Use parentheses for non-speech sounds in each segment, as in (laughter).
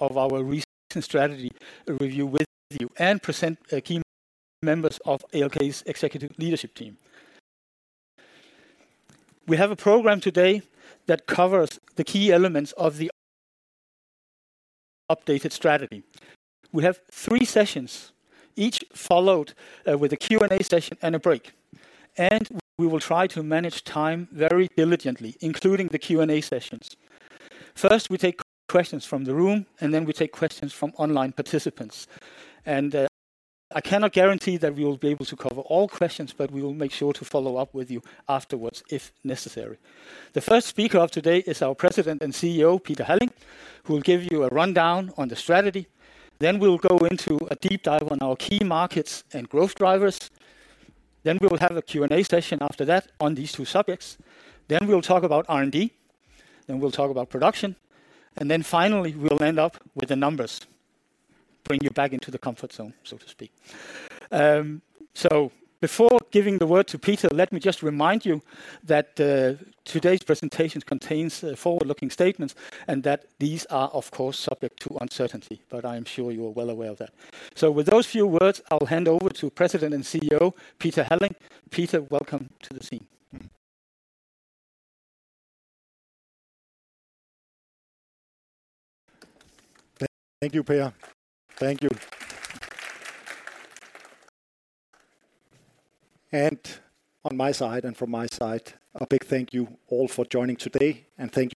Of our recent strategy review with you and present key members of ALK's executive leadership team. We have a program today that covers the key elements of the updated strategy. We have three sessions, each followed with a Q&A session and a break, and we will try to manage time very diligently, including the Q&A sessions. First, we take questions from the room, and then we take questions from online participants. I cannot guarantee that we will be able to cover all questions, but we will make sure to follow up with you afterwards if necessary. The first speaker of today is our President and CEO, Peter Halling, who will give you a rundown on the strategy. Then we'll go into a deep dive on our key markets and growth drivers. Then we will have a Q&A session after that on these two subjects. Then we'll talk about R&D, then we'll talk about production, and then finally, we'll end up with the numbers, bring you back into the comfort zone, so to speak. So before giving the word to Peter, let me just remind you that today's presentation contains forward-looking statements and that these are, of course, subject to uncertainty, but I am sure you are well aware of that. So with those few words, I'll hand over to President and CEO, Peter Halling. Peter, welcome to the scene. Thank you, Per. Thank you. And on my side and from my side, a big thank you all for joining today, and thank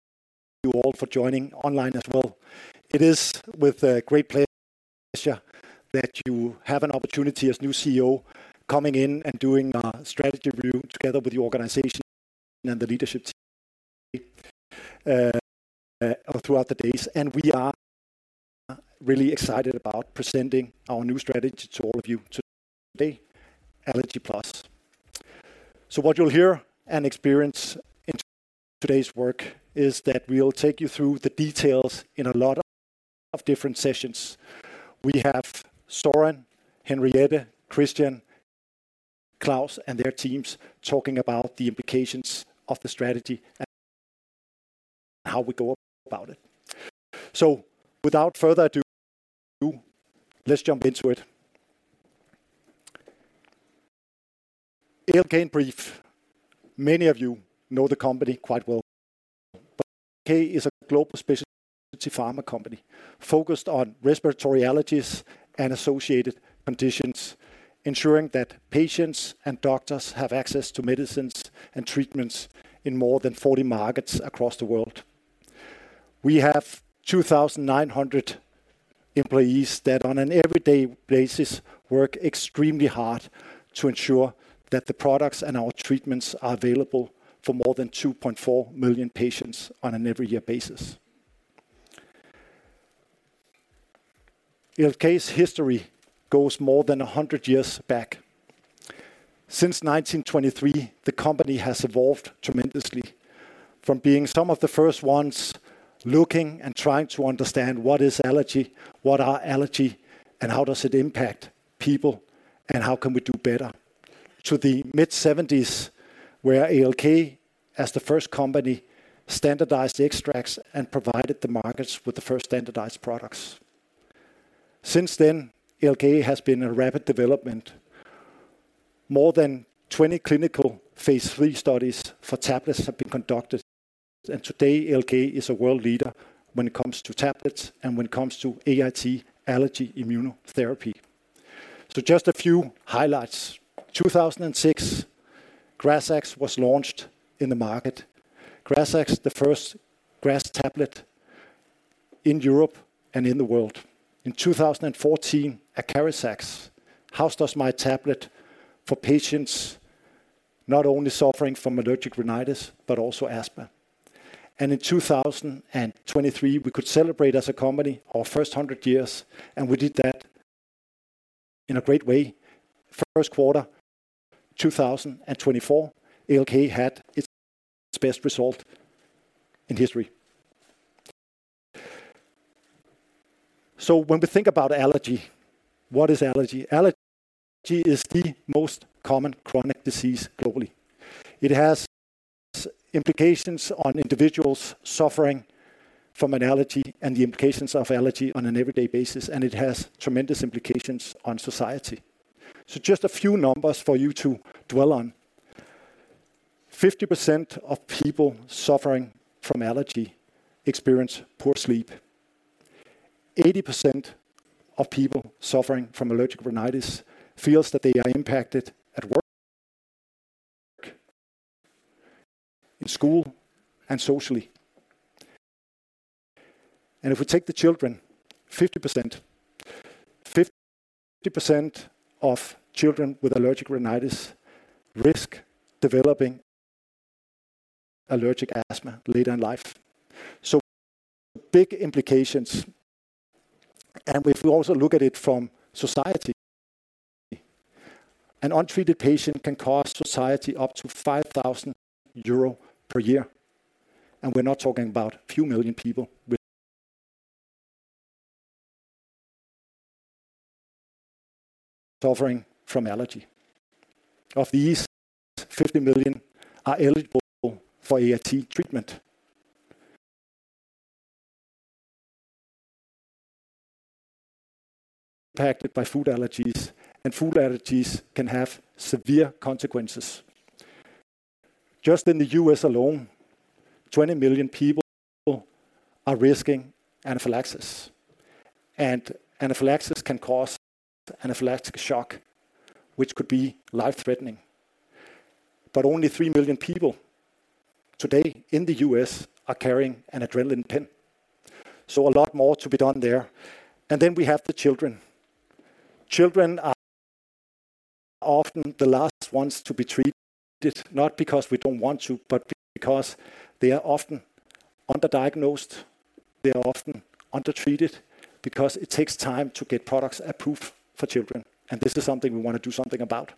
you all for joining online as well. It is with great pleasure that you have an opportunity as new CEO coming in and doing a strategy review together with the organization and the leadership team throughout the days. And we are really excited about presenting our new strategy to all of you today, Allergy+. So what you'll hear and experience in today's work is that we'll take you through the details in a lot of different sessions. We have Søren, Henriette, Christian, Claus, and their teams talking about the implications of the strategy and how we go about it. So without further ado, let's jump into it. ALK in brief, many of you know the company quite well. ALK is a global specialty pharma company focused on respiratory allergies and associated conditions, ensuring that patients and doctors have access to medicines and treatments in more than 40 markets across the world. We have 2,900 employees that on an everyday basis, work extremely hard to ensure that the products and our treatments are available for more than 2.4 million patients on an every year basis. ALK's history goes more than 100 years back. Since 1923, the company has evolved tremendously from being some of the first ones looking and trying to understand what is allergy, what are allergy, and how does it impact people, and how can we do better? To the mid-1970s, where ALK, as the first company, standardized the extracts and provided the markets with the first standardized products. Since then, ALK has been a rapid development. More than 20 clinical phase III studies for tablets have been conducted, and today, ALK is a world leader when it comes to tablets and when it comes to AIT, allergy immunotherapy. So just a few highlights: 2006, GRAZAX was launched in the market. GRAZAX, the first grass tablet in Europe and in the world. In 2014, ACARIZAX, house dust mite tablet for patients not only suffering from allergic rhinitis but also asthma. And in 2023, we could celebrate as a company our first 100 years, and we did that in a great way. First quarter, 2024, ALK had its best result in history. So when we think about allergy, what is allergy? Allergy is the most common chronic disease globally. It has implications on individuals suffering from an allergy and the implications of allergy on an everyday basis, and it has tremendous implications on society. So just a few numbers for you to dwell on: 50% of people suffering from allergy experience poor sleep. 80% of people suffering from allergic rhinitis feels that they are impacted at work, in school, and socially. And if we take the children, 50%, 50% of children with allergic rhinitis risk developing allergic asthma later in life. So big implications. And if we also look at it from society, an untreated patient can cost society up to 5,000 euro per year. And we're not talking about a few million people with suffering from allergy. Of these, 50 million are eligible for AIT treatment. Impacted by food allergies, and food allergies can have severe consequences. Just in the U.S. alone, 20 million people are risking anaphylaxis, and anaphylaxis can cause anaphylactic shock, which could be life-threatening. But only 3 million people today in the U.S. are carrying an adrenaline pen, so a lot more to be done there. And then we have the children. Children are often the last ones to be treated, not because we don't want to, but because they are often underdiagnosed. They are often undertreated because it takes time to get products approved for children, and this is something we want to do something about.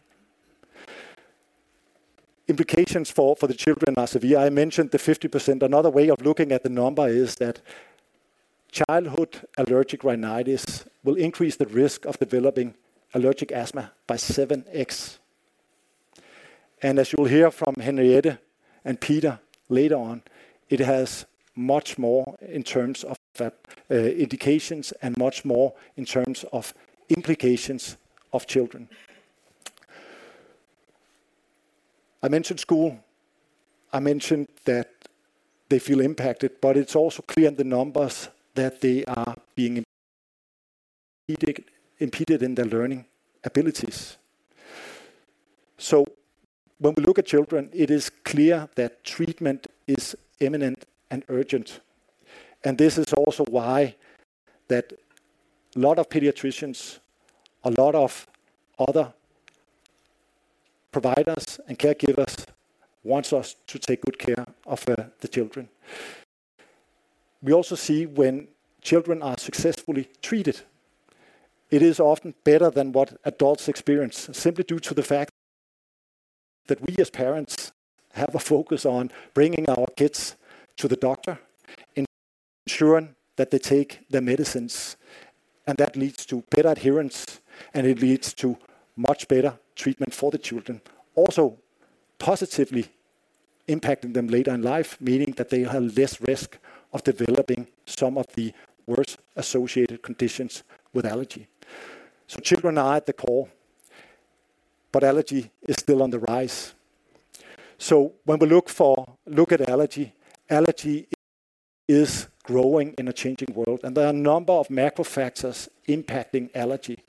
Implications for the children are severe. I mentioned the 50%. Another way of looking at the number is that childhood allergic rhinitis will increase the risk of developing allergic asthma by 7x. And as you will hear from Henriette and Peter later on, it has much more in terms of indications and much more in terms of implications of children. I mentioned school, I mentioned that they feel impacted, but it's also clear in the numbers that they are being impeded, impeded in their learning abilities. So when we look at children, it is clear that treatment is imminent and urgent, and this is also why that a lot of pediatricians, a lot of other providers and caregivers want us to take good care of the children. We also see when children are successfully treated, it is often better than what adults experience, simply due to the fact that we as parents have a focus on bringing our kids to the doctor and ensuring that they take their medicines, and that leads to better adherence, and it leads to much better treatment for the children. Also positively impacting them later in life, meaning that they have less risk of developing some of the worst associated conditions with allergy. So children are at the core, but allergy is still on the rise. So when we look at allergy, allergy is growing in a changing world, and there are a number of macro factors impacting allergy.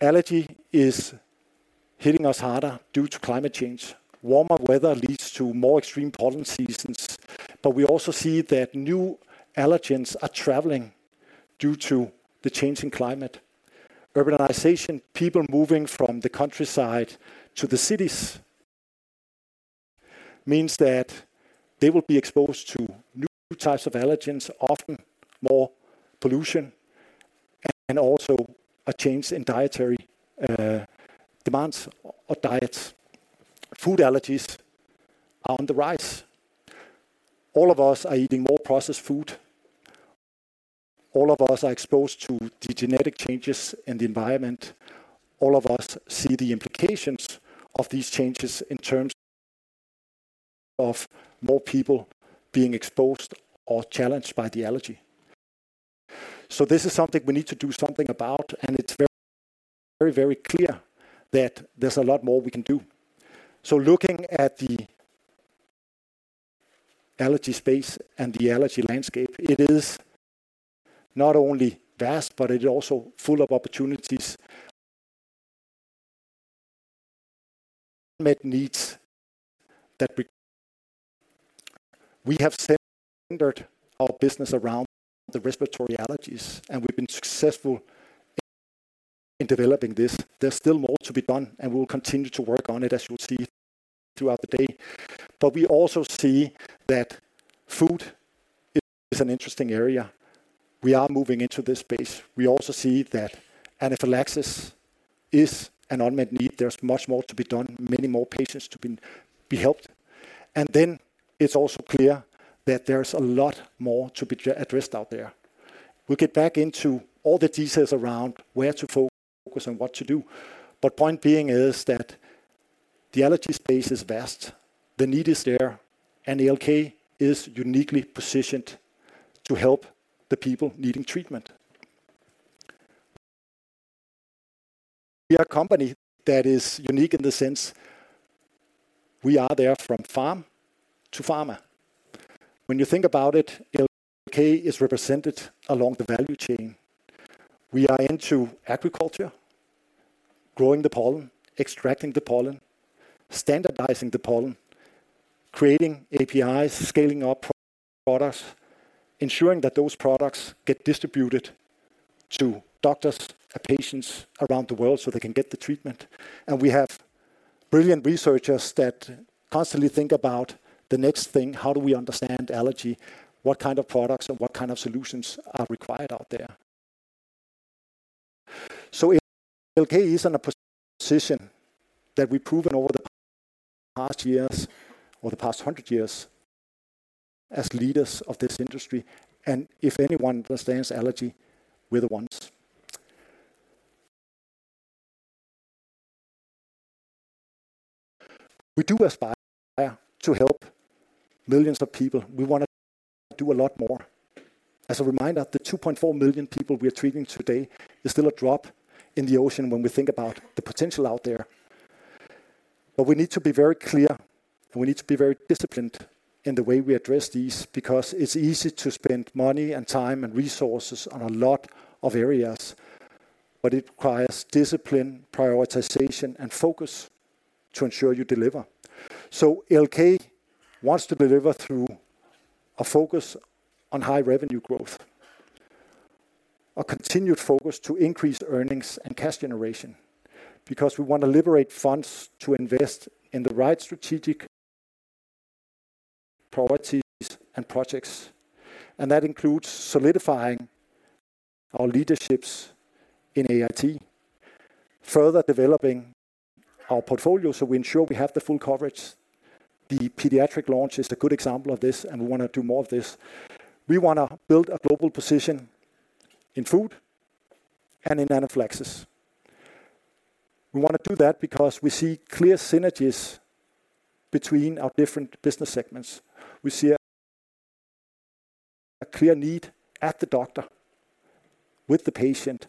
Allergy is hitting us harder due to climate change. Warmer weather leads to more extreme pollen seasons, but we also see that new allergens are traveling due to the changing climate. Urbanization, people moving from the countryside to the cities means that they will be exposed to new types of allergens, often more pollution, and also a change in dietary demands or diets. Food allergies are on the rise. All of us are eating more processed food. All of us are exposed to the genetic changes in the environment. All of us see the implications of these changes in terms of more people being exposed or challenged by the allergy. So this is something we need to do something about, and it's very, very, very clear that there's a lot more we can do. So looking at the allergy space and the allergy landscape, it is not only vast, but it is also full of opportunities. Meet needs that we... We have centered our business around the respiratory allergies, and we've been successful in developing this. There's still more to be done, and we will continue to work on it, as you will see throughout the day. But we also see that food is an interesting area. We are moving into this space. We also see that anaphylaxis is an unmet need. There's much more to be done, many more patients to be helped. And then it's also clear that there's a lot more to be addressed out there. We'll get back into all the details around where to focus and what to do, but point being is that the allergy space is vast, the need is there, and ALK is uniquely positioned to help the people needing treatment. We are a company that is unique in the sense we are there from farm to pharma. When you think about it, ALK is represented along the value chain. We are into agriculture, growing the pollen, extracting the pollen, standardizing the pollen, creating APIs, scaling up products, ensuring that those products get distributed to doctors and patients around the world so they can get the treatment. We have brilliant researchers that constantly think about the next thing. How do we understand allergy? What kind of products and what kind of solutions are required out there? ALK is in a position that we've proven over the past years, or the past hundred years, as leaders of this industry, and if anyone understands allergy, we're the ones. We do aspire to help millions of people. We want to do a lot more. As a reminder, the 2.4 million people we are treating today is still a drop in the ocean when we think about the potential out there. But we need to be very clear, and we need to be very disciplined in the way we address these, because it's easy to spend money and time, and resources on a lot of areas, but it requires discipline, prioritization, and focus to ensure you deliver. So ALK wants to deliver through a focus on high revenue growth, a continued focus to increase earnings and cash generation, because we want to liberate funds to invest in the right strategic properties and projects, and that includes solidifying our leaderships in AIT. Further developing our portfolio, so we ensure we have the full coverage. The pediatric launch is a good example of this, and we want to do more of this. We want to build a global position in food and in anaphylaxis. We want to do that because we see clear synergies between our different business segments. We see a clear need at the doctor with the patient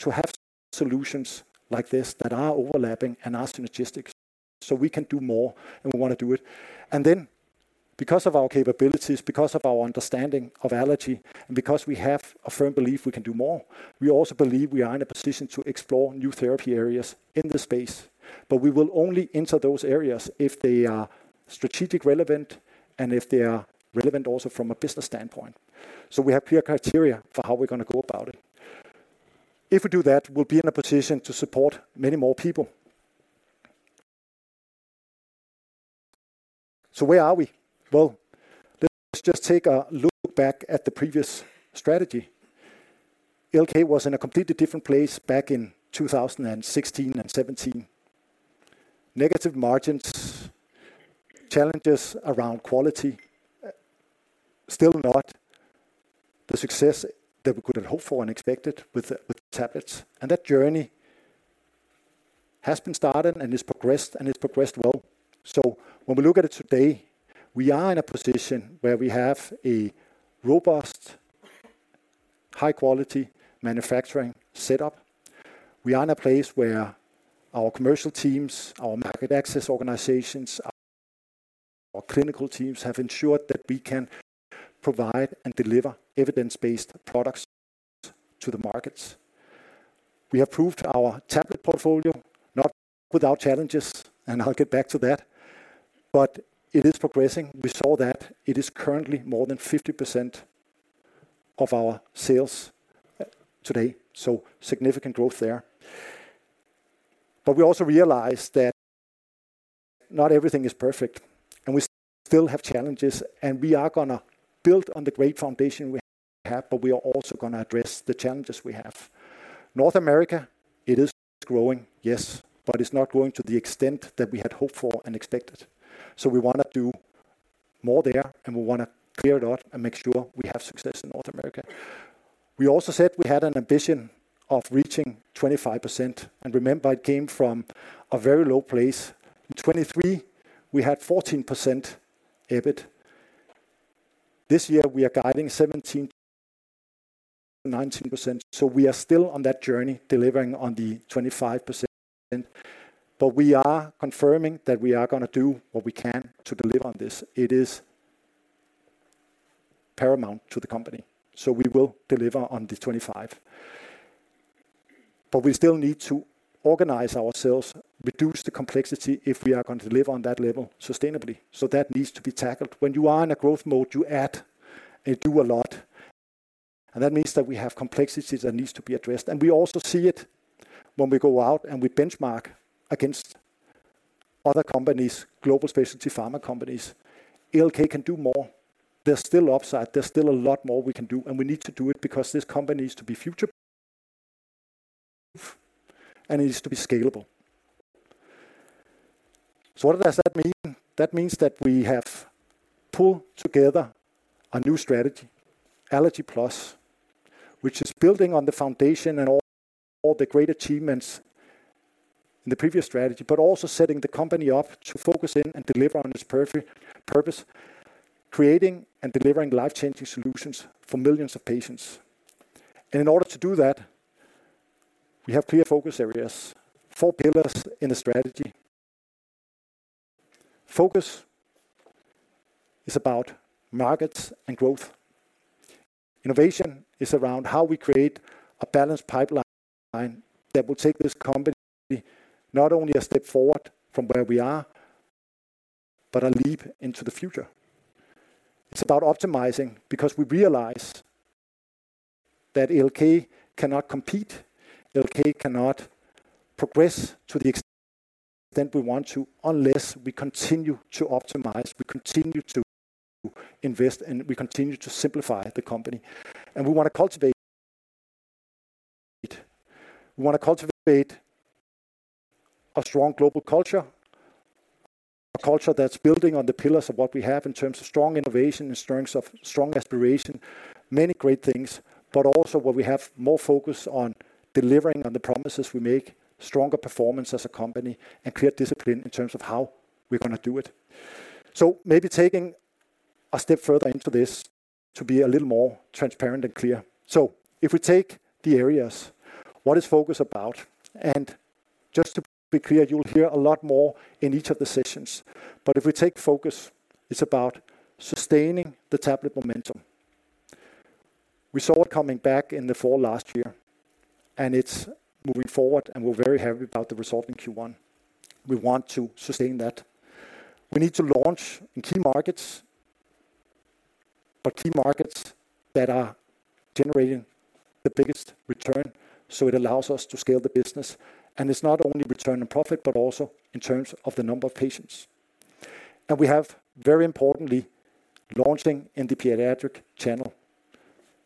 to have solutions like this that are overlapping and are synergistic, so we can do more, and we want to do it. Then, because of our capabilities, because of our understanding of allergy, and because we have a firm belief we can do more, we also believe we are in a position to explore new therapy areas in the space. But we will only enter those areas if they are strategic relevant, and if they are relevant also from a business standpoint. We have clear criteria for how we're going to go about it. If we do that, we'll be in a position to support many more people. Where are we? Well, let's just take a look back at the previous strategy. ALK was in a completely different place back in 2016 and 2017. Negative margins, challenges around quality, still not the success that we could have hoped for and expected with, with tablets. That journey has been started and has progressed, and it's progressed well. When we look at it today, we are in a position where we have a robust, high-quality manufacturing setup. We are in a place where our commercial teams, our market access organizations, our clinical teams, have ensured that we can provide and deliver evidence-based products to the markets. We have proved our tablet portfolio, not without challenges, and I'll get back to that, but it is progressing. We saw that it is currently more than 50% of our sales today, so significant growth there. But we also realized that not everything is perfect, and we still have challenges, and we are gonna build on the great foundation we have, but we are also going to address the challenges we have. North America, it is growing, yes, but it's not growing to the extent that we had hoped for and expected. So we want to do more there, and we want to clear it out and make sure we have success in North America. We also said we had an ambition of reaching 25%, and remember, it came from a very low place. In 2023, we had 14% EBIT. This year, we are guiding 17%-19%, so we are still on that journey, delivering on the 25%, but we are confirming that we are going to do what we can to deliver on this. It is paramount to the company, so we will deliver on this 2025. But we still need to organize ourselves, reduce the complexity, if we are going to deliver on that level sustainably. So that needs to be tackled. When you are in a growth mode, you add and do a lot, and that means that we have complexities that needs to be addressed. And we also see it when we go out and we benchmark against other companies, global specialty pharma companies. ALK can do more. There's still upside. There's still a lot more we can do, and we need to do it because this company needs to be future, and it needs to be scalable. So what does that mean? That means that we have pulled together a new strategy, Allergy+, which is building on the foundation and all, all the great achievements in the previous strategy, but also setting the company up to focus in and deliver on its purpose, creating and delivering life-changing solutions for millions of patients. In order to do that, we have clear focus areas, four pillars in the strategy. Focus is about markets and growth. Innovation is around how we create a balanced pipeline that will take this company not only a step forward from where we are, but a leap into the future. It's about optimizing because we realize that ALK cannot compete, ALK cannot progress to the extent we want to unless we continue to optimize, we continue to invest, and we continue to simplify the company, and we want to cultivate-... We want to cultivate a strong global culture, a culture that's building on the pillars of what we have in terms of strong innovation and strengths of strong aspiration, many great things, but also where we have more focus on delivering on the promises we make, stronger performance as a company, and create discipline in terms of how we're gonna do it. So maybe taking a step further into this to be a little more transparent and clear. So if we take the areas, what is focus about? And just to be clear, you'll hear a lot more in each of the sessions. But if we take focus, it's about sustaining the tablet momentum. We saw it coming back in the fall last year, and it's moving forward, and we're very happy about the result in Q1. We want to sustain that. We need to launch in key markets, but key markets that are generating the biggest return, so it allows us to scale the business, and it's not only return on profit, but also in terms of the number of patients. And we have, very importantly, launching in the pediatric channel,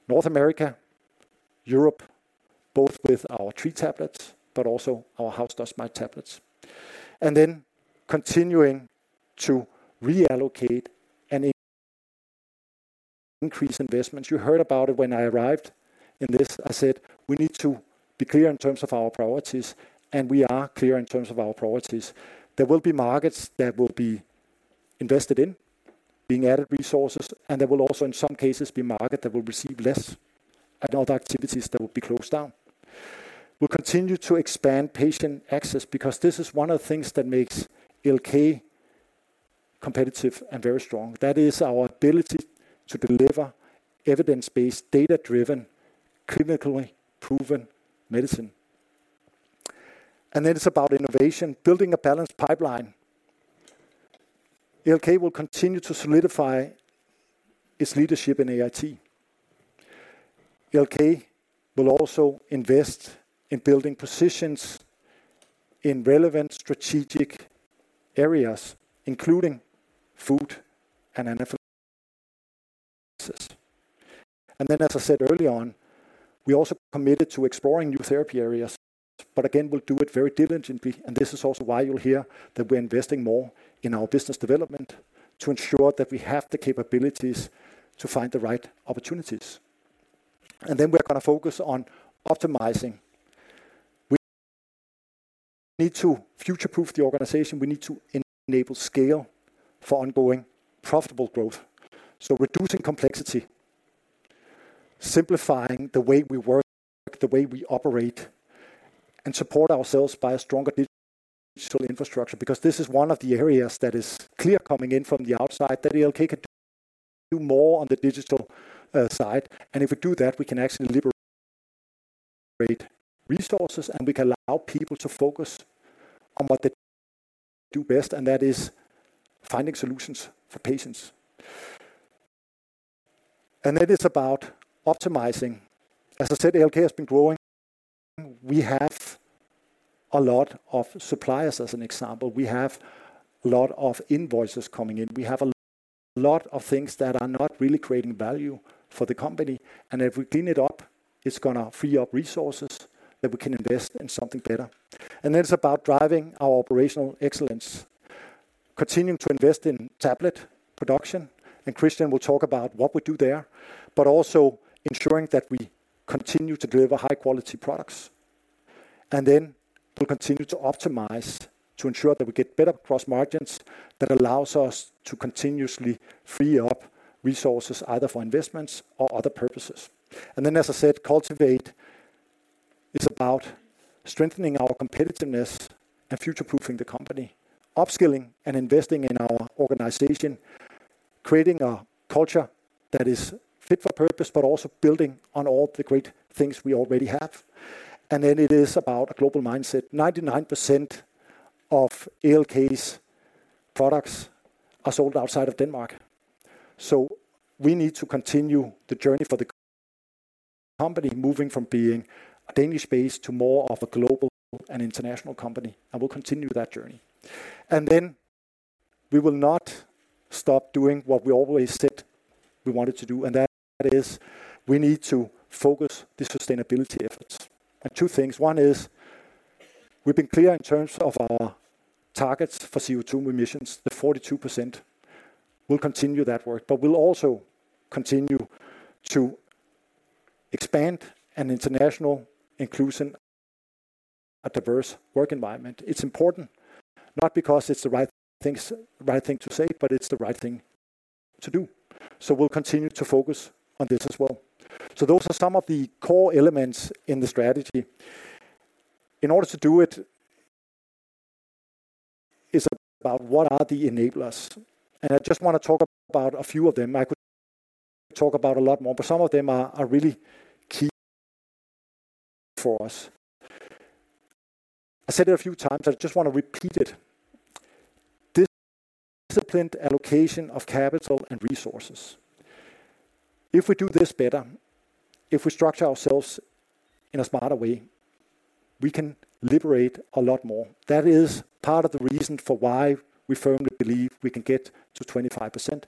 North America, Europe, both with our three tablets, but also our house dust mite tablets. And then continuing to reallocate and increase investments. You heard about it when I arrived in this. I said, "We need to be clear in terms of our priorities," and we are clear in terms of our priorities. There will be markets that will be invested in, being added resources, and there will also, in some cases, be market that will receive less and other activities that will be closed down. We'll continue to expand patient access because this is one of the things that makes ALK competitive and very strong. That is our ability to deliver evidence-based, data-driven, clinically proven medicine. And then it's about innovation, building a balanced pipeline. ALK will continue to solidify its leadership in AIT. ALK will also invest in building positions in relevant strategic areas, including food and... And then, as I said early on, we also committed to exploring new therapy areas, but again, we'll do it very diligently, and this is also why you'll hear that we're investing more in our business development to ensure that we have the capabilities to find the right opportunities. And then we're gonna focus on optimizing. We need to future-proof the organization. We need to enable scale for ongoing profitable growth. So reducing complexity, simplifying the way we work, the way we operate, and support ourselves by a stronger digital infrastructure, because this is one of the areas that is clear coming in from the outside, that ALK could do more on the digital side. And if we do that, we can actually liberate resources, and we can allow people to focus on what they do best, and that is finding solutions for patients. And then it's about optimizing. As I said, ALK has been growing. We have a lot of suppliers, as an example. We have a lot of invoices coming in. We have a lot of things that are not really creating value for the company, and if we clean it up, it's gonna free up resources that we can invest in something better. Then it's about driving our operational excellence, continuing to invest in tablet production, and Christian will talk about what we do there, but also ensuring that we continue to deliver high-quality products. Then we'll continue to optimize to ensure that we get better gross margins that allows us to continuously free up resources, either for investments or other purposes. Then, as I said, cultivate, it's about strengthening our competitiveness and future-proofing the company, upskilling and investing in our organization, creating a culture that is fit for purpose, but also building on all the great things we already have. Then it is about a global mindset. 99% of ALK's products are sold outside of Denmark, so we need to continue the journey for the company, moving from being a Danish base to more of a global and international company, and we'll continue that journey. Then we will not stop doing what we always said we wanted to do, and that is we need to focus the sustainability efforts. Two things: one is we've been clear in terms of our targets for CO2 emissions, the 42%. We'll continue that work, but we'll also continue to expand an international inclusion, a diverse work environment. It's important, not because it's the right things, right thing to say, but it's the right thing to do. So we'll continue to focus on this as well. So those are some of the core elements in the strategy. In order to do it, it's about what are the enablers, and I just want to talk about a few of them. I could talk about a lot more, but some of them are really key for us. I said it a few times, I just want to repeat it. Disciplined allocation of capital and resources. If we do this better, if we structure ourselves in a smarter way, we can liberate a lot more. That is part of the reason for why we firmly believe we can get to 25%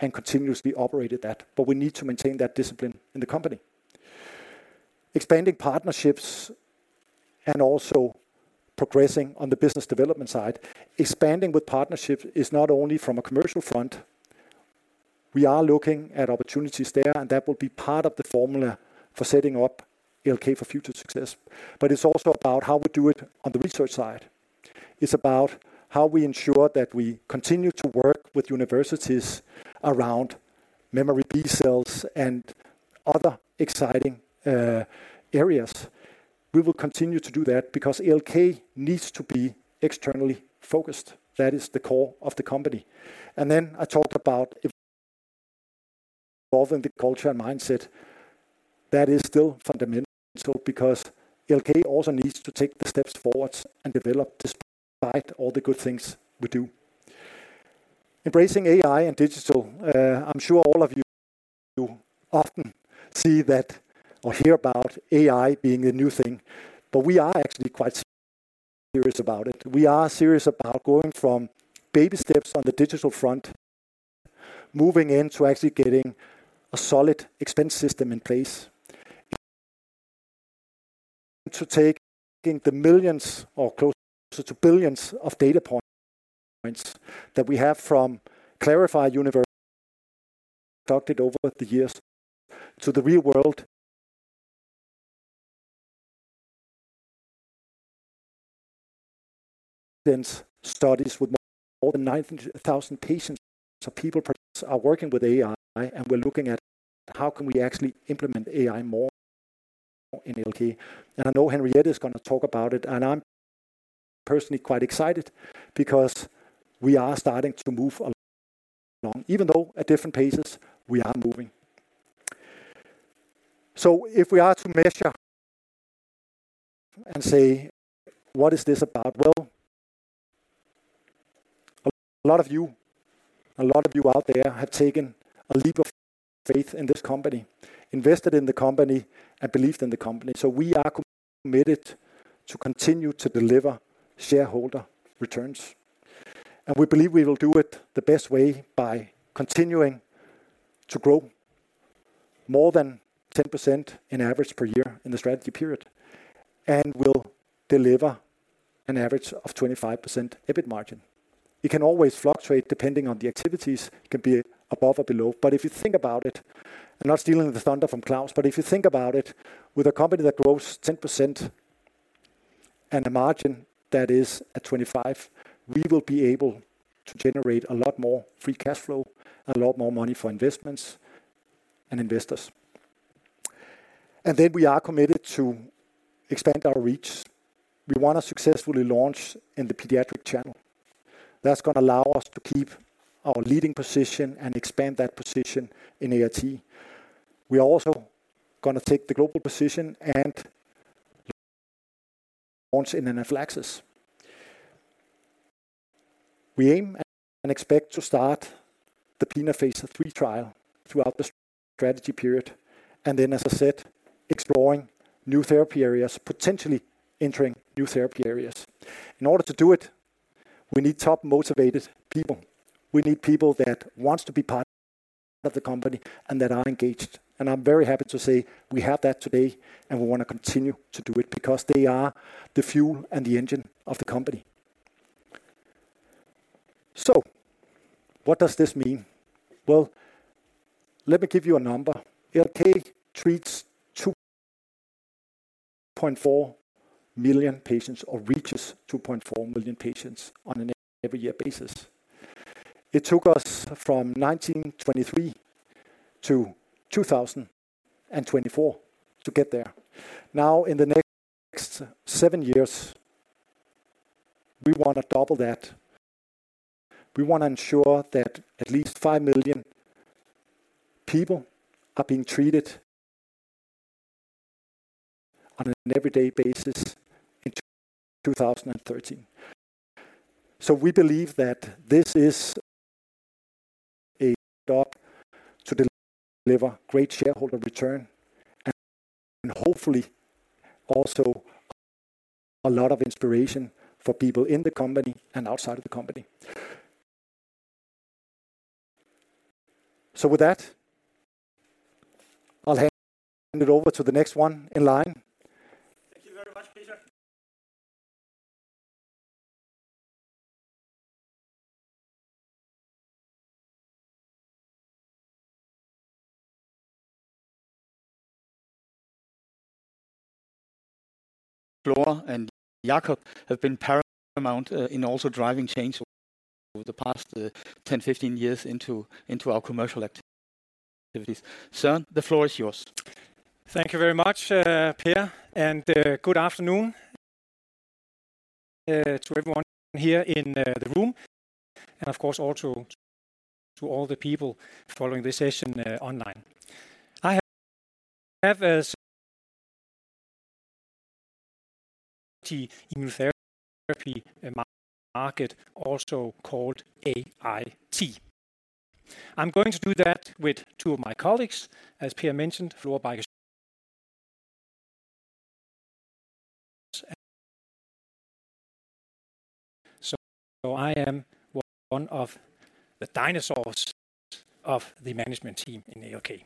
and continuously operate at that, but we need to maintain that discipline in the company. Expanding partnerships and also progressing on the business development side. Expanding with partnerships is not only from a commercial front. We are looking at opportunities there, and that will be part of the formula for setting up ALK for future success. But it's also about how we do it on the research side. It's about how we ensure that we continue to work with universities around memory B cells and other exciting areas. We will continue to do that because ALK needs to be externally focused. That is the core of the company. And then I talked about involving the culture and mindset. That is still fundamental, because ALK also needs to take the steps forward and develop, despite all the good things we do. Embracing AI and digital. I'm sure all of you, you often see that or hear about AI being the new thing, but we are actually quite serious about it. We are serious about going from baby steps on the digital front, moving into actually getting a solid expense system in place. To taking the millions or closer to billions of data points that we have from klarify Universe conducted over the years to the real world. Studies with more than 9,000 patients. So people are working with AI, and we're looking at how can we actually implement AI more in ALK? And I know Henriette is going to talk about it, and I'm personally quite excited because we are starting to move along. Even though at different paces, we are moving. So if we are to measure and say, "What is this about?" Well, a lot of you, a lot of you out there have taken a leap of faith in this company, invested in the company and believed in the company. So we are committed to continue to deliver shareholder returns, and we believe we will do it the best way by continuing to grow more than 10% in average per year in the strategy period, and will deliver an average of 25% EBIT margin. It can always fluctuate, depending on the activities; it can be above or below. But if you think about it, I'm not stealing the thunder from Claus, but if you think about it, with a company that grows 10% and a margin that is at 25%, we will be able to generate a lot more free cash flow and a lot more money for investments and investors. And then we are committed to expand our reach. We want to successfully launch in the pediatric channel. That's going to allow us to keep our leading position and expand that position in AIT. We are also gonna take the global position and launch in anaphylaxis. We aim and expect to start the peanut phase III trial throughout the strategy period, and then, as I said, exploring new therapy areas, potentially entering new therapy areas. In order to do it, we need top motivated people. We need people that wants to be part of the company and that are engaged, and I'm very happy to say we have that today, and we want to continue to do it because they are the fuel and the engine of the company. So what does this mean? Well, let me give you a number. ALK treats 2.4 million patients or reaches 2.4 million patients on an every year basis. It took us from 1923 to 2024 to get there. Now, in the next seven years, we want to double that. We want to ensure that at least 5 million people are being treated on an everyday basis in 2030. We believe that this is a stop to deliver great shareholder return and hopefully also a lot of inspiration for people in the company and outside of the company. With that, I'll hand it over to the next one in line. Thank you very much, Peter. Flo and Jacob have been paramount in also driving change over the past 10, 15 years into, into our commercial activities. Søren, the floor is yours. Thank you very much, Per, and good afternoon to everyone here in the room and of course, also to all the people following this session online. I have immunotherapy market, also called AIT. I'm going to do that with two of my colleagues. As Per mentioned, Flo... (audio distortion) So I am one of the dinosaurs of the management team in ALK.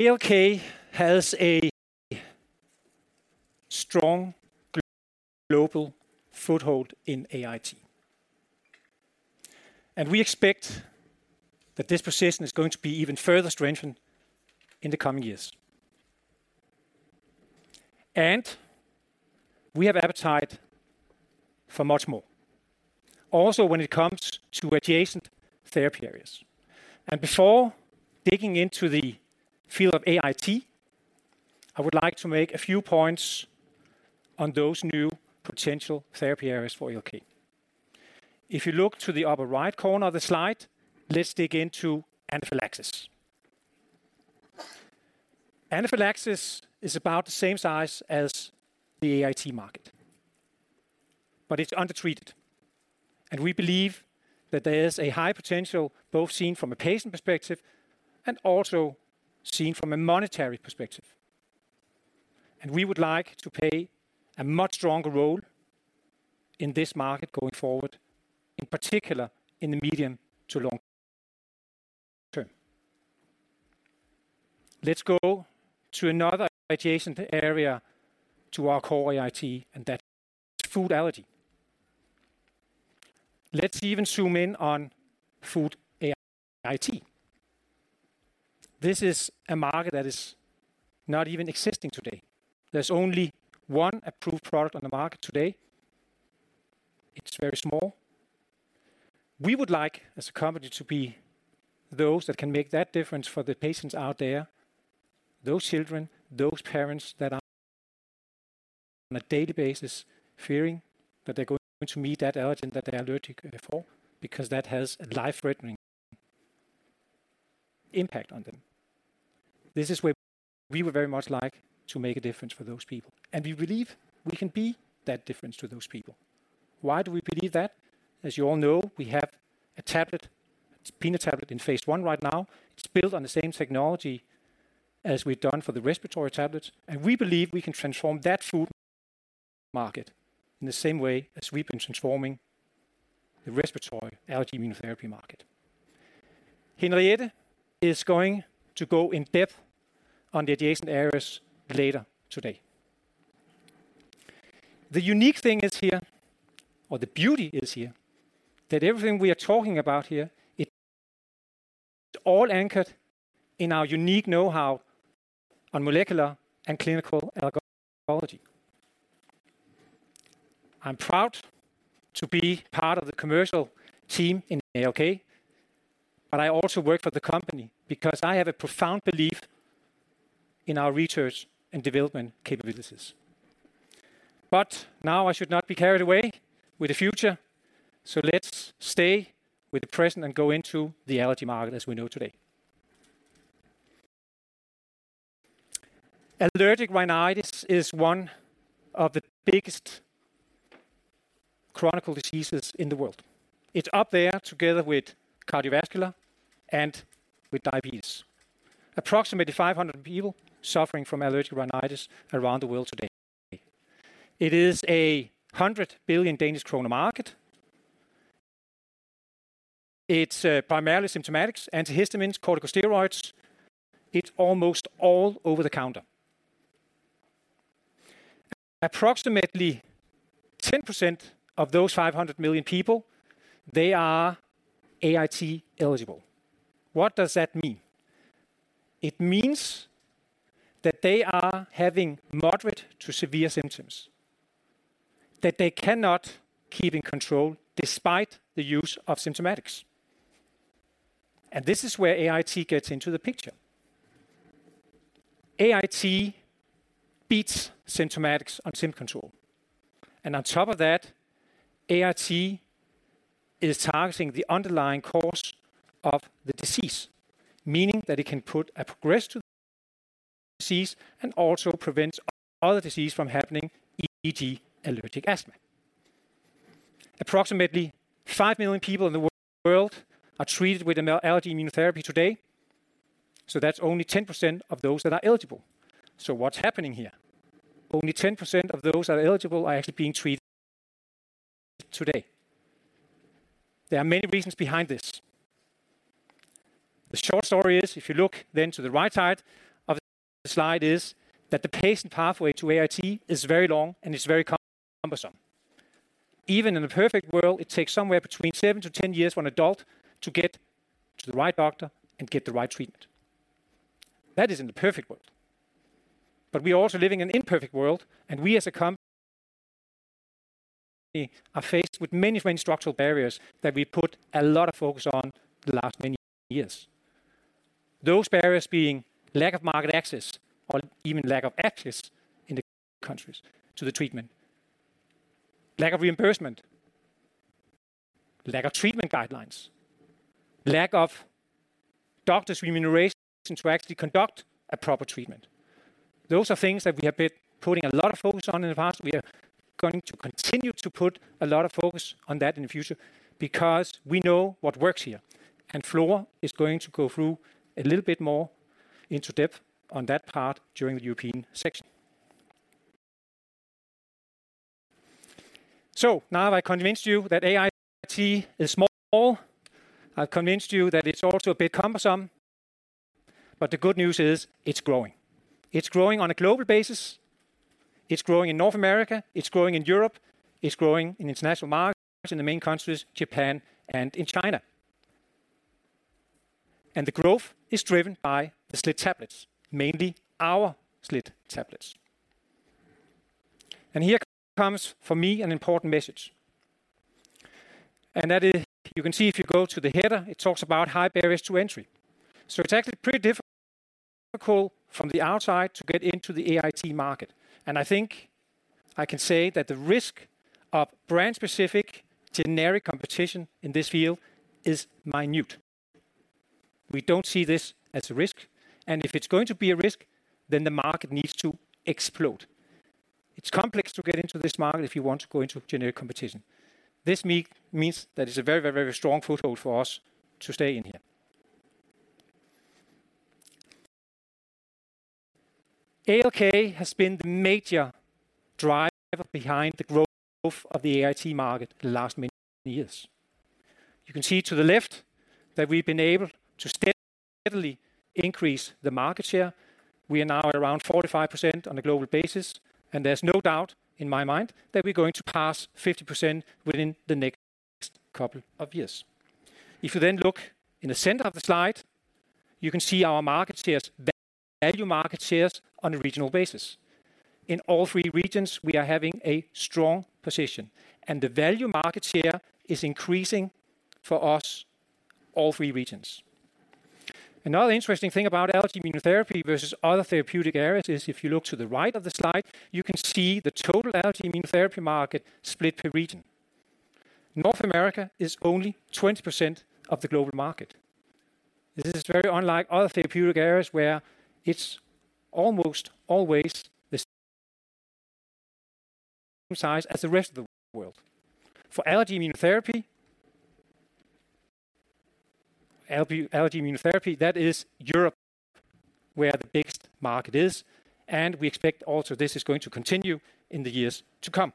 ALK has a strong global foothold in AIT. We expect that this position is going to be even further strengthened in the coming years. We have appetite for much more, also when it comes to adjacent therapy areas. Before digging into the field of AIT, I would like to make a few points on those new potential therapy areas for ALK. If you look to the upper right corner of the slide, let's dig into anaphylaxis. Anaphylaxis is about the same size as the AIT market, but it's undertreated, and we believe that there is a high potential, both seen from a patient perspective and also seen from a monetary perspective. We would like to play a much stronger role in this market going forward, in particular in the medium to long term. Let's go to another adjacent area to our core AIT, and that is food allergy. Let's even zoom in on food AIT. This is a market that is not even existing today. There's only one approved product on the market today. It's very small. We would like, as a company, to be those that can make that difference for the patients out there, those children, those parents that are on a daily basis fearing that they're going to meet that allergen that they are allergic for, because that has a life-threatening impact on them. This is where we would very much like to make a difference for those people, and we believe we can be that difference to those people. Why do we believe that? As you all know, we have a tablet, it's peanut tablet in phase I right now. It's built on the same technology as we've done for the respiratory tablets, and we believe we can transform that food market in the same way as we've been transforming the respiratory allergy immunotherapy market. Henriette is going to go in depth on the adjacent areas later today. The unique thing is here, or the beauty is here, that everything we are talking about here, it's all anchored in our unique know-how on molecular and clinical allergy. I'm proud to be part of the commercial team in ALK, but I also work for the company because I have a profound belief in our research and development capabilities. But now I should not be carried away with the future, so let's stay with the present and go into the allergy market as we know today. Allergic rhinitis is one of the biggest chronic diseases in the world. It's up there together with cardiovascular and with diabetes. Approximately 500 people suffering from allergic rhinitis around the world today. It is a 100 billion Danish kroner market. It's primarily symptomatic, antihistamines, corticosteroids. It's almost all over the counter. Approximately 10% of those 500 million people, they are AIT eligible. What does that mean? It means that they are having moderate to severe symptoms that they cannot keep in control despite the use of symptomatics. And this is where AIT gets into the picture. AIT beats symptomatics on symptom control, and on top of that, AIT is targeting the underlying cause of the disease, meaning that it can put a progress to disease and also prevents other disease from happening, e.g., allergic asthma. Approximately 5 million people in the world are treated with allergy immunotherapy today, so that's only 10% of those that are eligible. So what's happening here? Only 10% of those that are eligible are actually being treated today. There are many reasons behind this. The short story is, if you look then to the right side of the slide, is that the patient pathway to AIT is very long and it's very cumbersome. Even in a perfect world, it takes somewhere between 7-10 years for an adult to get to the right doctor and get the right treatment. That is in the perfect world. But we are also living in an imperfect world, and we as a company are faced with many, many structural barriers that we put a lot of focus on the last many years. Those barriers being lack of market access or even lack of access in the countries to the treatment, lack of reimbursement, lack of treatment guidelines, lack of doctors' remuneration to actually conduct a proper treatment. Those are things that we have been putting a lot of focus on in the past. We are going to continue to put a lot of focus on that in the future, because we know what works here, and Flora is going to go through a little bit more in depth on that part during the European section. So now I've convinced you that AIT is small. I've convinced you that it's also a bit cumbersome, but the good news is it's growing. It's growing on a global basis. It's growing in North America, it's growing in Europe, it's growing in international markets, in the main countries, Japan and in China. And the growth is driven by SLIT-tablets, mainly our SLIT-tablets. And here comes for me an important message, and that is, you can see if you go to the header, it talks about high barriers to entry. So it's actually pretty difficult, from the outside, to get into the AIT market. And I think I can say that the risk of brand-specific, generic competition in this field is minute. We don't see this as a risk, and if it's going to be a risk, then the market needs to explode. It's complex to get into this market if you want to go into generic competition. This means that it's a very, very, very strong foothold for us to stay in here. ALK has been the major driver behind the growth of the AIT market the last many years. You can see to the left that we've been able to steadily increase the market share. We are now at around 45% on a global basis, and there's no doubt in my mind that we're going to pass 50% within the next couple of years. If you then look in the center of the slide, you can see our market shares, value market shares on a regional basis. In all three regions, we are having a strong position, and the value market share is increasing for us, all three regions. Another interesting thing about allergy immunotherapy versus other therapeutic areas is if you look to the right of the slide, you can see the total allergy immunotherapy market split per region. North America is only 20% of the global market. This is very unlike other therapeutic areas, where it's almost always the same size as the rest of the world. For allergy immunotherapy, allergy immunotherapy, that is Europe, where the biggest market is, and we expect also this is going to continue in the years to come.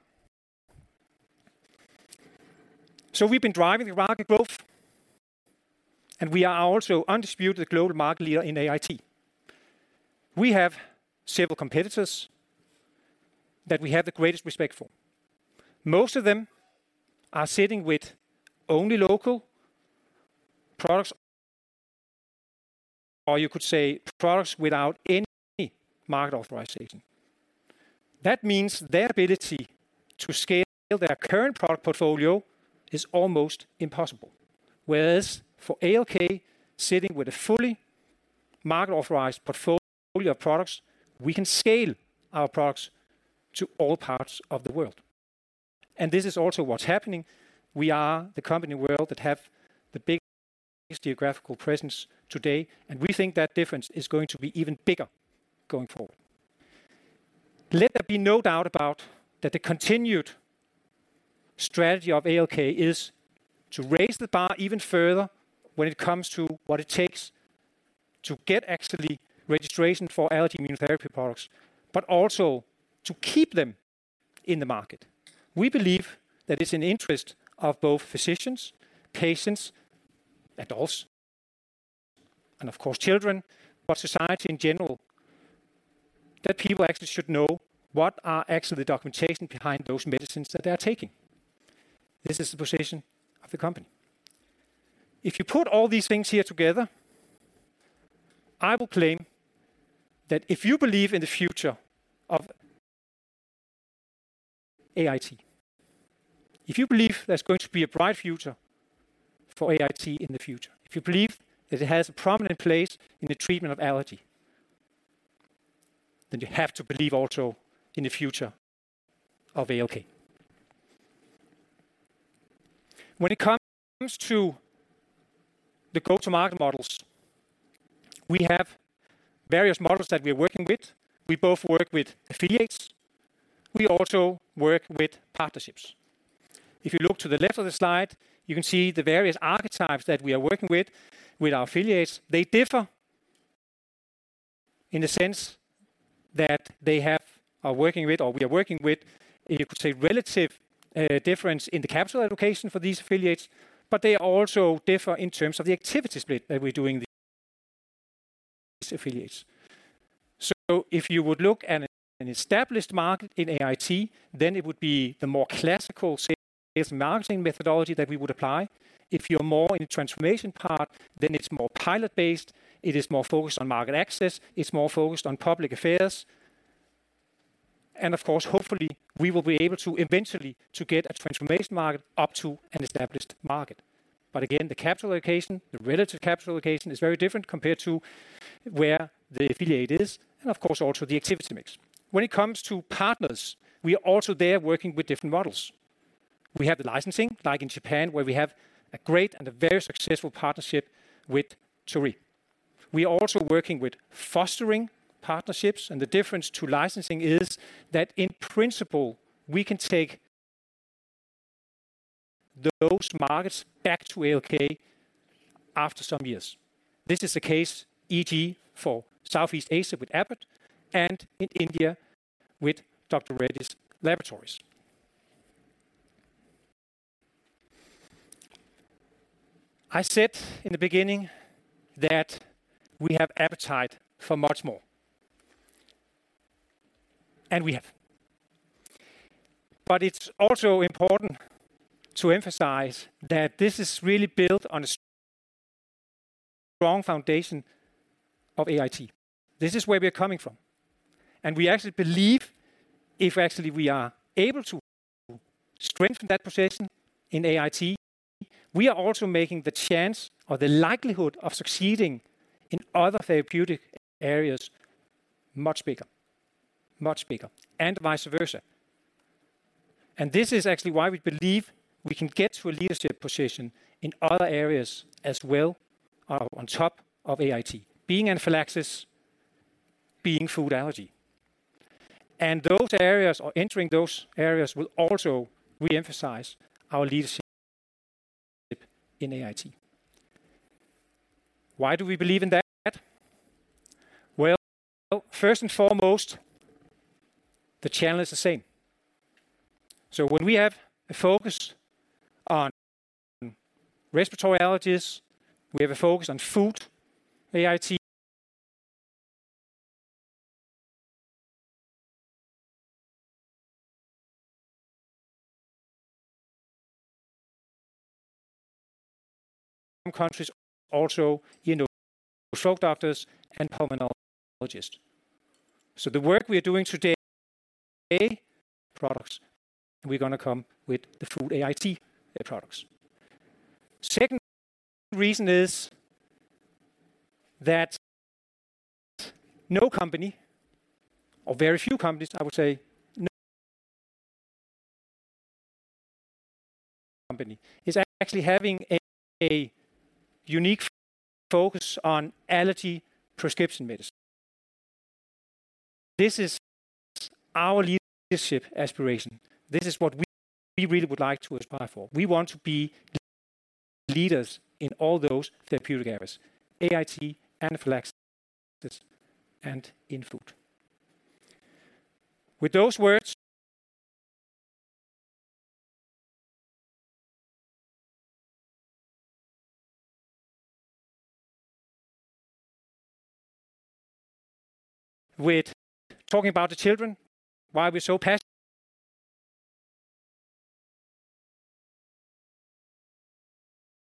So we've been driving the market growth, and we are also undisputed global market leader in AIT. We have several competitors that we have the greatest respect for. Most of them are sitting with only local products, or you could say products without any market authorization. That means their ability to scale their current product portfolio is almost impossible. Whereas for ALK, sitting with a fully market-authorized portfolio of products, we can scale our products to all parts of the world. And this is also what's happening. We are the company in the world that has the biggest geographical presence today, and we think that difference is going to be even bigger going forward. Let there be no doubt about that the continued strategy of ALK is to raise the bar even further when it comes to what it takes to get actual registration for allergy immunotherapy products, but also to keep them in the market. We believe that it's in the interest of both physicians, patients, adults, and of course, children, but society in general, that people actually should know what are actually the documentation behind those medicines that they are taking. This is the position of the company. If you put all these things here together, I will claim that if you believe in the future of AIT, if you believe there's going to be a bright future for AIT in the future, if you believe that it has a prominent place in the treatment of allergy, then you have to believe also in the future of ALK. When it comes to the go-to-market models, we have various models that we're working with. We both work with affiliates, we also work with partnerships. If you look to the left of the slide, you can see the various archetypes that we are working with, with our affiliates. They differ in the sense that they are working with or we are working with, you could say, relative difference in the capital allocation for these affiliates, but they also differ in terms of the activity split that we're doing with these affiliates. So if you would look at an established market in AIT, then it would be the more classical sales and marketing methodology that we would apply. If you're more in the transformation part, then it's more pilot-based, it is more focused on market access, it's more focused on public affairs. And of course, hopefully, we will be able to eventually to get a transformation market up to an established market. But again, the capital allocation, the relative capital allocation is very different compared to where the affiliate is, and of course, also the activity mix. When it comes to partners, we are also there working with different models. We have the licensing, like in Japan, where we have a great and a very successful partnership with Torii. We are also working with fostering partnerships, and the difference to licensing is that in principle, we can take those markets back to ALK after some years. This is the case, e.g., for Southeast Asia with Abbott and in India with Dr. Reddy's Laboratories. I said in the beginning that we have appetite for much more, and we have. But it's also important to emphasize that this is really built on a strong foundation of AIT. This is where we are coming from, and we actually believe if actually we are able to strengthen that position in AIT, we are also making the chance or the likelihood of succeeding in other therapeutic areas much bigger, much bigger, and vice versa. And this is actually why we believe we can get to a leadership position in other areas as well, on top of AIT, being anaphylaxis, being food allergy. And those areas or entering those areas will also re-emphasize our leadership in AIT. Why do we believe in that? Well, first and foremost, the channel is the same. So when we have a focus on respiratory allergies, we have a focus on food, AIT. Countries, also in doctors and pulmonologists. So the work we are doing today, products, we're going to come with the food AIT products. Second reason is that no company or very few companies, I would say, no company, is actually having a, a unique focus on allergy prescription medicine. This is our leadership aspiration. This is what we, we really would like to aspire for. We want to be leaders in all those therapeutic areas, AIT, anaphylaxis, and in food. With those words... With talking about the children, why we're so passionate.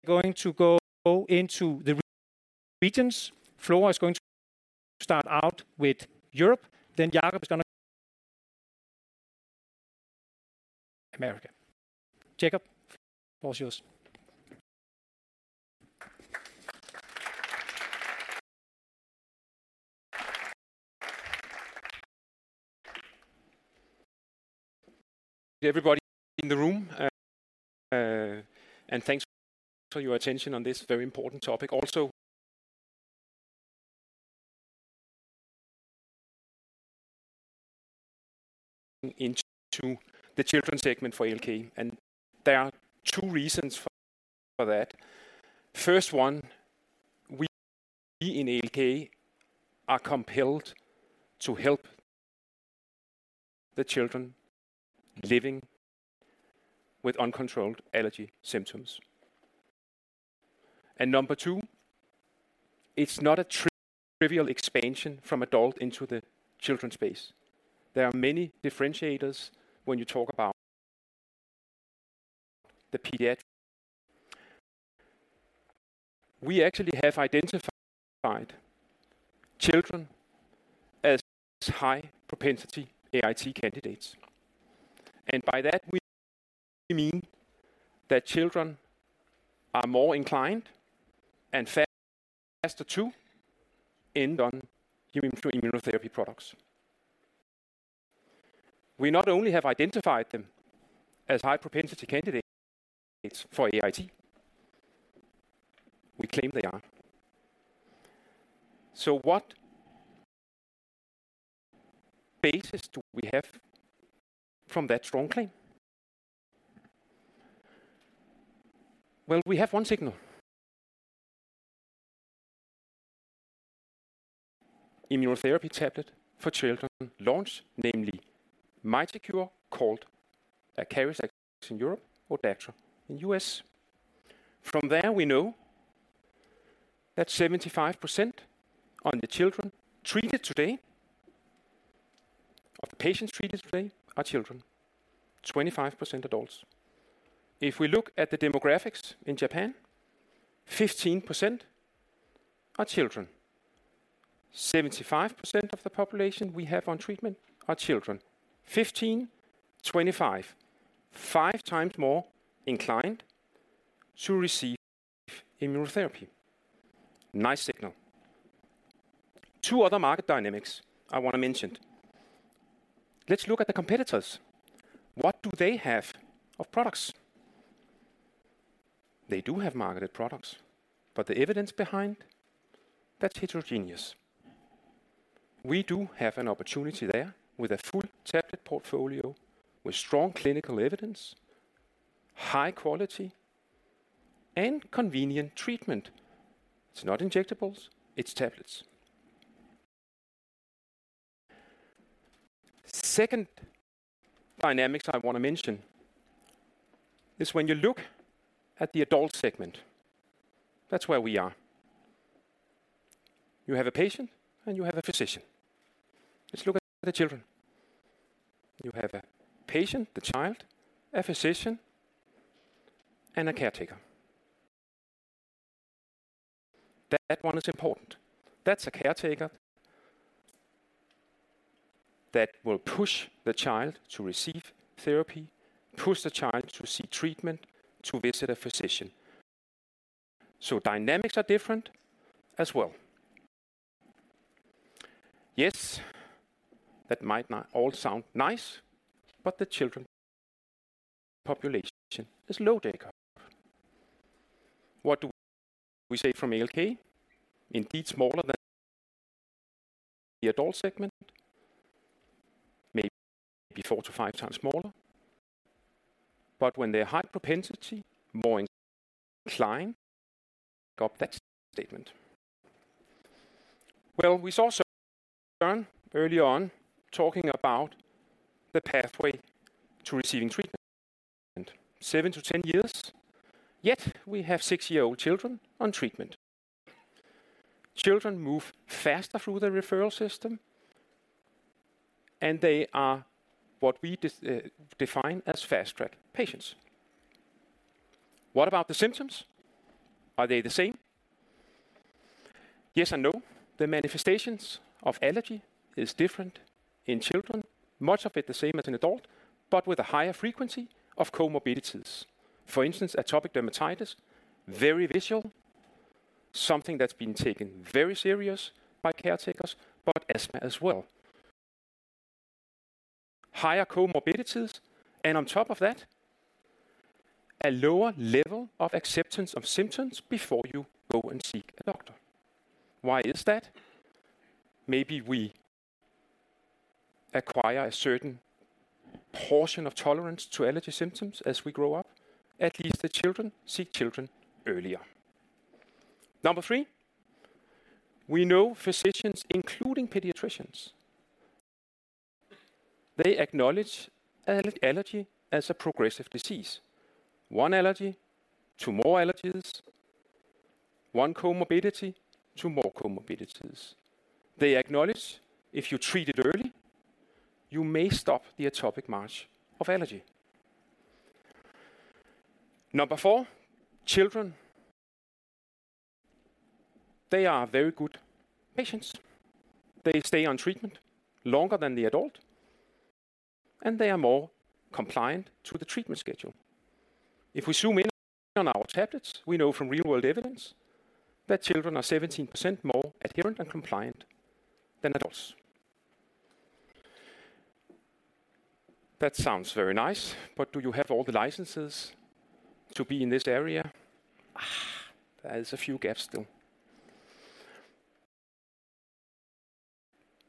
Going to go into the regions. Flo is going to start out with Europe, then Jacob is going to (audio distortion) America. Jacob, the floor is yours. Everybody in the room, and thanks for your attention on this very important topic. Also into the children segment for ALK, and there are two reasons for that. First one, we in ALK are compelled to help the children living with uncontrolled allergy symptoms. And number two, it's not a trivial expansion from adult into the children space. There are many differentiators when you talk about the pediatric. We actually have identified children as high propensity AIT candidates, and by that we mean that children are more inclined and faster to end on immunotherapy products. We not only have identified them as high propensity candidates for AIT, we claim they are. So what basis do we have from that strong claim? Well, we have one signal. Immunotherapy tablet for children launched, namely MITICURE, called ACARIZAX in Europe or ODACTRA in U.S. From there, we know that 75% of the children treated today, of the patients treated today are children, 25% adults. If we look at the demographics in Japan, 15% are children. 75% of the population we have on treatment are children. 15%, 25%, 5x more inclined to receive immunotherapy. Nice signal. Two other market dynamics I want to mention. Let's look at the competitors. What do they have of products? They do have marketed products, but the evidence behind, that's heterogeneous. We do have an opportunity there with a full tablet portfolio, with strong clinical evidence, high quality, and convenient treatment. It's not injectables, it's tablets. Second dynamics I want to mention is when you look at the adult segment, that's where we are. You have a patient, and you have a physician. Let's look at the children. You have a patient, the child, a physician, and a caretaker. That one is important. That's a caretaker that will push the child to receive therapy, push the child to seek treatment, to visit a physician. Dynamics are different as well. Yes, that might not all sound nice, but the children population is low decor. What do we say from ALK? Indeed, smaller than the adult segment, maybe 4x-5x smaller, but when they're high propensity, more inclined, pick up that statement. Well, we saw earlier on talking about the pathway to receiving treatment, 7-10 years, yet we have 6-year-old children on treatment. Children move faster through the referral system, and they are what we define as fast-track patients. What about the symptoms? Are they the same? Yes and no. The manifestations of allergy is different in children, much of it the same as an adult, but with a higher frequency of comorbidities. For instance, atopic dermatitis, very visual, something that's been taken very serious by caretakers, but asthma as well. Higher comorbidities, and on top of that, a lower level of acceptance of symptoms before you go and seek a doctor. Why is that? Maybe we acquire a certain portion of tolerance to allergy symptoms as we grow up. At least the children seek children earlier. Number three, we know physicians, including pediatricians, they acknowledge allergy as a progressive disease. One allergy, two more allergies, one comorbidity, two more comorbidities. They acknowledge if you treat it early, you may stop the atopic march of allergy. Number four, children, they are very good patients. They stay on treatment longer than the adult, and they are more compliant to the treatment schedule. If we zoom in on our tablets, we know from real-world evidence that children are 17% more adherent and compliant than adults. That sounds very nice, but do you have all the licenses to be in this area? Ah, there is a few gaps still.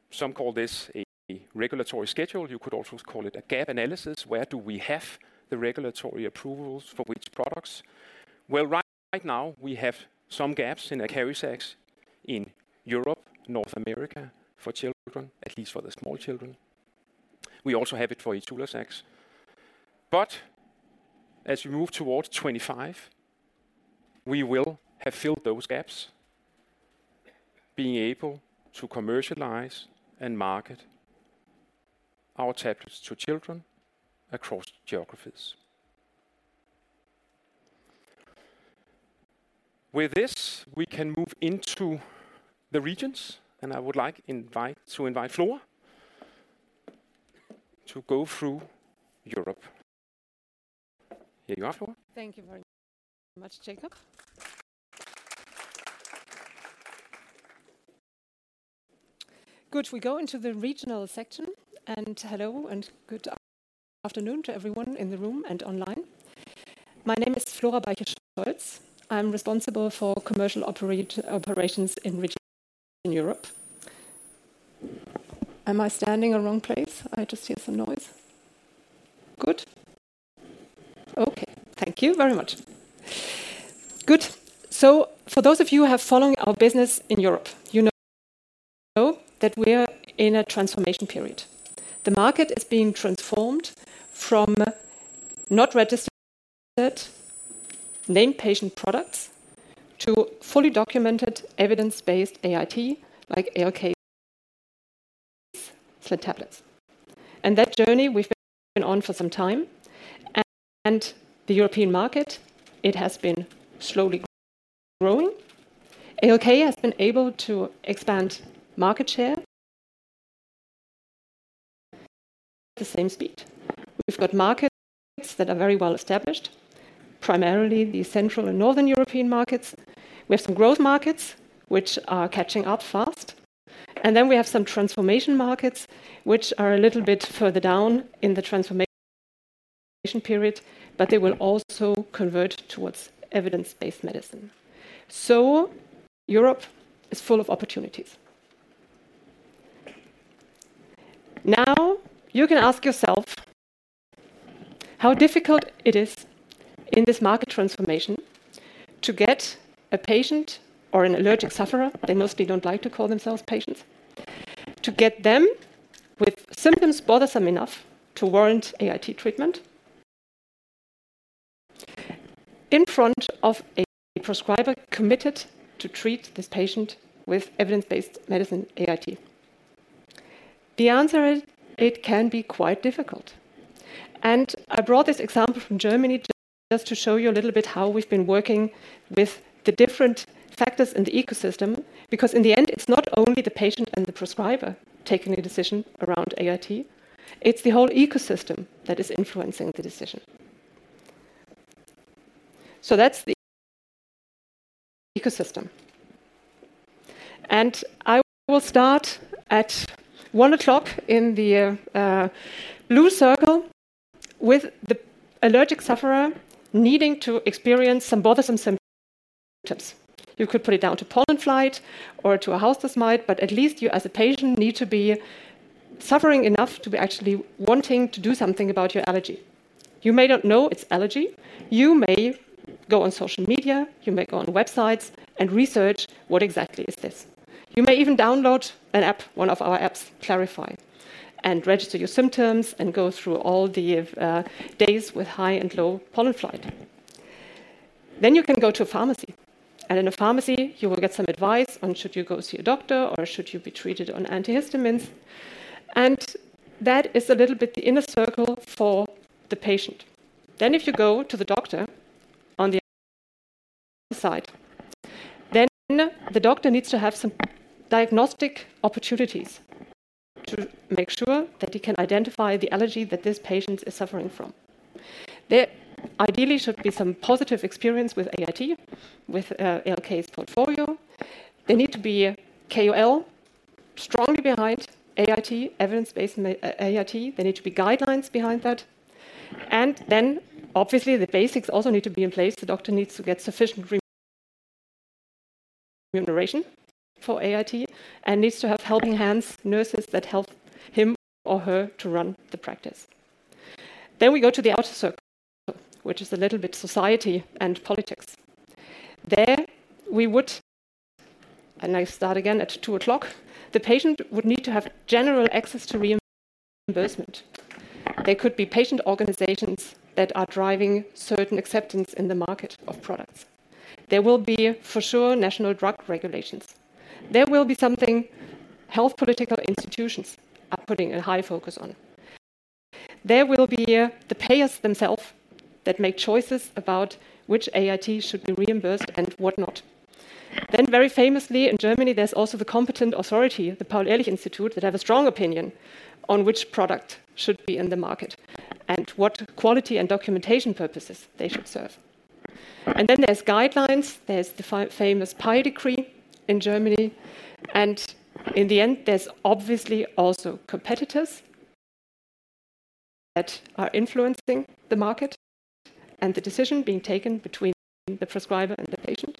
Some call this a regulatory schedule. You could also call it a gap analysis. Where do we have the regulatory approvals for which products? Well, right, right now, we have some gaps in ACARIZAX in Europe, North America, for children, at least for the small children. We also have it for ITULAZAX. But as we move towards 2025, we will have filled those gaps, being able to commercialize and market our tablets to children across geographies. With this, we can move into the regions, and I would like to invite Flora to go through Europe. Here you are, Flora. Thank you very much, Jacob. Good. We go into the regional section, and hello and good afternoon to everyone in the room and online. My name is Flora Becher-Stoltz. I'm responsible for commercial operations in region in Europe. Am I standing in the wrong place? I just hear some noise. Good? Okay, thank you very much. Good. So for those of you who have followed our business in Europe, you know that we are in a transformation period. The market is being transformed from not registered name patient products to fully documented, evidence-based AIT, like ALK tablets. And that journey we've been on for some time, and the European market, it has been slowly growing. ALK has been able to expand market share at the same speed. We've got markets that are very well established, primarily the Central and Northern European markets. We have some growth markets, which are catching up fast, and then we have some transformation markets, which are a little bit further down in the transformation period, but they will also convert towards evidence-based medicine. So Europe is full of opportunities. Now, you can ask yourself how difficult it is in this market transformation to get a patient or an allergic sufferer, they mostly don't like to call themselves patients, to get them with symptoms bothersome enough to warrant AIT treatment in front of a prescriber committed to treat this patient with evidence-based medicine, AIT. The answer is, it can be quite difficult. I brought this example from Germany just to show you a little bit how we've been working with the different factors in the ecosystem, because in the end, it's not only the patient and the prescriber taking a decision around AIT, it's the whole ecosystem that is influencing the decision. So that's the ecosystem. I will start at one o'clock in the blue circle with the allergic sufferer needing to experience some bothersome symptoms. You could put it down to pollen flight or to a house dust mite, but at least you, as a patient, need to be suffering enough to be actually wanting to do something about your allergy. You may not know it's allergy. You may go on social media, you may go on websites and research what exactly is this. You may even download an app, one of our apps, klarify, and register your symptoms and go through all the days with high and low pollen flight. Then you can go to a pharmacy, and in a pharmacy, you will get some advice on should you go see a doctor or should you be treated on antihistamines? And that is a little bit the inner circle for the patient. Then if you go to the doctor on the side, then the doctor needs to have some diagnostic opportunities to make sure that he can identify the allergy that this patient is suffering from. There ideally should be some positive experience with AIT, with ALK's portfolio. They need to be cool, strongly behind AIT, evidence-based AIT. There need to be guidelines behind that. And then, obviously, the basics also need to be in place. The doctor needs to get sufficient remuneration for AIT, and needs to have helping hands, nurses that help him or her to run the practice. Then we go to the outer circle, which is a little bit society and politics. There we would... I start again at 2 o'clock. The patient would need to have general access to reimbursement. There could be patient organizations that are driving certain acceptance in the market of products. There will be, for sure, national drug regulations. There will be something health political institutions are putting a high focus on. There will be the payers themselves that make choices about which AIT should be reimbursed and what not. Then, very famously in Germany, there's also the competent authority, the Paul-Ehrlich-Institut, that have a strong opinion on which product should be in the market and what quality and documentation purposes they should serve. And then there's guidelines, there's the famous PEI Decree in Germany, and in the end, there's obviously also competitors that are influencing the market and the decision being taken between the prescriber and the patient.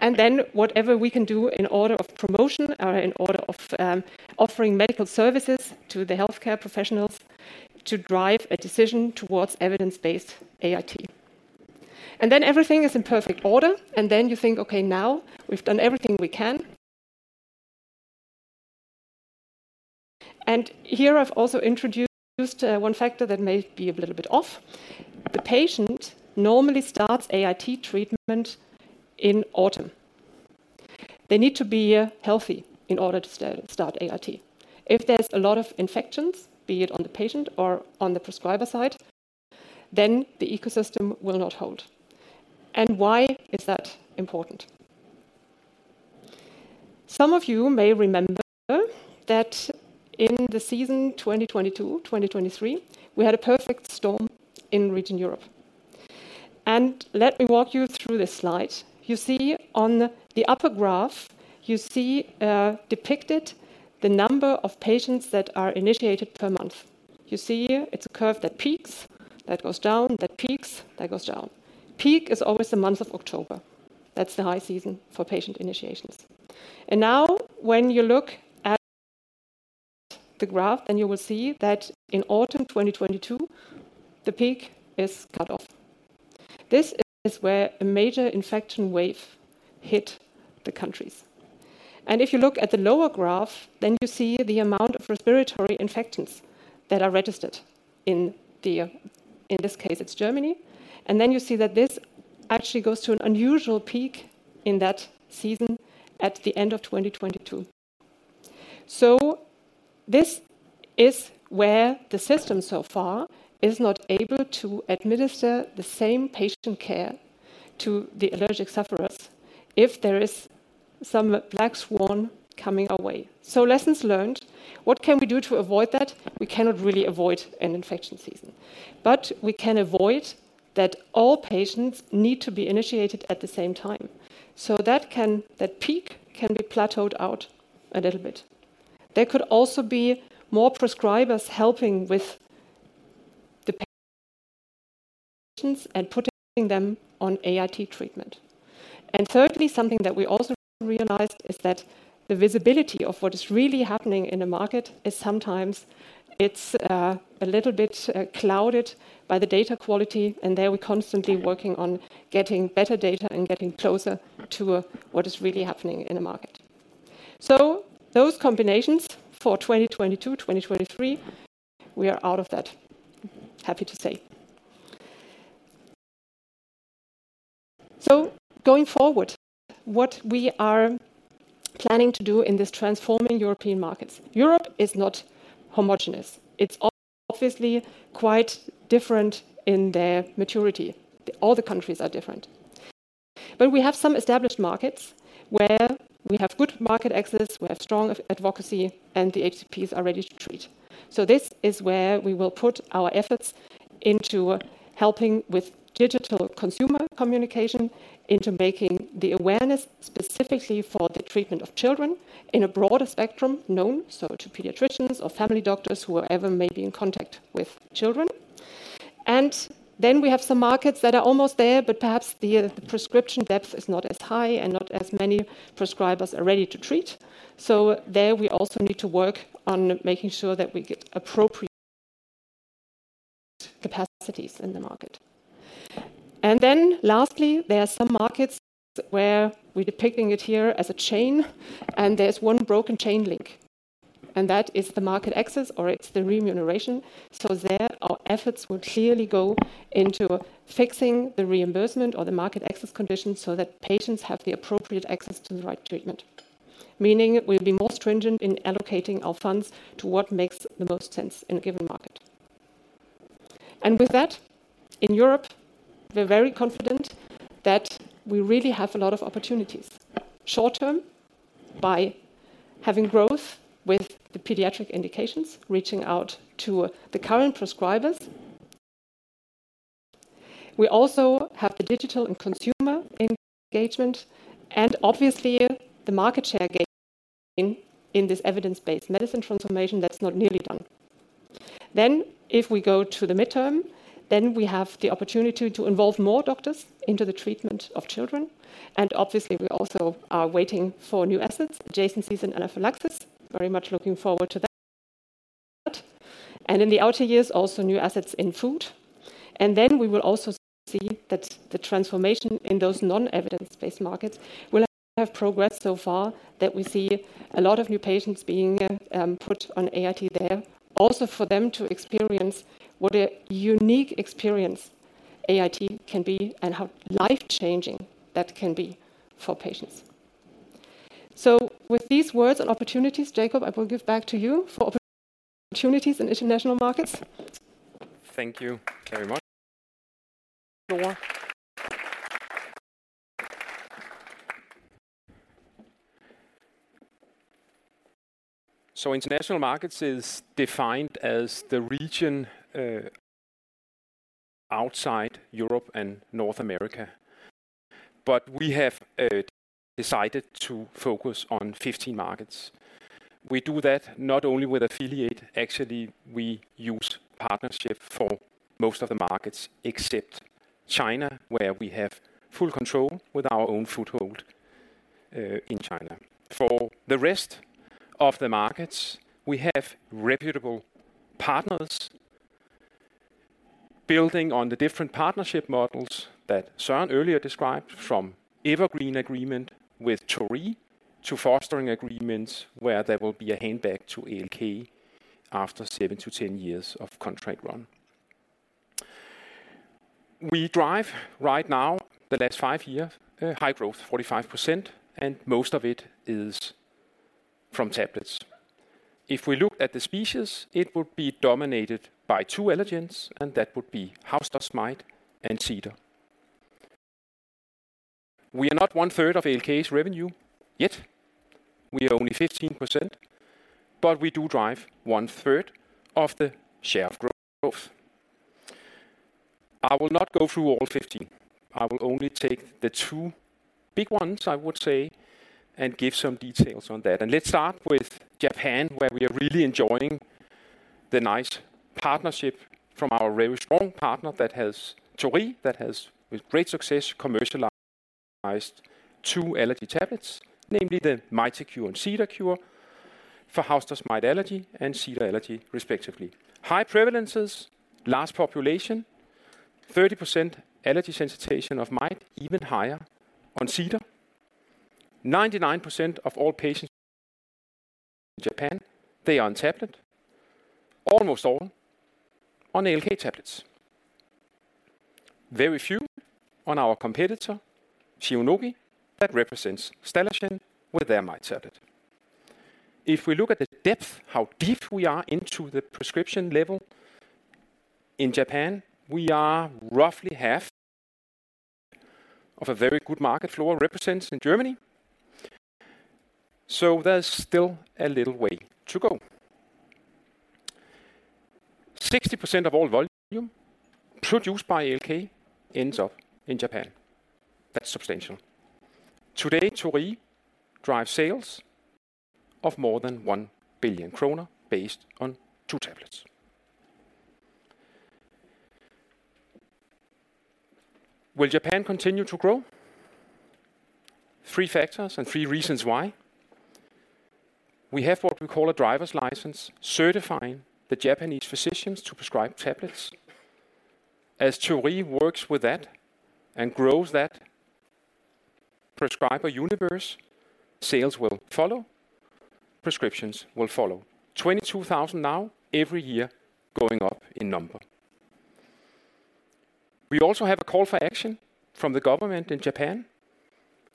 And then whatever we can do in order of promotion or in order of offering medical services to the healthcare professionals to drive a decision towards evidence-based AIT. And then everything is in perfect order, and then you think, "Okay, now we've done everything we can." And here I've also introduced one factor that may be a little bit off. The patient normally starts AIT treatment in autumn. They need to be healthy in order to start AIT. If there's a lot of infections, be it on the patient or on the prescriber side, then the ecosystem will not hold. And why is that important? Some of you may remember that in the season 2022-2023, we had a perfect storm in region Europe. Let me walk you through this slide. You see on the upper graph, you see, depicted the number of patients that are initiated per month. You see here, it's a curve that peaks, that goes down, that peaks, that goes down. Peak is always the month of October. That's the high season for patient initiations. Now, when you look at the graph, then you will see that in autumn 2022, the peak is cut off. This is where a major infection wave hit the countries. If you look at the lower graph, then you see the amount of respiratory infections that are registered in the... In this case, it's Germany. And then you see that this actually goes to an unusual peak in that season at the end of 2022. So this is where the system so far is not able to administer the same patient care to the allergic sufferers if there is some black swan coming our way. So lessons learned, what can we do to avoid that? We cannot really avoid an infection season, but we can avoid that all patients need to be initiated at the same time. So that can, that peak can be plateaued out a little bit. There could also be more prescribers helping with the patients and putting them on AIT treatment. And thirdly, something that we also realized is that the visibility of what is really happening in the market is sometimes it's, a little bit, clouded by the data quality, and there we're constantly working on getting better data and getting closer to, what is really happening in the market. So those combinations for 2022, 2023, we are out of that, happy to say. So going forward, what we are planning to do in this transforming European markets. Europe is not homogeneous. It's obviously quite different in their maturity. All the countries are different. But we have some established markets where we have good market access, we have strong advocacy, and the HCPs are ready to treat. So this is where we will put our efforts into helping with digital consumer communication, into making the awareness specifically for the treatment of children in a broader spectrum known, so to pediatricians or family doctors, whoever may be in contact with children. And then we have some markets that are almost there, but perhaps the prescription depth is not as high and not as many prescribers are ready to treat. So there, we also need to work on making sure that we get appropriate capacities in the market. And then lastly, there are some markets where we're depicting it here as a chain, and there's one broken chain link, and that is the market access or it's the remuneration. So there, our efforts will clearly go into fixing the reimbursement or the market access conditions so that patients have the appropriate access to the right treatment. Meaning we'll be more stringent in allocating our funds to what makes the most sense in a given market. And with that, in Europe, we're very confident that we really have a lot of opportunities. Short term, by having growth with the pediatric indications, reaching out to the current prescribers. We also have the digital and consumer engagement, and obviously, the market share gain in this evidence-based medicine transformation that's not nearly done. Then if we go to the midterm, then we have the opportunity to involve more doctors into the treatment of children, and obviously, we also are waiting for new assets, adjacent seasonal anaphylaxis, very much looking forward to that. And in the outer years, also new assets in food. Then we will also see that the transformation in those non-evidence-based markets will have progressed so far that we see a lot of new patients being put on AIT there, also for them to experience what a unique experience AIT can be and how life-changing that can be for patients. With these words and opportunities, Jacob, I will give back to you for opportunities in international markets. Thank you very much. So international markets is defined as the region outside Europe and North America, but we have decided to focus on 15 markets. We do that not only with affiliate, actually, we use partnership for most of the markets, except China, where we have full control with our own foothold in China. For the rest of the markets, we have reputable partners building on the different partnership models that Søren earlier described, from evergreen agreement with Torii to fostering agreements, where there will be a hand back to ALK after 7-10 years of contract run. We drive right now, the last 5 years, high growth, 45%, and most of it is from tablets. If we look at the species, it would be dominated by two allergens, and that would be house dust mite and cedar. We are not one-third of ALK's revenue, yet. We are only 15%, but we do drive 1/3 of the share of growth. I will not go through all 15%. I will only take the two big ones, I would say, and give some details on that. Let's start with Japan, where we are really enjoying the nice partnership from our very strong partner, Torii, that has, with great success, commercialized two allergy tablets, namely the MITICURE and CEDARCURE, for house dust mite allergy and cedar allergy, respectively. High prevalences, large population, 30% allergy sensitization of mite, even higher on cedar. 99% of all patients in Japan, they are on tablet, almost all on ALK tablets. Very few on our competitor, Shionogi, that represents Stallergenes with their mite tablet. If we look at the depth, how deep we are into the prescription level, in Japan, we are roughly half of a very good market floor represents in Germany, so there's still a little way to go. 60% of all volume produced by ALK ends up in Japan. That's substantial. Today, Torii drives sales of more than 1 billion kroner based on two tablets. Will Japan continue to grow? Three factors and three reasons why. We have what we call a driver's license, certifying the Japanese physicians to prescribe tablets. As Torii works with that and grows that, prescriber universe, sales will follow, prescriptions will follow. 22,000 now, every year, going up in number. We also have a call for action from the government in Japan,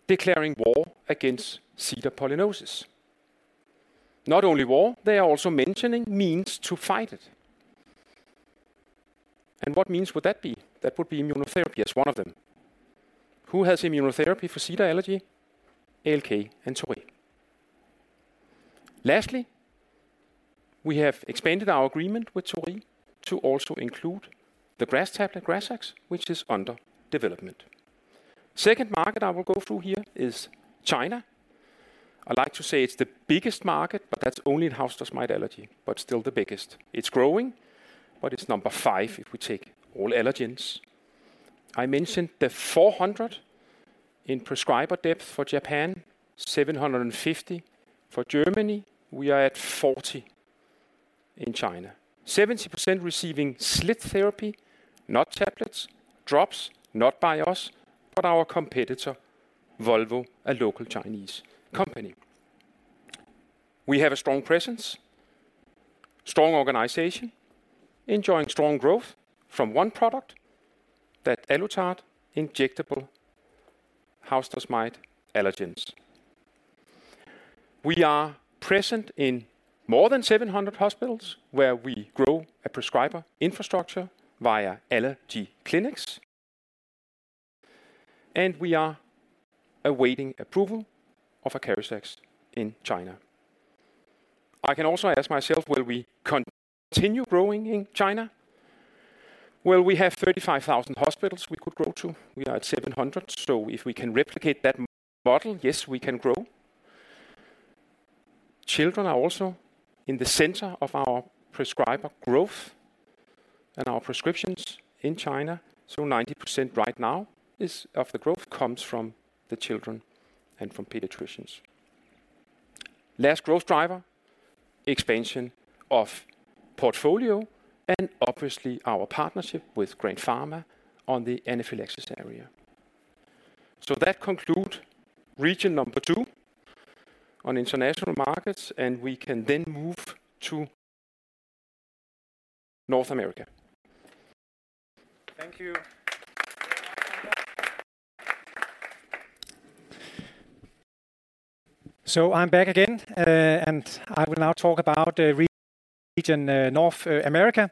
declaring war against cedar pollinosis. Not only war, they are also mentioning means to fight it. And what means would that be? That would be immunotherapy as one of them. Who has immunotherapy for cedar allergy? ALK and Torii. Lastly, we have expanded our agreement with Torii to also include the grass tablet, GRAZAX, which is under development. Second market I will go through here is China. I like to say it's the biggest market, but that's only in house dust mite allergy, but still the biggest. It's growing, but it's number five if we take all allergens. I mentioned the 400 in prescriber depth for Japan, 750 for Germany. We are at 40 in China. 70% receiving SLIT therapy, not tablets, drops, not by us, but our competitor, Volvo, a local Chinese company. We have a strong presence, strong organization, enjoying strong growth from one product, that Alutard injectable house dust mite allergens. We are present in more than 700 hospitals, where we grow a prescriber infrastructure via allergy clinics, and we are awaiting approval of ACARIZAX in China. I can also ask myself, will we continue growing in China? Well, we have 35,000 hospitals we could grow to. We are at 700, so if we can replicate that model, yes, we can grow. Children are also in the center of our prescriber growth and our prescriptions in China, so 90% right now is, of the growth comes from the children and from pediatricians. Last growth driver, expansion of portfolio and obviously our partnership with Grandpharma on the anaphylaxis area. So that conclude region number two on international markets, and we can then move to North America. Thank you. So I'm back again, and I will now talk about region North America.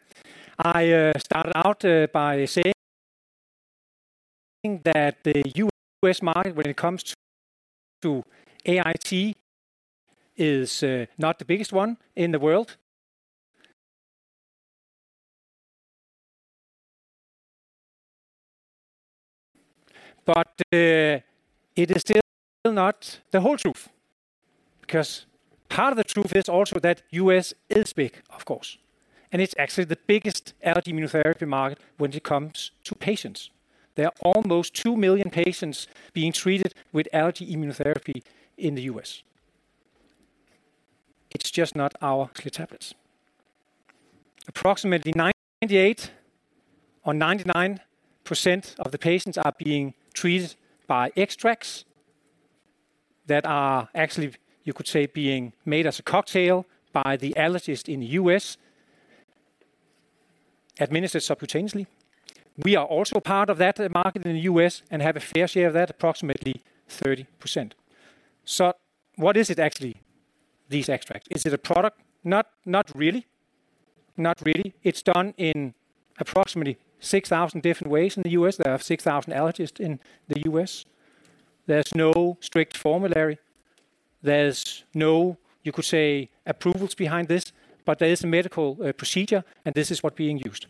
I started out by saying that the U.S. market, when it comes to AIT, is not the biggest one in the world. But it is still not the whole truth, because part of the truth is also that U.S. is big, of course, and it's actually the biggest allergy immunotherapy market when it comes to patients. There are almost 2 million patients being treated with allergy immunotherapy in the U.S. It's just not our tablets. Approximately 98% or 99% of the patients are being treated by extracts that are actually, you could say, being made as a cocktail by the allergist in the U.S., administered subcutaneously. We are also part of that market in the U.S. and have a fair share of that, approximately 30%. So what is it actually, these extracts? Is it a product? Not really. Not really. It's done in approximately 6,000 different ways in the U.S. There are 6,000 allergists in the U.S. There's no strict formulary. There's no, you could say, approvals behind this, but there is a medical procedure, and this is what's being used.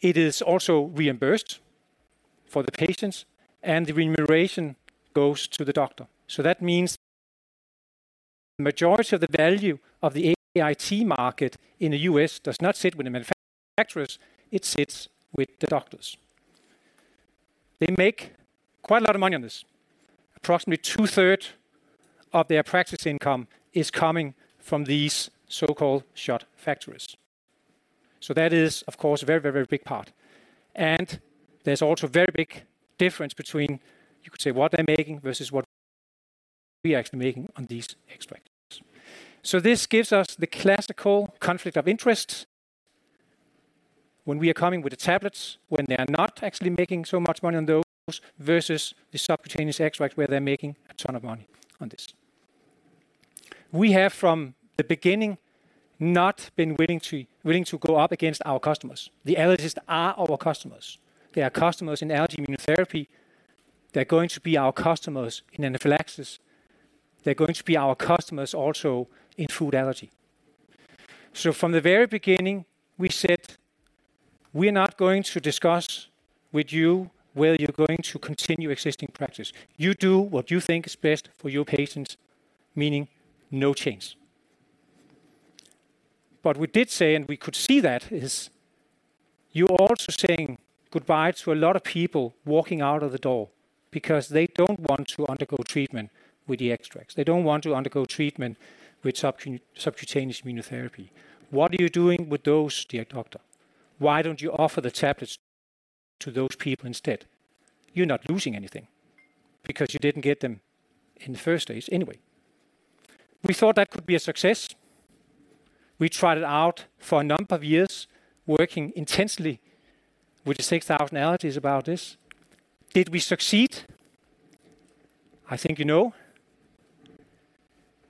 It is also reimbursed for the patients, and the remuneration goes to the doctor. So that means majority of the value of the AIT market in the U.S. does not sit with the manufacturers, it sits with the doctors. They make quite a lot of money on this. Approximately two-thirds of their practice income is coming from these so-called shot factories. So that is, of course, a very, very, very big part, and there's also a very big difference between, you could say, what they're making versus what we are actually making on these extracts. So this gives us the classical conflict of interest when we are coming with the tablets, when they are not actually making so much money on those, versus the subcutaneous extracts, where they're making a ton of money on this. We have, from the beginning, not been willing to, willing to go up against our customers. The allergists are our customers. They are customers in allergy immunotherapy. They're going to be our customers in anaphylaxis. They're going to be our customers also in food allergy. So from the very beginning, we said, "We're not going to discuss with you whether you're going to continue existing practice. You do what you think is best for your patients, meaning no change." But we did say, and we could see that, is, you're also saying goodbye to a lot of people walking out of the door because they don't want to undergo treatment with the extracts. They don't want to undergo treatment with subcutaneous immunotherapy. What are you doing with those, dear doctor? Why don't you offer the tablets to those people instead? You're not losing anything because you didn't get them in the first place anyway. We thought that could be a success. We tried it out for a number of years, working intensely with the 6,000 allergists about this. Did we succeed? I think you know.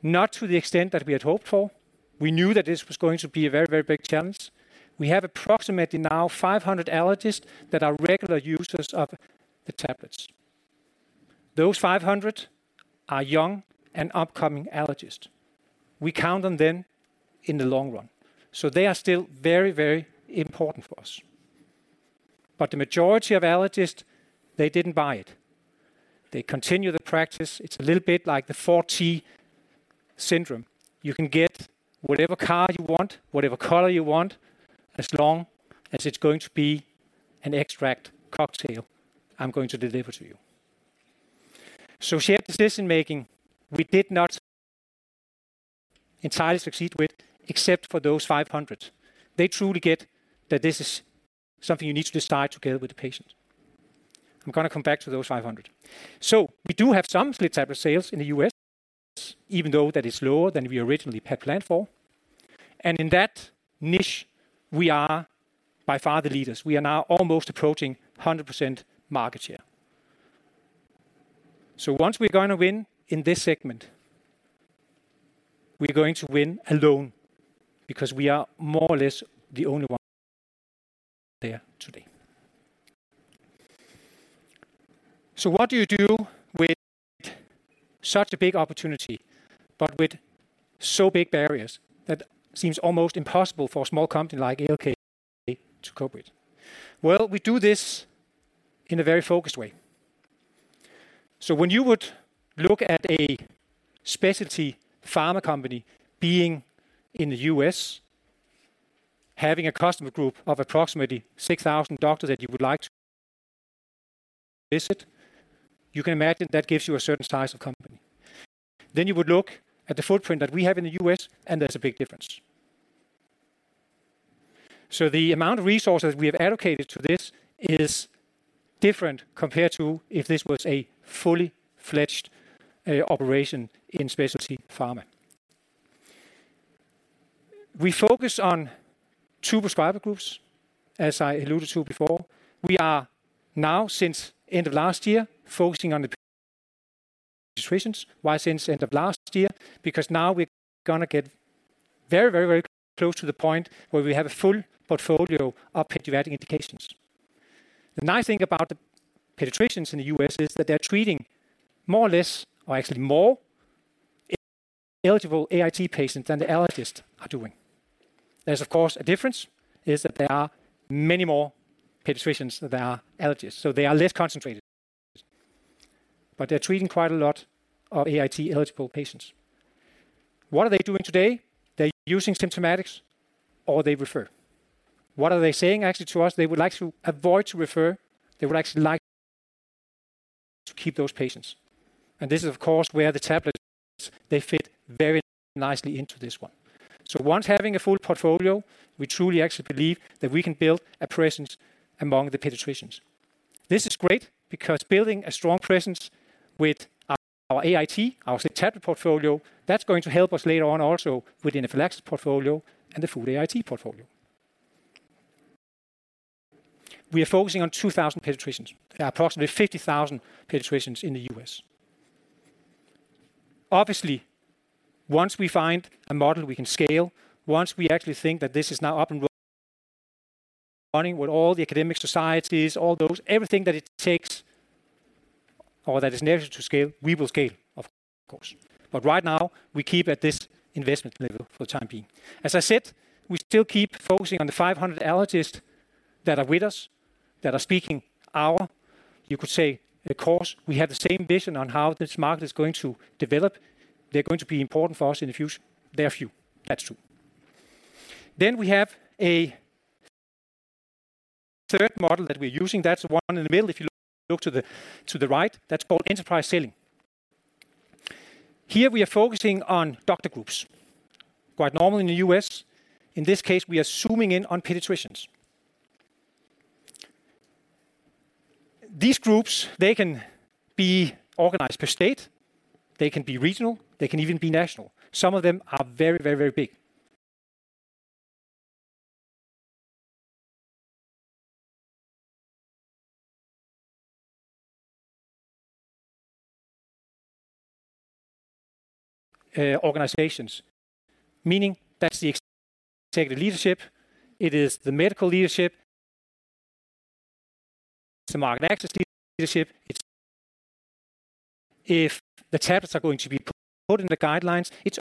Not to the extent that we had hoped for. We knew that this was going to be a very, very big challenge. We have approximately now 500 allergists that are regular users of the tablets. Those 500 are young and upcoming allergists. We count on them in the long run, so they are still very, very important for us. But the majority of allergists, they didn't buy it. They continue the practice. It's a little bit like the Ford T syndrome. You can get whatever car you want, whatever color you want, as long as it's going to be an extract cocktail I'm going to deliver to you. So shared decision-making, we did not entirely succeed with, except for those 500. They truly get that this is something you need to decide together with the patient. I'm gonna come back to those 500. So we do have some SLIT-tablet sales in the U.S., even though that is lower than we originally had planned for, and in that niche, we are by far the leaders. We are now almost approaching 100% market share. So once we're going to win in this segment, we're going to win alone because we are more or less the only one there today. So what do you do with such a big opportunity, but with so big barriers that seems almost impossible for a small company like ALK to cope with? Well, we do this in a very focused way. So when you would look at a specialty pharma company being in the U.S., having a customer group of approximately 6,000 doctors that you would like to visit, you can imagine that gives you a certain size of company. Then you would look at the footprint that we have in the U.S., and there's a big difference. So the amount of resources we have allocated to this is different compared to if this was a fully-fledged operation in specialty pharma. We focus on two prescriber groups, as I alluded to before. We are now, since end of last year, focusing on the (audio distortion) situations. Why since end of last year? Because now we're gonna get very, very, very close to the point where we have a full portfolio of pediatric indications. The nice thing about the pediatricians in the U.S. is that they're treating more or less, or actually more, eligible AIT patients than the allergists are doing. There's, of course, a difference, is that there are many more pediatricians than there are allergists, so they are less concentrated. But they're treating quite a lot of AIT-eligible patients. What are they doing today? They're using symptomatics or they refer. What are they saying actually to us? They would like to avoid to refer. They would actually like to keep those patients, and this is, of course, where the tablets, they fit very nicely into this one. So once having a full portfolio, we truly actually believe that we can build a presence among the pediatricians. This is great because building a strong presence with our, our AIT, our tablet portfolio, that's going to help us later on also with the anaphylaxis portfolio and the food AIT portfolio. We are focusing on 2,000 pediatricians. There are approximately 50,000 pediatricians in the U.S. Obviously, once we find a model, we can scale. Once we actually think that this is now up and running with all the academic societies, all those, everything that it takes or that is necessary to scale, we will scale, of course, but right now, we keep at this investment level for the time being. As I said, we still keep focusing on the 500 allergists that are with us, that are speaking our, you could say, the course. We have the same vision on how this market is going to develop. They're going to be important for us in the future. They are few. That's true. Then we have a third model that we're using. That's the one in the middle. If you look to the right, that's called enterprise selling. Here, we are focusing on doctor groups, quite normal in the U.S. In this case, we are zooming in on pediatricians. These groups, they can be organized per state, they can be regional, they can even be national. Some of them are very, very, very big organizations, meaning that's the executive leadership, it is the medical leadership, it's the market access leadership. It's if the tablets are going to be put in the guidelines, it's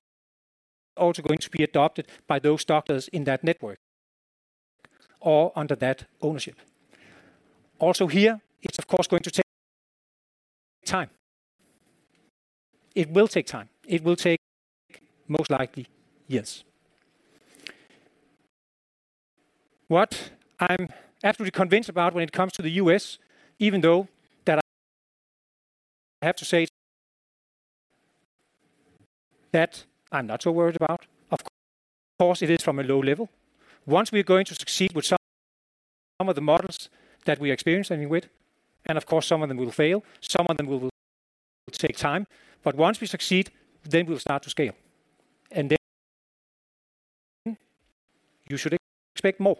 also going to be adopted by those doctors in that network or under that ownership. Also here, it's of course going to take time. It will take time. It will take, most likely, years. What I'm absolutely convinced about when it comes to the U.S., even though I have to say that I'm not so worried about, of course, it is from a low level. Once we're going to succeed with some of the models that we're experimenting with, and of course, some of them will fail, some of them will take time, but once we succeed, then we'll start to scale, and then you should expect more.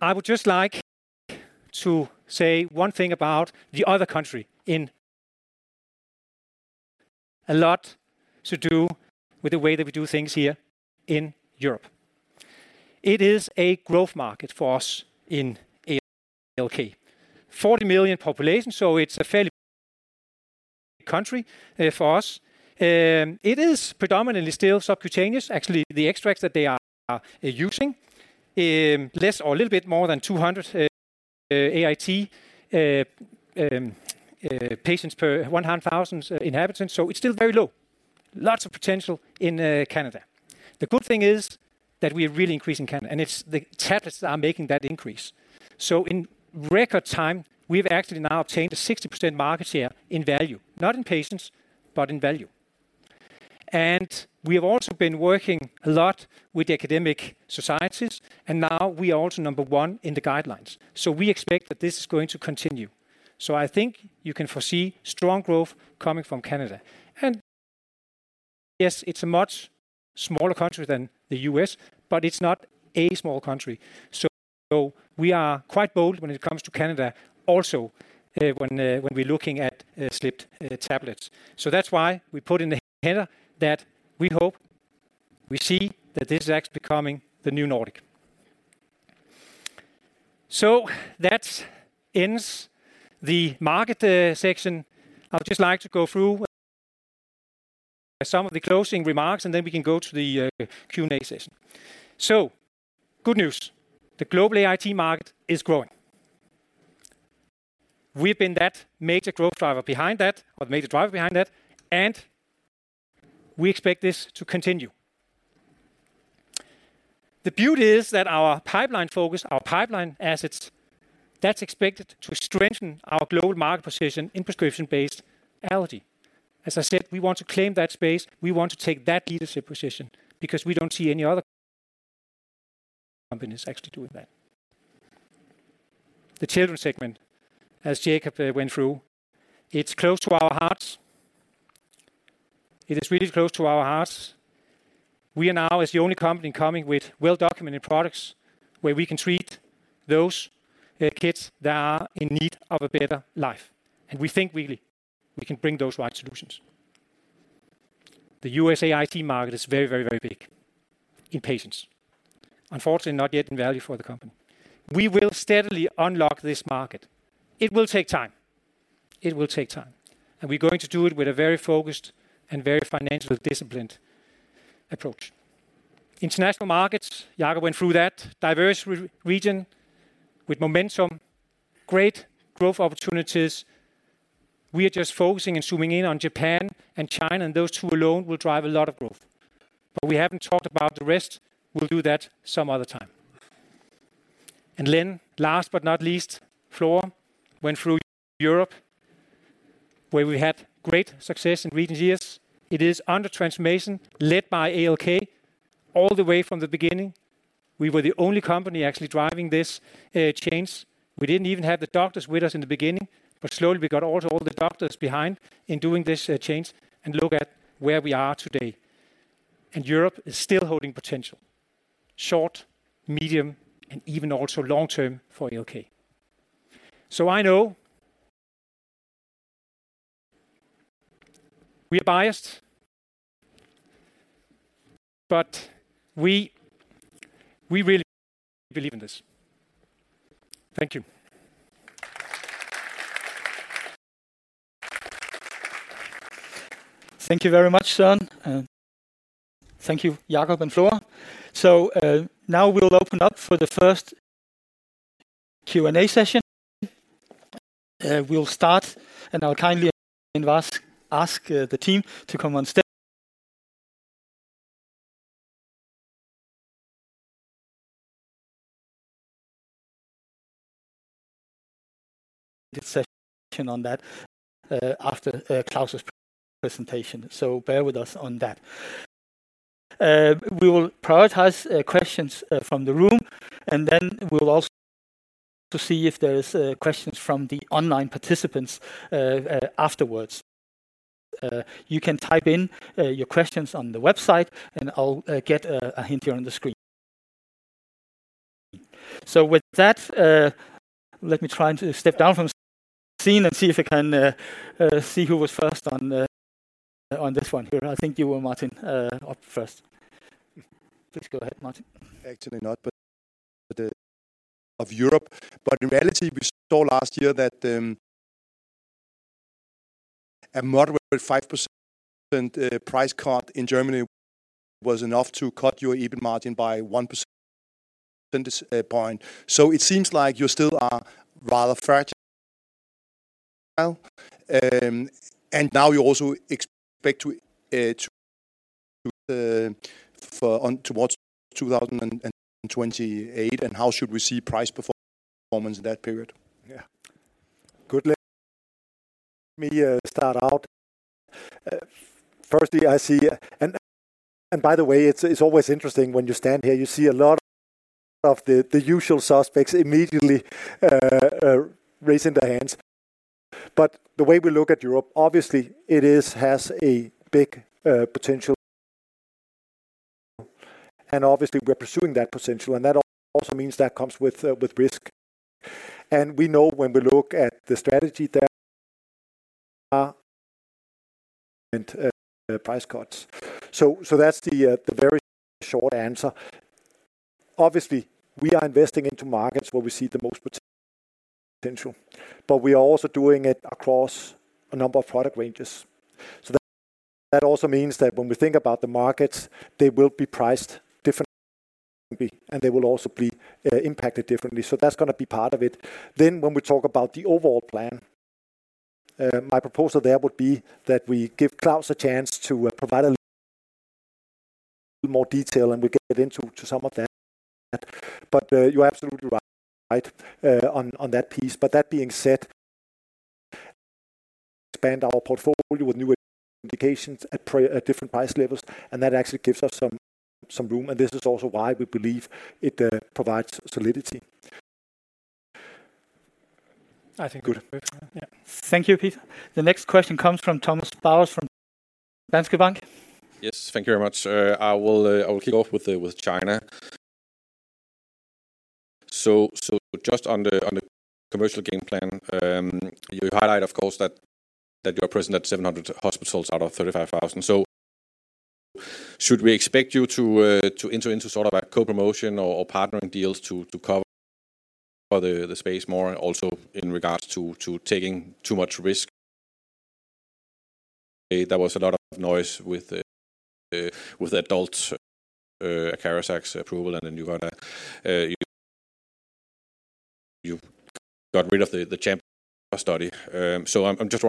I would just like to say one thing about the other country. It has a lot to do with the way that we do things here in Europe. It is a growth market for us in ALK. 40 million population, so it's a fairly large country for us. It is predominantly still subcutaneous. Actually, the extracts that they are using, less or a little bit more than 200, AIT, patients per 100,000 inhabitants, so it's still very low. Lots of potential in, Canada. The good thing is that we are really increasing Canada, and it's the tablets that are making that increase. So in record time, we've actually now obtained a 60% market share in value, not in patients, but in value. And we have also been working a lot with the academic societies, and now we are also number one in the guidelines. So we expect that this is going to continue. So I think you can foresee strong growth coming from Canada. And yes, it's a much smaller country than the U.S., but it's not a small country. So, we are quite bold when it comes to Canada, also, when we're looking at SLIT-tablets. So that's why we put in the header that we hope we see that this is actually becoming the new Nordic. So that ends the market section. I would just like to go through some of the closing remarks, and then we can go to the Q&A session. So good news. The global AIT market is growing. We've been that major growth driver behind that, or major driver behind that, and we expect this to continue. The beauty is that our pipeline focus, our pipeline assets, that's expected to strengthen our global market position in prescription-based allergy. As I said, we want to claim that space, we want to take that leadership position because we don't see any other companies actually doing that. The children segment, as Jacob went through, it's close to our hearts. It is really close to our hearts. We are now, as the only company, coming with well-documented products, where we can treat those kids that are in need of a better life. And we think we, we can bring those right solutions. The U.S. AIT market is very, very, very big in patients. Unfortunately, not yet in value for the company. We will steadily unlock this market. It will take time. It will take time, and we're going to do it with a very focused and very financially disciplined approach. International markets, Jacob went through that diverse region with momentum, great growth opportunities. We are just focusing and zooming in on Japan and China, and those two alone will drive a lot of growth. But we haven't talked about the rest. We'll do that some other time. And then last but not least, Flo went through Europe, where we had great success in recent years. It is under transformation, led by ALK. All the way from the beginning, we were the only company actually driving this change. We didn't even have the doctors with us in the beginning, but slowly, we got also all the doctors behind in doing this change, and look at where we are today. Europe is still holding potential, short, medium, and even also long term for ALK. So I know we are biased, but we really believe in this. Thank you. Thank you very much, Søren, and thank you, Jacob and Flora. So, now we'll open up for the first Q&A session. We'll start, and I'll kindly ask the team to come on stage. Session on that after Claus's presentation, so bear with us on that. We will prioritize questions from the room, and then we will also see if there is questions from the online participants afterwards. You can type in your questions on the website, and I'll get a hint here on the screen. So with that, let me try to step down from the stage and see if I can see who was first on this one here. I think you were, Martin, up first. Please go ahead, Martin. Actually not, but the rest of Europe. But in reality, we saw last year that a moderate 5% price cut in Germany was enough to cut your EBIT margin by one percentage point. So it seems like you still are rather fragile, and now you also expect to go on towards 2028, and how should we see price performance in that period? Yeah. Good. Let me start out. Firstly, I see... And by the way, it's always interesting when you stand here. You see a lot of the usual suspects immediately raising their hands. But the way we look at Europe, obviously, it is, has a big potential. And obviously, we're pursuing that potential, and that also means that comes with risk. And we know when we look at the strategy there are price cuts. So that's the very short answer. Obviously, we are investing into markets where we see the most potential, but we are also doing it across a number of product ranges. So that also means that when we think about the markets, they will be priced differently, and they will also be impacted differently. So that's gonna be part of it. Then, when we talk about the overall plan, my proposal there would be that we give Claus a chance to provide a little more detail, and we get into some of that. But, you're absolutely right, on that piece. But that being said, expand our portfolio with new indications at different price levels, and that actually gives us some room, and this is also why we believe it provides solidity. I think good. Yeah. Thank you, Peter. The next question comes from Thomas Bowers from Danske Bank. Yes, thank you very much. I will kick off with China. So just on the commercial game plan, you highlight, of course, that you are present at 700 hospitals out of 35,000. So should we expect you to enter into sort of a co-promotion or partnering deals to cover the space more, and also in regards to taking too much risk? There was a lot of noise with the adult ACARIZAX approval, and then you got rid of the chamber study. So I'm just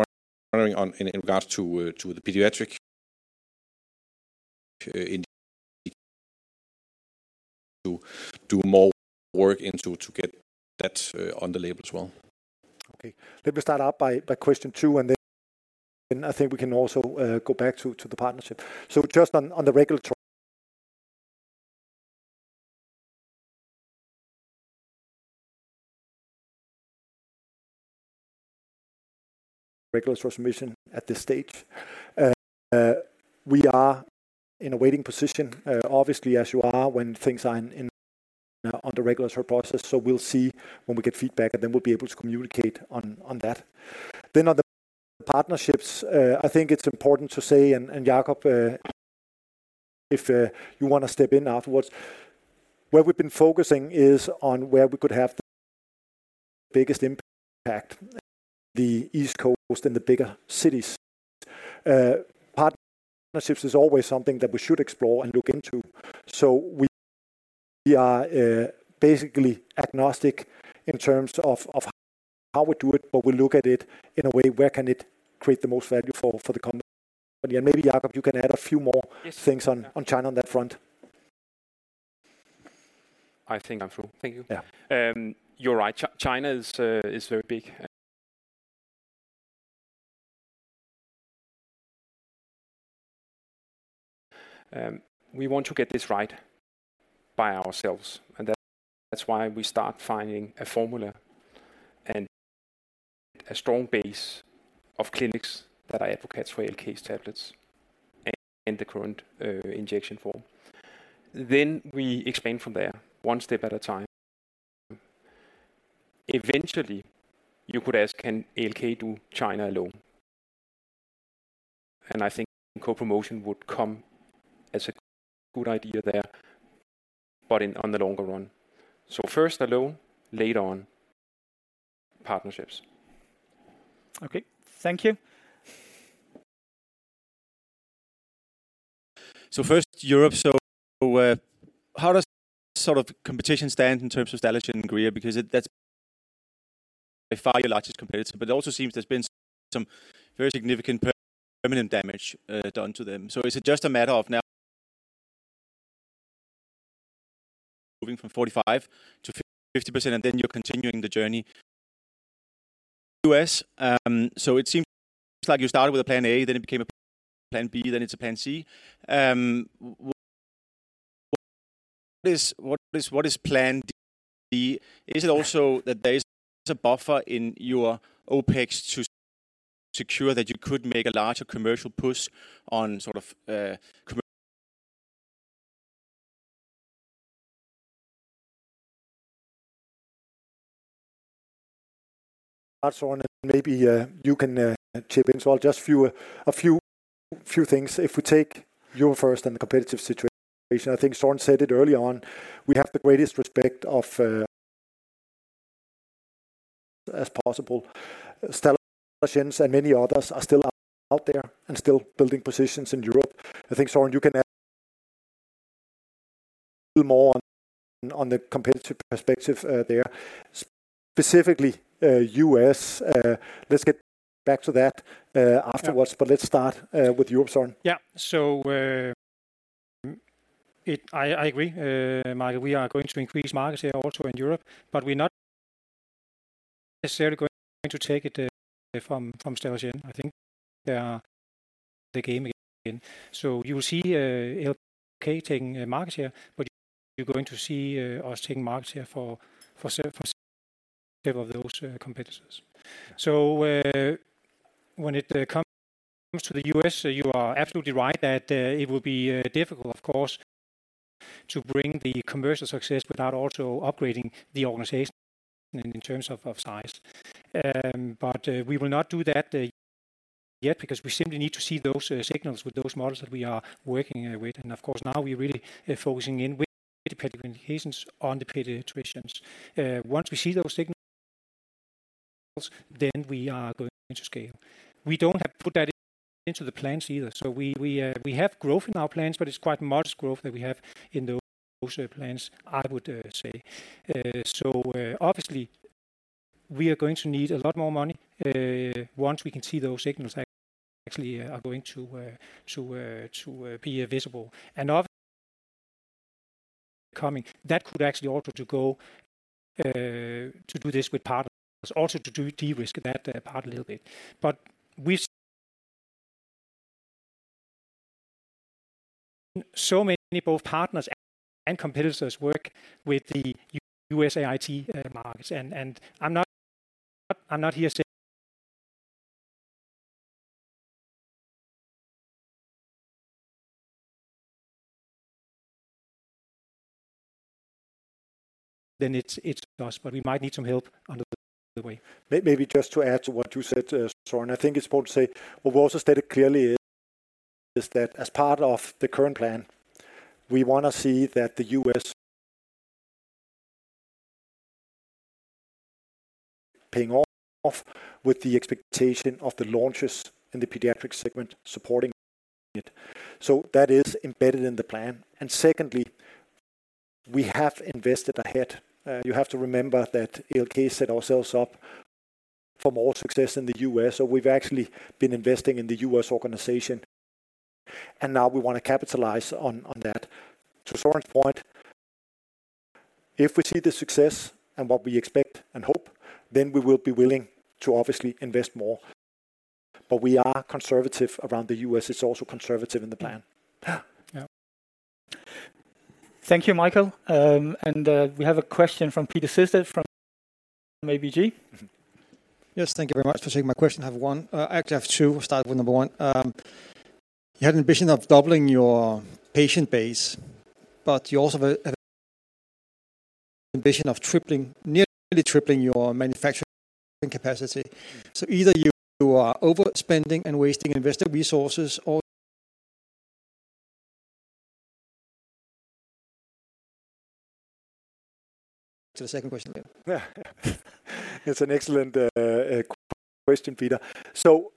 wondering on in regards to the pediatric indication to do more work into to get that on the label as well. Okay, let me start out by question two, and then I think we can also go back to the partnership. So just on the regulatory submission at this stage, we are in a waiting position, obviously, as you are when things are in the regulatory process. So we'll see when we get feedback, and then we'll be able to communicate on that. Then on the partnerships, I think it's important to say, and Jacob, if you wanna step in afterwards, where we've been focusing is on where we could have the biggest impact, the East Coast and the bigger cities. Partnerships is always something that we should explore and look into. So we are basically agnostic in terms of how we do it, but we look at it in a way where can it create the most value for the company. And maybe, Jacob, you can add a few more- Yes. things on, on China on that front. I think I'm through. Thank you. Yeah. You're right, China is very big. We want to get this right by ourselves, and that's why we start finding a formula and a strong base of clinics that are advocates for SLIT-tablets and the current injection form. Then we expand from there, one step at a time. Eventually, you could ask: Can ALK do China alone? And I think co-promotion would come as a good idea there, but in the long run. So first alone, later on, partnerships. Okay. Thank you. First, Europe. How does sort of competition stand in terms of Stallergenes Greer? Because that's by far your largest competitor, but it also seems there's been some very significant permanent damage done to them. So is it just a matter of now moving from 45% to 50%, and then you're continuing the journey. U.S., so it seems like you started with a plan A, then it became a plan B, then it's a plan C. What is, what is, what is plan D? Is it also that there is a buffer in your OpEx to secure that you could make a larger commercial push on sort of, commercial? Maybe you can chip in as well. Just a few things. If we take Europe first and the competitive situation, I think Søren said it early on, we have the greatest respect for Stallergenes as possible. Stallergenes and many others are still out there and still building positions in Europe. I think, Søren, you can add more on the competitive perspective there, specifically U.S. Let's get back to that afterwards, but let's start with you, Søren. Yeah. So, I agree, Michael, we are going to increase market share also in Europe, but we're not necessarily going to take it from Stallergenes. I think they are the game again. So you will see, ALK taking market share, but you're going to see us taking market share from several of those competitors. So, when it comes to the U.S., you are absolutely right that it will be difficult, of course, to bring the commercial success without also upgrading the organization in terms of size. But, we will not do that yet because we simply need to see those signals with those models that we are working with. And of course, now we are really focusing in with pediatric indications on the pediatric situations. Once we see those signals, then we are going to scale. We don't have to put that into the plans either. So we have growth in our plans, but it's quite modest growth that we have in those plans, I would say. So obviously, we are going to need a lot more money once we can see those signals actually are going to be visible. And obviously, coming, that could actually also to go to do this with partners, also to do de-risk that part a little bit. But we've seen so many, both partners and competitors work with the U.S. AIT markets, and I'm not here saying then it's us, but we might need some help on the way. Maybe just to add to what you said, Søren, I think it's important to say, what we also stated clearly is, is that as part of the current plan, we wanna see that the U.S. paying off with the expectation of the launches in the pediatric segment, supporting it. So that is embedded in the plan. And secondly, we have invested ahead. You have to remember that ALK set ourselves up for more success in the U.S., so we've actually been investing in the U.S. organization, and now we want to capitalize on, on that. To Søren's point, if we see the success and what we expect and hope, then we will be willing to obviously invest more. But we are conservative around the U.S. It's also conservative in the plan. Yeah. Yeah. Thank you, Michael. We have a question from Peter Sehested from ABG. Yes, thank you very much for taking my question. I have one, actually, I have two. We'll start with number one. You had an ambition of doubling your patient base, but you also have an ambition of tripling, nearly tripling your manufacturing capacity. So either you are overspending and wasting investor resources or... To the second question then. Yeah. It's an excellent question, Peter. So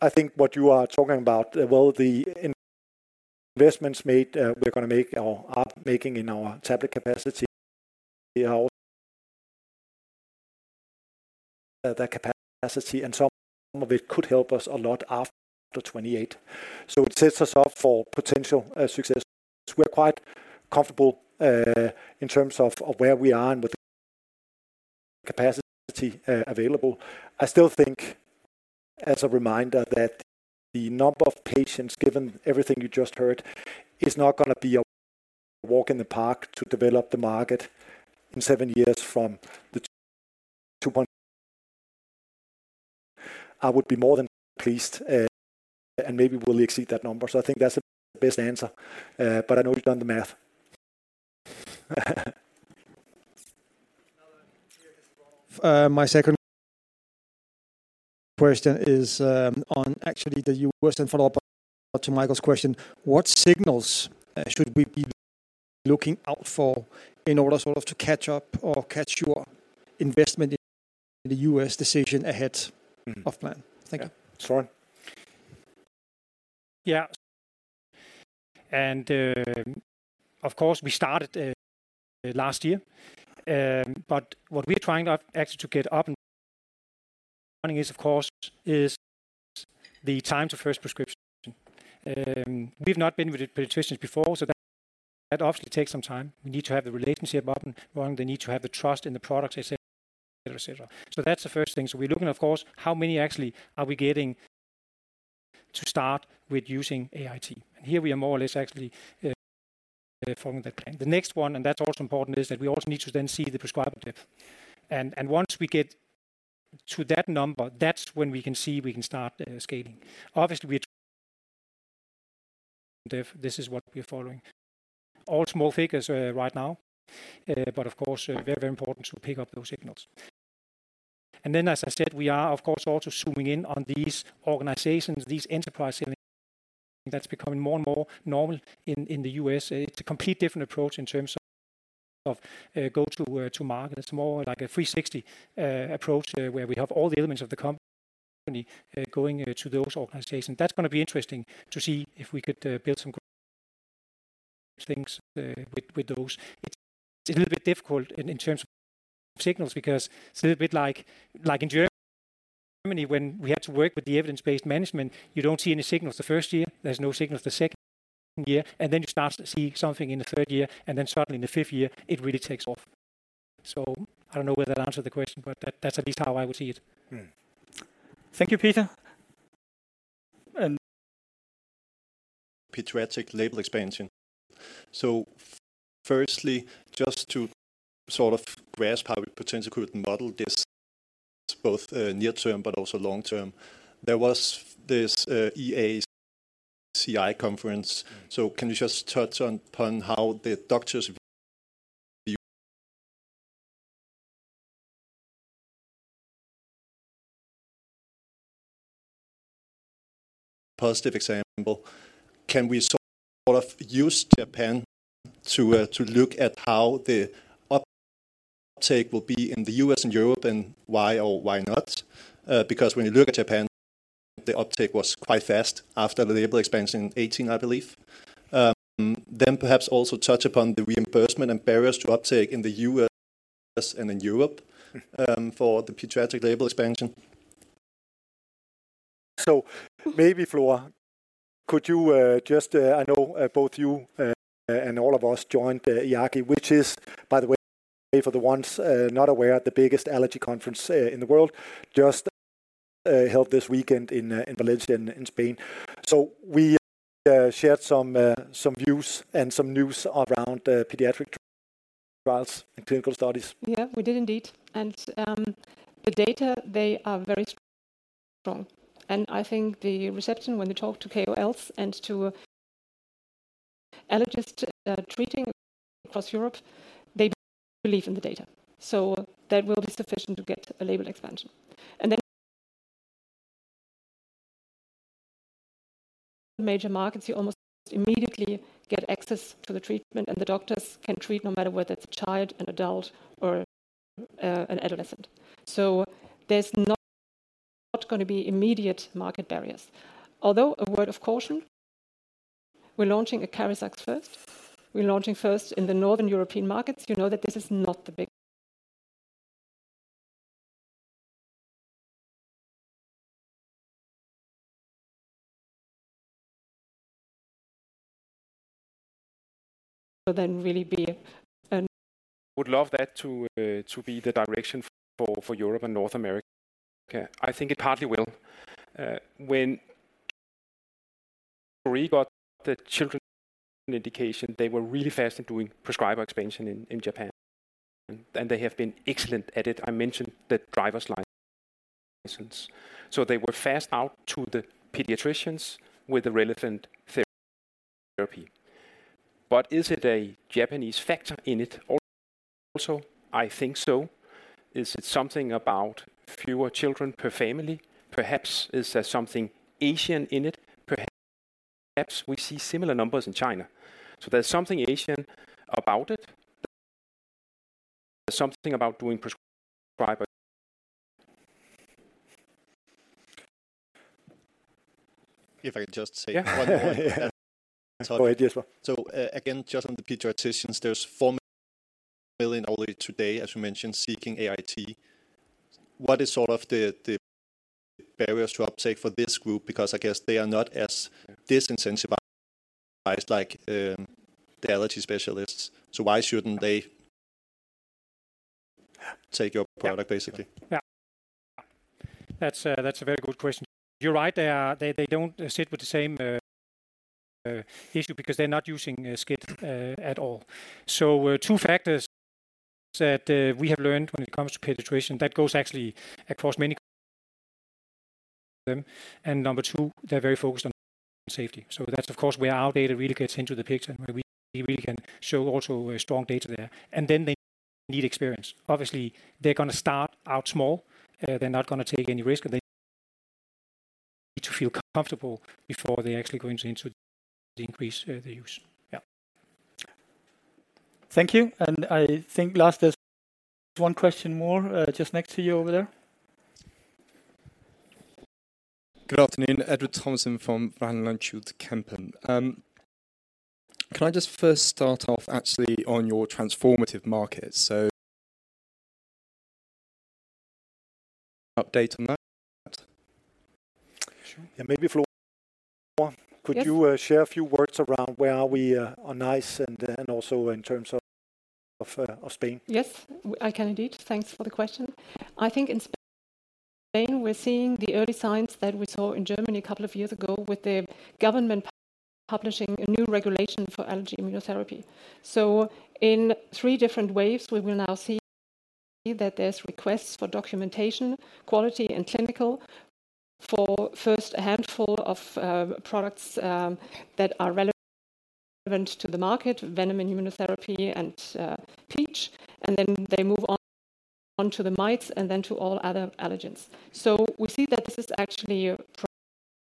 I think what you are talking about, well, the investments made, we're gonna make or are making in our tablet capacity, that capacity, and some of it could help us a lot after 2028. So it sets us up for potential success. We're quite comfortable in terms of where we are and the capacity available. I still think, as a reminder, that the number of patients, given everything you just heard, is not gonna be a walk in the park to develop the market in seven years from the two point. I would be more than pleased and maybe will exceed that number. So I think that's the best answer, but I know you've done the math. My second question is on actually the U.S. and follow-up to Michael's question. What signals should we be looking out for in order sort of to catch up or catch your investment in the U.S. decision ahead of plan? Thank you. Yeah. Søren? Yeah. And, of course, we started last year, but what we're trying out actually to get up and running. One is, of course, the time to first prescription. We've not been with the pediatricians before, so that obviously takes some time. We need to have the relationship up and running. They need to have the trust in the product, et cetera, et cetera. So that's the first thing. So we're looking, of course, how many actually are we getting to start with using AIT? And here we are more or less actually following the plan. The next one, and that's also important, is that we also need to then see the prescriber depth. And once we get to that number, that's when we can see we can start scaling. Obviously, we are. This is what we are following. All small figures right now, but of course, very, very important to pick up those signals. And then, as I said, we are, of course, also zooming in on these organizations, these enterprises—that's becoming more and more normal in the U.S. It's a complete different approach in terms of go-to to market. It's more like a 360 approach, where we have all the elements of the company going to those organizations. That's gonna be interesting to see if we could build some good things with those. It's a little bit difficult in terms of signals, because it's a little bit like in Germany, when we had to work with the evidence-based management. You don't see any signals the first year, there's no signals the second year, and then you start to see something in the third year, and then suddenly in the fifth year, it really takes off. So I don't know whether that answered the question, but that's at least how I would see it. Thank you, Peter.... pediatric label expansion. So firstly, just to sort of grasp how potential could model this, both, near term but also long term, there was this, EAACI conference. So can you just touch on upon how the doctors positive example, can we sort of use Japan to, to look at how the uptake will be in the US and Europe, and why or why not? Because when you look at Japan, the uptake was quite fast after the label expansion in 2018, I believe. Then perhaps also touch upon the reimbursement and barriers to uptake in the U.S. and in Europe, for the pediatric label expansion. So maybe, Flora, could you just. I know, both you and all of us joined EAACI, which is, by the way, for the ones not aware, the biggest allergy conference in the world, just held this weekend in Valencia, in Spain. So we shared some some views and some news around pediatric trials and clinical studies. Yeah, we did indeed. And, the data, they are very strong. And I think the reception, when you talk to KOLs and to allergists, treating across Europe, they believe in the data, so that will be sufficient to get a label expansion. And then major markets, you almost immediately get access to the treatment, and the doctors can treat no matter whether it's a child, an adult, or an adolescent. So there's not, not going to be immediate market barriers. Although, a word of caution, we're launching ACARIZAX first. We're launching first in the Northern European markets. You know that this is not the big... So then really be an... Would love that to, to be the direction for, for Europe and North America. I think it partly will. When we got the children indication, they were really fast in doing prescriber expansion in, in Japan, and they have been excellent at it. I mentioned the driver's license. So they were fast out to the pediatricians with the relevant therapy. But is it a Japanese factor in it also? I think so. Is it something about fewer children per family? Perhaps. Is there something Asian in it? Perhaps. We see similar numbers in China, so there's something Asian about it. There's something about doing prescriber. If I could just say one more. Go ahead, yes sir. So, again, just on the pediatricians, there's 4 million already today, as you mentioned, seeking AIT. What is sort of the, the barriers to uptake for this group? Because I guess they are not as disincentivized like, the allergy specialists. So why shouldn't they take your product, basically? Yeah. That's a very good question. You're right, they don't sit with the same issue because they're not using SCIT at all. So, two factors that we have learned when it comes to penetration, that goes actually across many- and number two, they're very focused on safety. So that's, of course, where our data really gets into the picture, where we can show also a strong data there, and then they need experience. Obviously, they're gonna start out small. They're not gonna take any risk, and they need to feel comfortable before they actually go into increase the use. Yeah. Thank you, and I think last, there's one question more, just next to you over there. Good afternoon, Edward Thomason from Van Lanschot Kempen. Can I just first start off actually on your transformative market? So, update on that. Sure. And maybe Flora, could you share a few words around where are we on NICE and then also in terms of Spain? Yes, I can indeed. Thanks for the question. I think in Spain, we're seeing the early signs that we saw in Germany a couple of years ago with the government publishing a new regulation for allergy immunotherapy. So in three different waves, we will now see that there's requests for documentation, quality, and clinical for first a handful of products that are relevant to the market, venom immunotherapy and peach, and then they move on to the mites and then to all other allergens. So we see that this is actually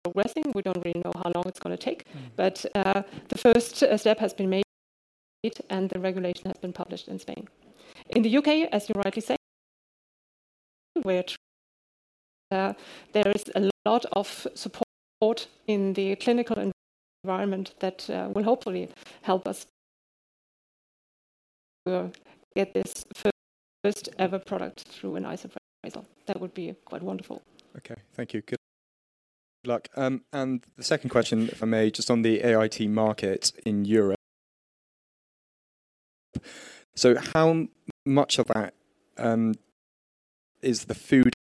progressing. We don't really know how long it's going to take, but the first step has been made, and the regulation has been published in Spain. In the U.K., as you rightly say, there is a lot of support in the clinical environment that will hopefully help us get this first ever product through a NICE appraisal. That would be quite wonderful. Okay. Thank you. Good luck. And the second question, if I may, just on the AIT market in Europe. So how much of that is the food?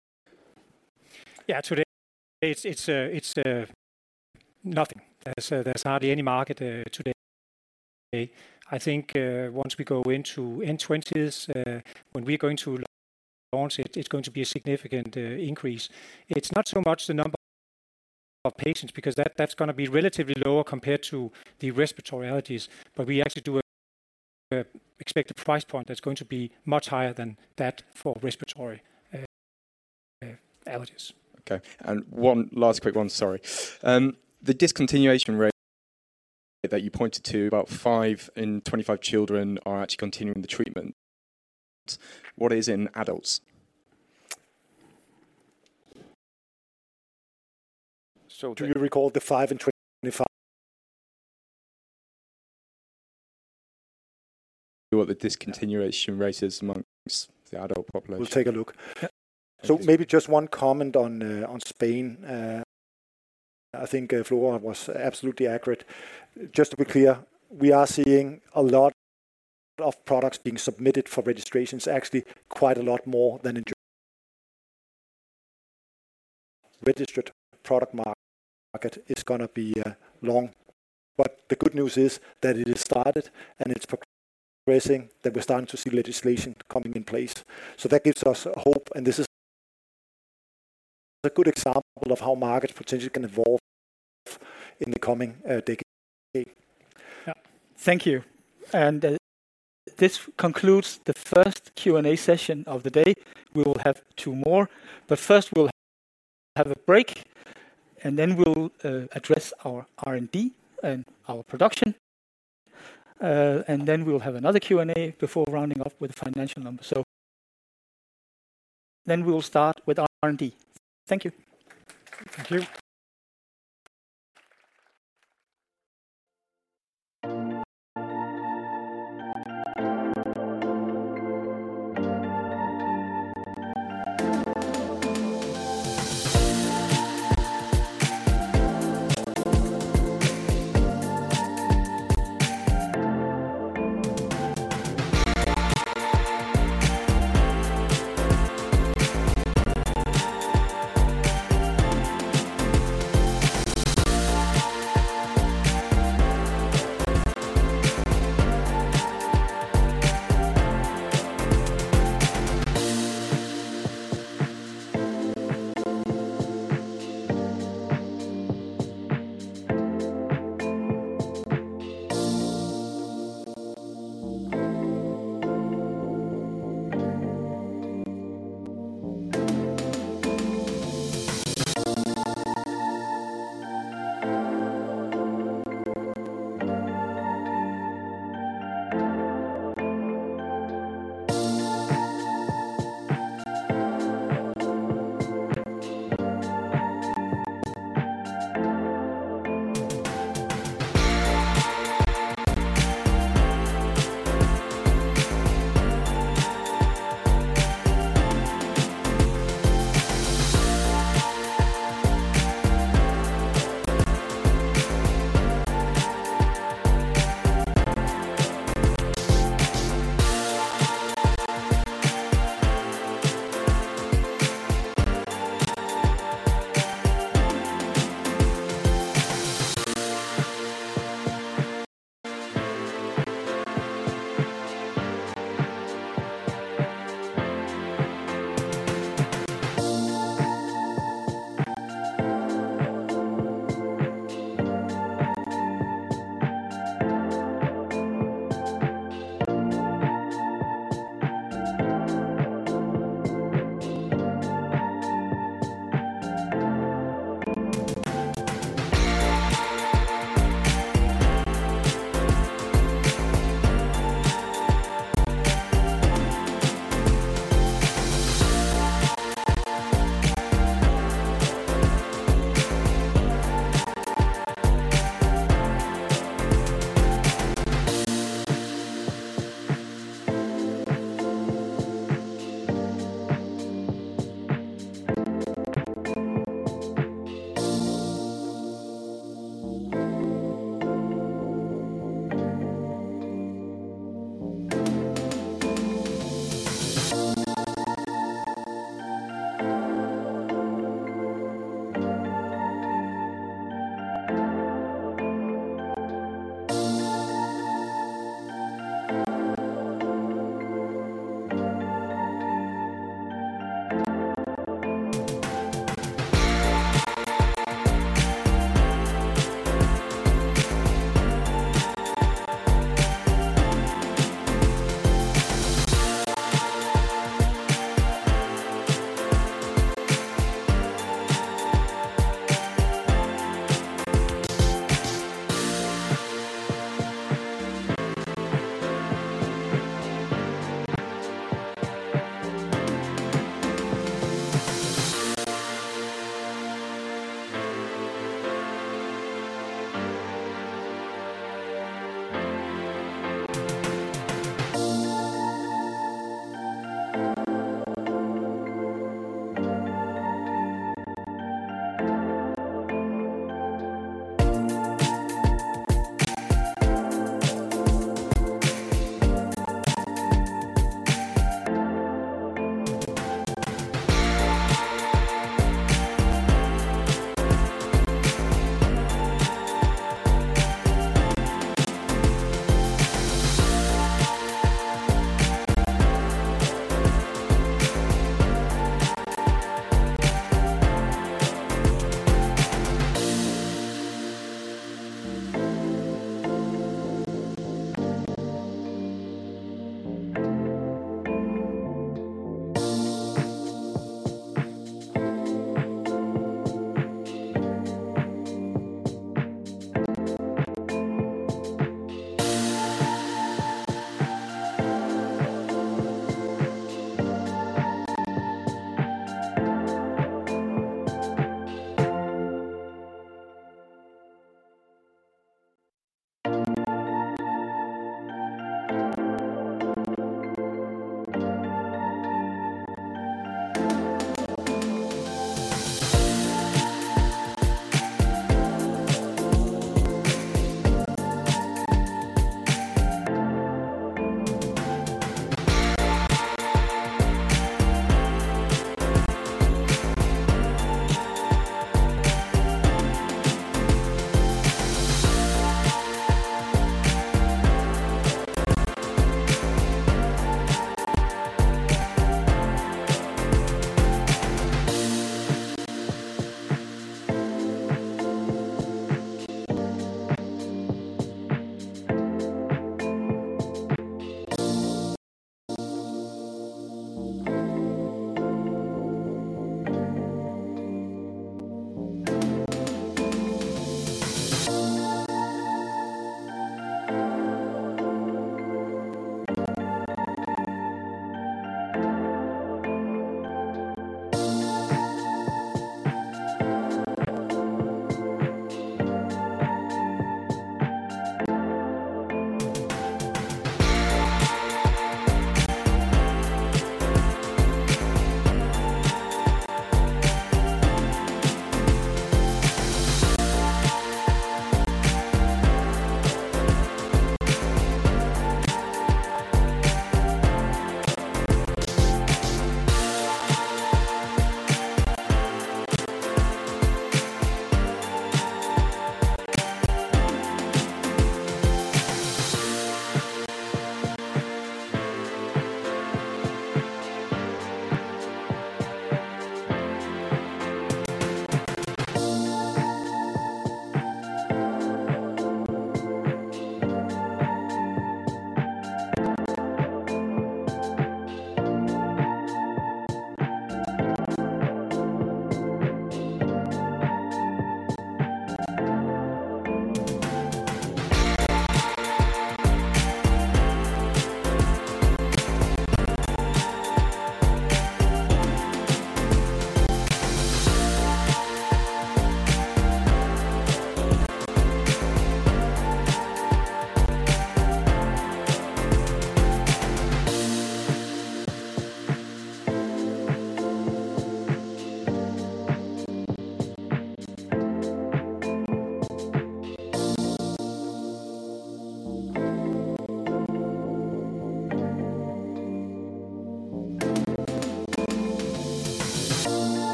Yeah, today, it's nothing. There's hardly any market today. I think, once we go into mid-2020s, when we're going to launch it, it's going to be a significant increase. It's not so much the number of patients, because that's gonna be relatively lower compared to the respiratory allergies, but we actually do expect a price point that's going to be much higher than that for respiratory allergies. Okay, and one last quick one, sorry. The discontinuation rate that you pointed to, about 5 in 25 children are actually continuing the treatment. What is in adults? Do you recall the 5 in 25? What the discontinuation rate is among the adult population? We'll take a look. So maybe just one comment on, on Spain. I think, Flora was absolutely accurate. Just to be clear, we are seeing a lot of products being submitted for registrations, actually, quite a lot more than in Germany. Registered product market is gonna be, long. But the good news is that it is started, and it's progressing, that we're starting to see legislation coming in place. So that gives us hope, and this is a good example of how markets potentially can evolve in the coming, decade. Yeah. Thank you. This concludes the first Q&A session of the day. We will have two more, but first we'll have a break, and then we'll address our R&D and our production, and then we'll have another Q&A before rounding off with the financial numbers. Then we will start with R&D. Thank you.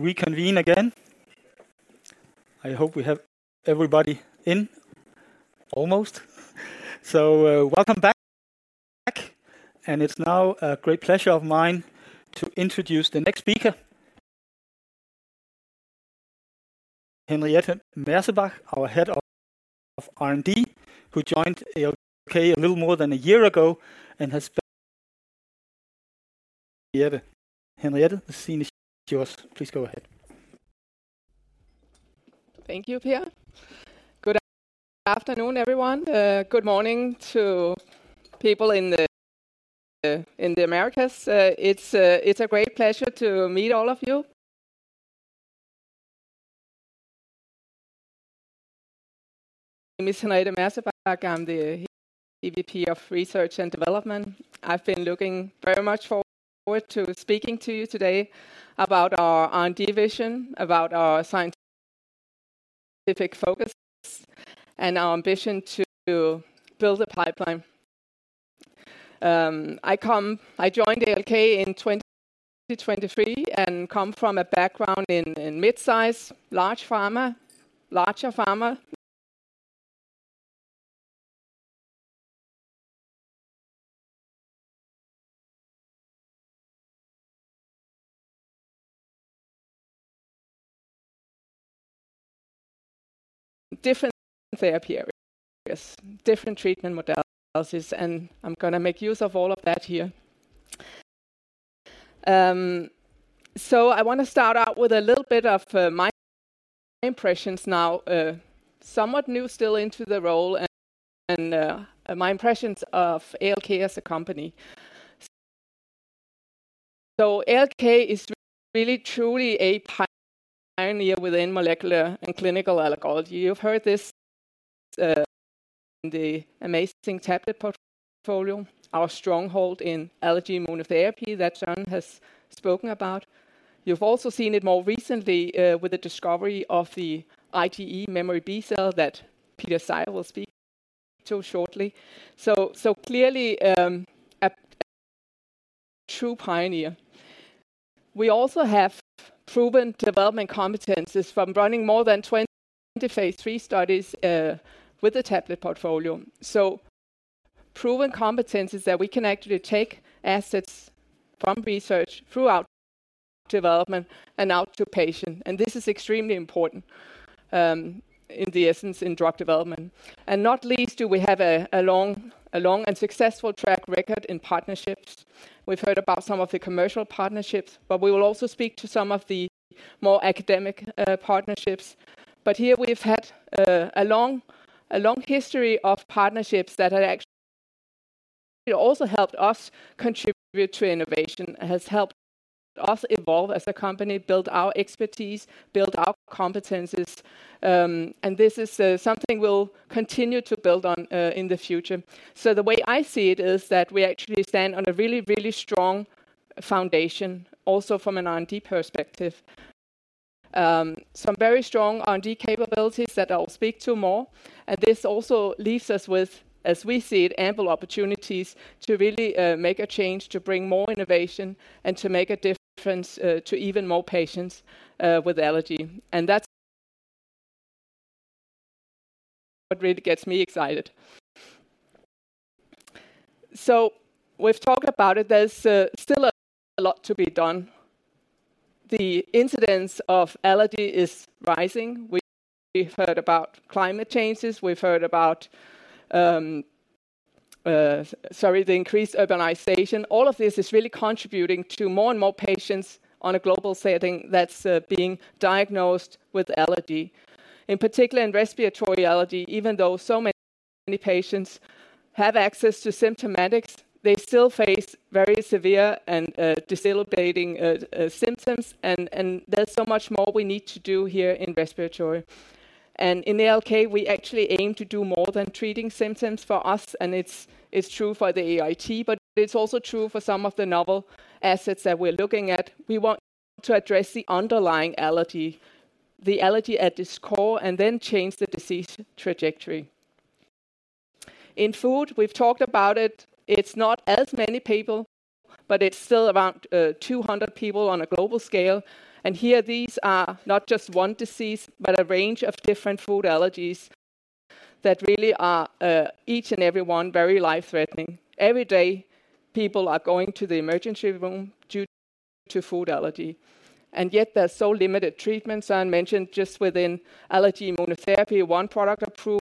Thank you. We convene again. I hope we have everybody in, almost. So, welcome back, and it's now a great pleasure of mine to introduce the next speaker, Henriette Mersebach, our Head of R&D, who joined ALK a little more than a year ago and has—Henriette. Henriette, the scene is yours. Please go ahead. Thank you, Per. Good afternoon, everyone. Good morning to people in the, in the Americas. It's a great pleasure to meet all of you. Henriette Mersebach. I'm the EVP of Research and Development. I've been looking very much forward to speaking to you today about our R&D vision, about our scientific focus, and our ambition to build a pipeline. I joined ALK in 2023 and come from a background in midsize, large pharma, larger pharma. Different therapy areas, different treatment modalities, and I'm gonna make use of all of that here. So I want to start out with a little bit of my impressions now, somewhat new still into the role and my impressions of ALK as a company. So ALK is really, truly a pioneer within molecular and clinical allergy. You've heard this, the amazing tablet portfolio, our stronghold in allergy immunotherapy that Søren has spoken about. You've also seen it more recently with the discovery of the IgE memory B cell that Peter Sejer will speak to shortly. So clearly, a true pioneer. We also have proven development competencies from running more than 20 phase III studies with the tablet portfolio. So proven competencies that we can actually take assets from research throughout development and out to patient, and this is extremely important in the essence in drug development. And not least do we have a long and successful track record in partnerships. We've heard about some of the commercial partnerships, but we will also speak to some of the more academic partnerships. But here we've had a long, a long history of partnerships that have actually also helped us contribute to innovation, has helped us evolve as a company, build our expertise, build our competencies, and this is something we'll continue to build on in the future. The way I see it is that we actually stand on a really, really strong foundation, also from an R&D perspective. Some very strong R&D capabilities that I'll speak to more, and this also leaves us with, as we see it, ample opportunities to really make a change, to bring more innovation, and to make a difference to even more patients with allergy. That's what really gets me excited. We've talked about it. There's still a lot to be done. The incidence of allergy is rising. We've heard about climate changes. We've heard about the increased urbanization. All of this is really contributing to more and more patients on a global setting that's being diagnosed with allergy. In particular, in respiratory allergy, even though so many patients have access to symptomatics, they still face very severe and debilitating symptoms. And there's so much more we need to do here in respiratory. And in ALK, we actually aim to do more than treating symptoms for us, and it's true for the AIT, but it's also true for some of the novel assets that we're looking at. We want to address the underlying allergy, the allergy at its core, and then change the disease trajectory. In food, we've talked about it. It's not as many people, but it's still around 200 people on a global scale. Here, these are not just one disease, but a range of different food allergies that really are each and every one very life-threatening. Every day, people are going to the emergency room due to food allergy, and yet there are so limited treatments. I mentioned just within allergy immunotherapy, one product approved.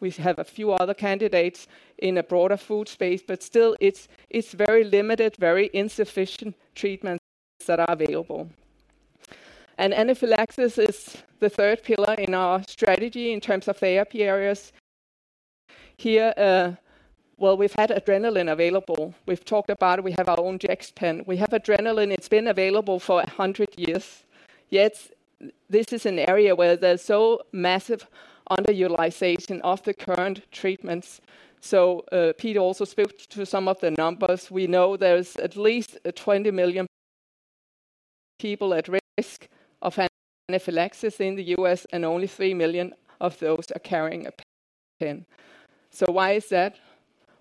We have a few other candidates in a broader food space, but still it's very limited, very insufficient treatments that are available. Anaphylaxis is the third pillar in our strategy in terms of therapy areas. Here. Well, we've had adrenaline available. We've talked about it. We have our own Jext pen. We have adrenaline. It's been available for 100 years, yet this is an area where there's so massive underutilization of the current treatments. So, Peter also spoke to some of the numbers. We know there's at least 20 million people at risk of anaphylaxis in the U.S., and only 3 million of those are carrying a pen. So why is that?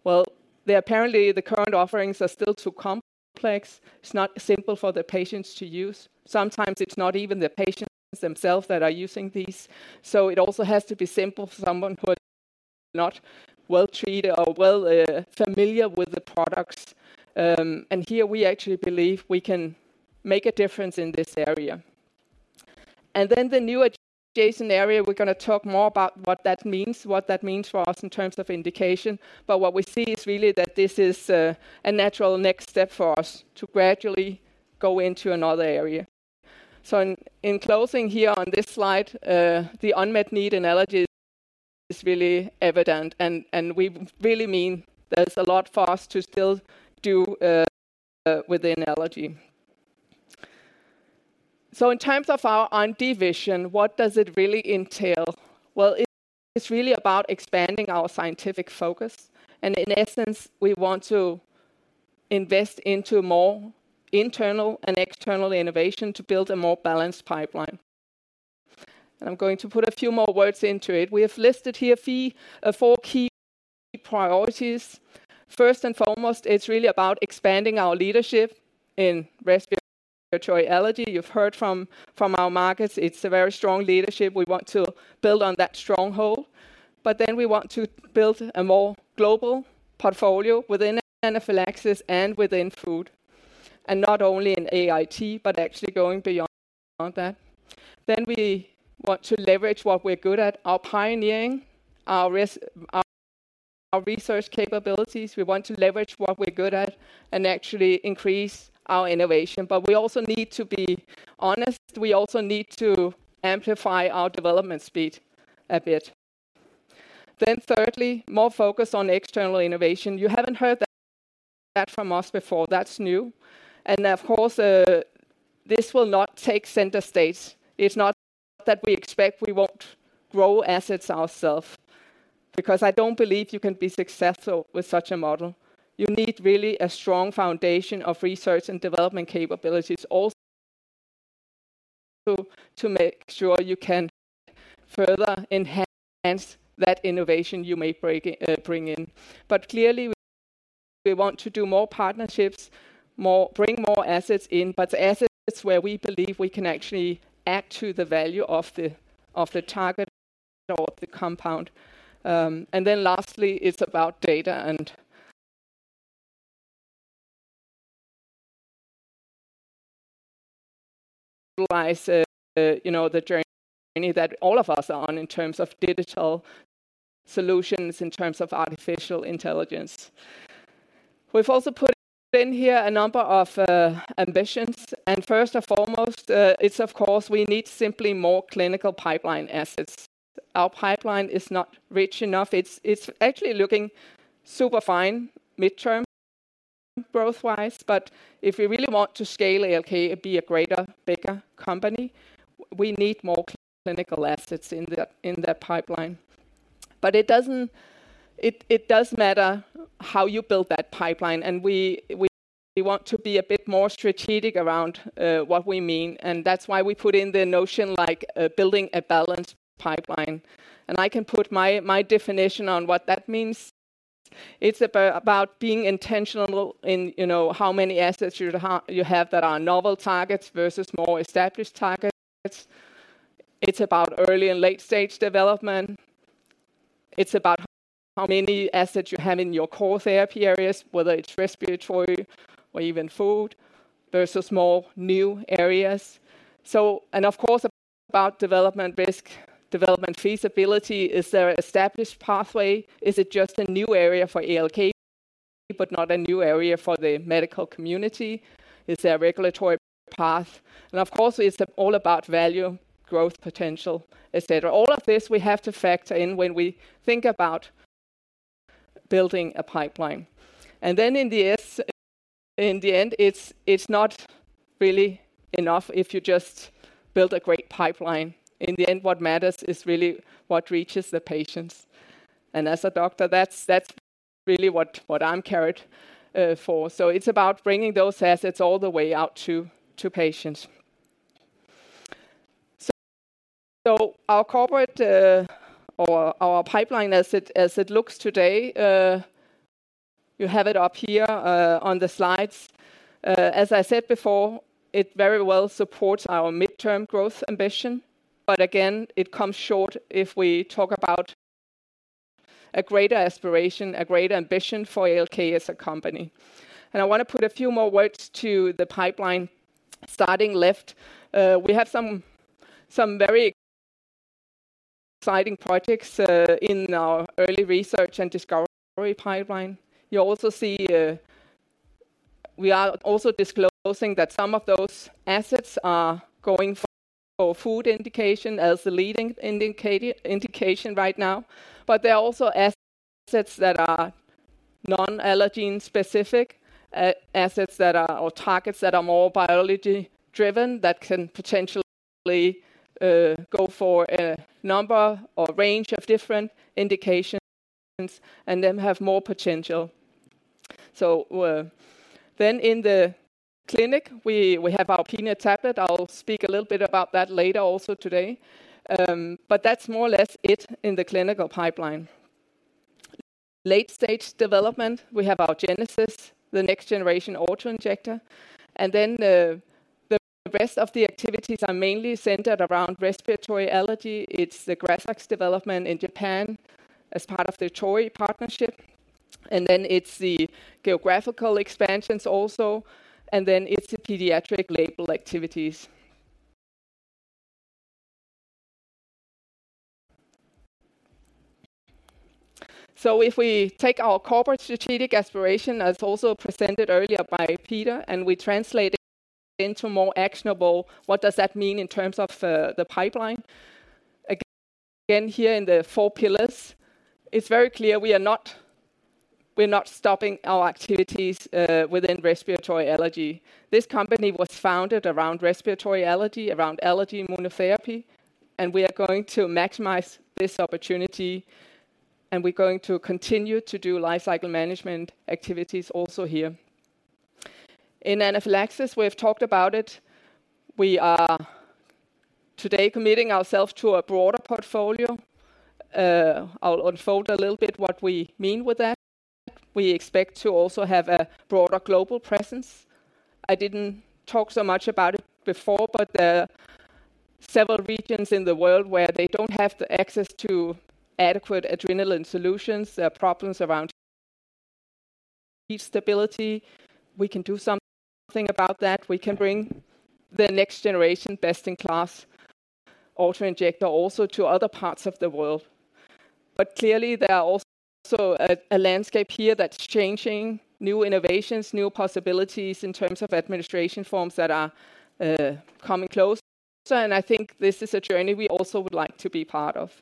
Well, apparently, the current offerings are still too complex. It's not simple for the patients to use. Sometimes it's not even the patients themselves that are using these. So it also has to be simple for someone who is not well treated or well, familiar with the products. And here we actually believe we can make a difference in this area. And then the new adjacent area, we're gonna talk more about what that means, what that means for us in terms of indication. But what we see is really that this is, a natural next step for us to gradually go into another area. So in closing here on this slide, the unmet need analogy is really evident, and we really mean there's a lot for us to still do within allergy. So in terms of our R&D vision, what does it really entail? Well, it's really about expanding our scientific focus, and in essence, we want to invest into more internal and external innovation to build a more balanced pipeline. And I'm going to put a few more words into it. We have listed here a few four key priorities. First and foremost, it's really about expanding our leadership in respiratory allergy. You've heard from our markets, it's a very strong leadership. We want to build on that stronghold, but then we want to build a more global portfolio within anaphylaxis and within food, and not only in AIT, but actually going beyond that. Then we want to leverage what we're good at, our pioneering, our research capabilities. We want to leverage what we're good at and actually increase our innovation. But we also need to be honest, we also need to amplify our development speed a bit. Then thirdly, more focus on external innovation. You haven't heard that from us before. That's new, and of course, this will not take center stage. It's not that we expect we won't grow assets ourself, because I don't believe you can be successful with such a model. You need really a strong foundation of research and development capabilities, also to make sure you can further enhance that innovation you may bring in. But clearly, we want to do more partnerships, bring more assets in, but the assets where we believe we can actually add to the value of the, of the target or the compound. And then lastly, it's about data and, you know, the journey that all of us are on in terms of digital solutions, in terms of artificial intelligence. We've also put in here a number of ambitions, and first and foremost, it's of course, we need simply more clinical pipeline assets. Our pipeline is not rich enough. It's, it's actually looking super fine mid-term, growth-wise, but if we really want to scale ALK and be a greater, bigger company, we need more clinical assets in the, in the pipeline. But it does matter how you build that pipeline, and we want to be a bit more strategic around what we mean, and that's why we put in the notion like building a balanced pipeline. And I can put my definition on what that means. It's about being intentional in, you know, how many assets you have that are novel targets versus more established targets. It's about early and late-stage development. It's about how many assets you have in your core therapy areas, whether it's respiratory or even food versus more new areas. And, of course, about development risk, development feasibility. Is there an established pathway? Is it just a new area for ALK, but not a new area for the medical community? Is there a regulatory path? And of course, it's all about value, growth potential, et cetera. All of this we have to factor in when we think about building a pipeline. Then in the end, it's not really enough if you just build a great pipeline. In the end, what matters is really what reaches the patients. And as a doctor, that's really what I care for. So it's about bringing those assets all the way out to patients. So our corporate or our pipeline as it looks today, you have it up here on the slides. As I said before, it very well supports our midterm growth ambition, but again, it comes short if we talk about a greater aspiration, a greater ambition for ALK as a company. I want to put a few more words to the pipeline. Starting left, we have some very exciting projects in our early research and discovery pipeline. You also see, we are also disclosing that some of those assets are going for food indication as the leading indication right now. But there are also assets that are non-allergen specific, assets that are or targets that are more biology-driven, that can potentially go for a number or range of different indications and then have more potential. So, then in the clinic, we have our peanut tablet. I'll speak a little bit about that later, also today. But that's more or less it in the clinical pipeline. Late-stage development, we have our Genesis, the next generation auto-injector, and then the rest of the activities are mainly centered around respiratory allergy. It's the GRAZAX development in Japan as part of the [Choi] partnership, and then it's the geographical expansions also, and then it's the pediatric label activities. So if we take our corporate strategic aspiration, as also presented earlier by Peter, and we translate it into more actionable, what does that mean in terms of the pipeline? Again, here in the four pillars, it's very clear we're not stopping our activities within respiratory allergy. This company was founded around respiratory allergy, around allergy immunotherapy, and we are going to maximize this opportunity, and we're going to continue to do life cycle management activities also here. In anaphylaxis, we have talked about it. We are today committing ourselves to a broader portfolio. I'll unfold a little bit what we mean with that. We expect to also have a broader global presence. I didn't talk so much about it before, but there are several regions in the world where they don't have the access to adequate adrenaline solutions. There are problems around heat stability. We can do something about that. We can bring the next generation best-in-class auto-injector also to other parts of the world. But clearly, there are also a landscape here that's changing, new innovations, new possibilities in terms of administration forms that are coming close. And I think this is a journey we also would like to be part of.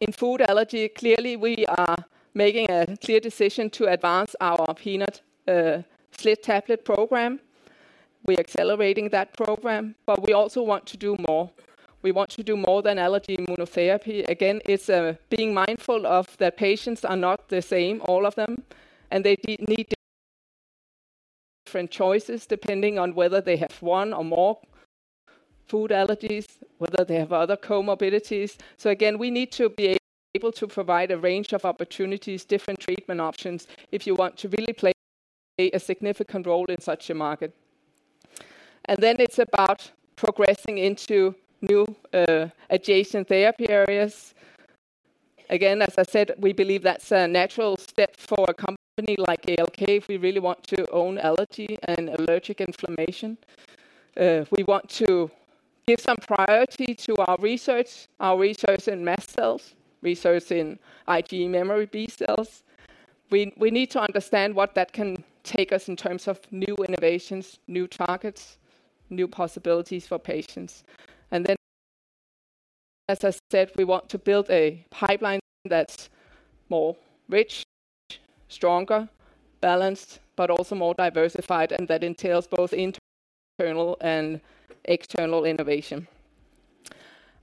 In food allergy, clearly, we are making a clear decision to advance our peanut SLIT-tablet program. We're accelerating that program, but we also want to do more. We want to do more than allergy immunotherapy. Again, it's being mindful of the patients are not the same, all of them, and they need different choices depending on whether they have one or more food allergies, whether they have other comorbidities. So again, we need to be able to provide a range of opportunities, different treatment options, if you want to really play a significant role in such a market. And then it's about progressing into new adjacent therapy areas. Again, as I said, we believe that's a natural step for a company like ALK, if we really want to own allergy and allergic inflammation. We want to give some priority to our research, our research in mast cells, research in IgE memory B cells. We need to understand what that can take us in terms of new innovations, new targets, new possibilities for patients. And then, as I said, we want to build a pipeline that's more rich, stronger, balanced, but also more diversified, and that entails both internal and external innovation.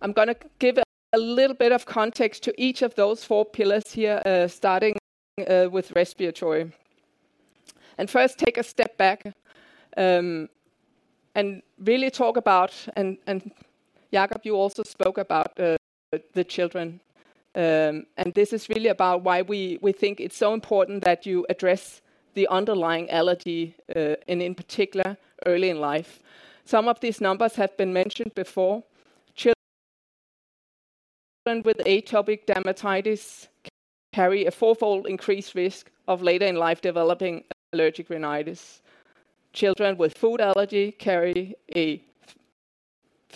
I'm gonna give a little bit of context to each of those four pillars here, starting with respiratory. And first, take a step back, and really talk about, and Jacob, you also spoke about the children. And this is really about why we, we think it's so important that you address the underlying allergy, and in particular, early in life. Some of these numbers have been mentioned before. Children with atopic dermatitis carry a four-fold increased risk of later in life developing allergic rhinitis. Children with food allergy carry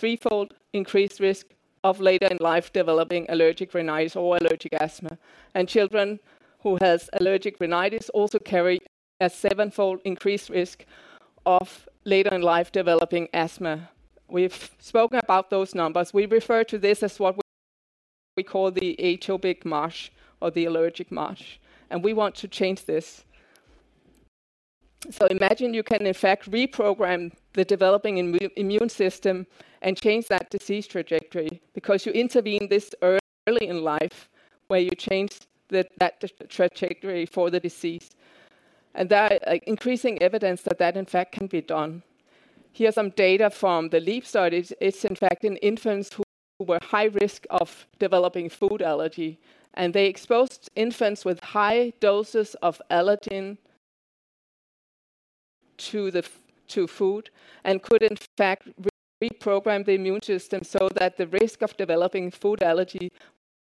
a threefold increased risk of later in life developing allergic rhinitis or allergic asthma. Children who has allergic rhinitis also carry a seven-fold increased risk of later in life developing asthma. We've spoken about those numbers. We refer to this as what we call the atopic march or the allergic march, and we want to change this. Imagine you can, in fact, reprogram the developing immune system and change that disease trajectory because you intervene this early in life, where you change the, that trajectory for the disease, and there are increasing evidence that that, in fact, can be done. Here are some data from the LEAP study. It's in fact in infants who were high risk of developing food allergy, and they exposed infants with high doses of allergen to food and could, in fact, reprogram the immune system so that the risk of developing food allergy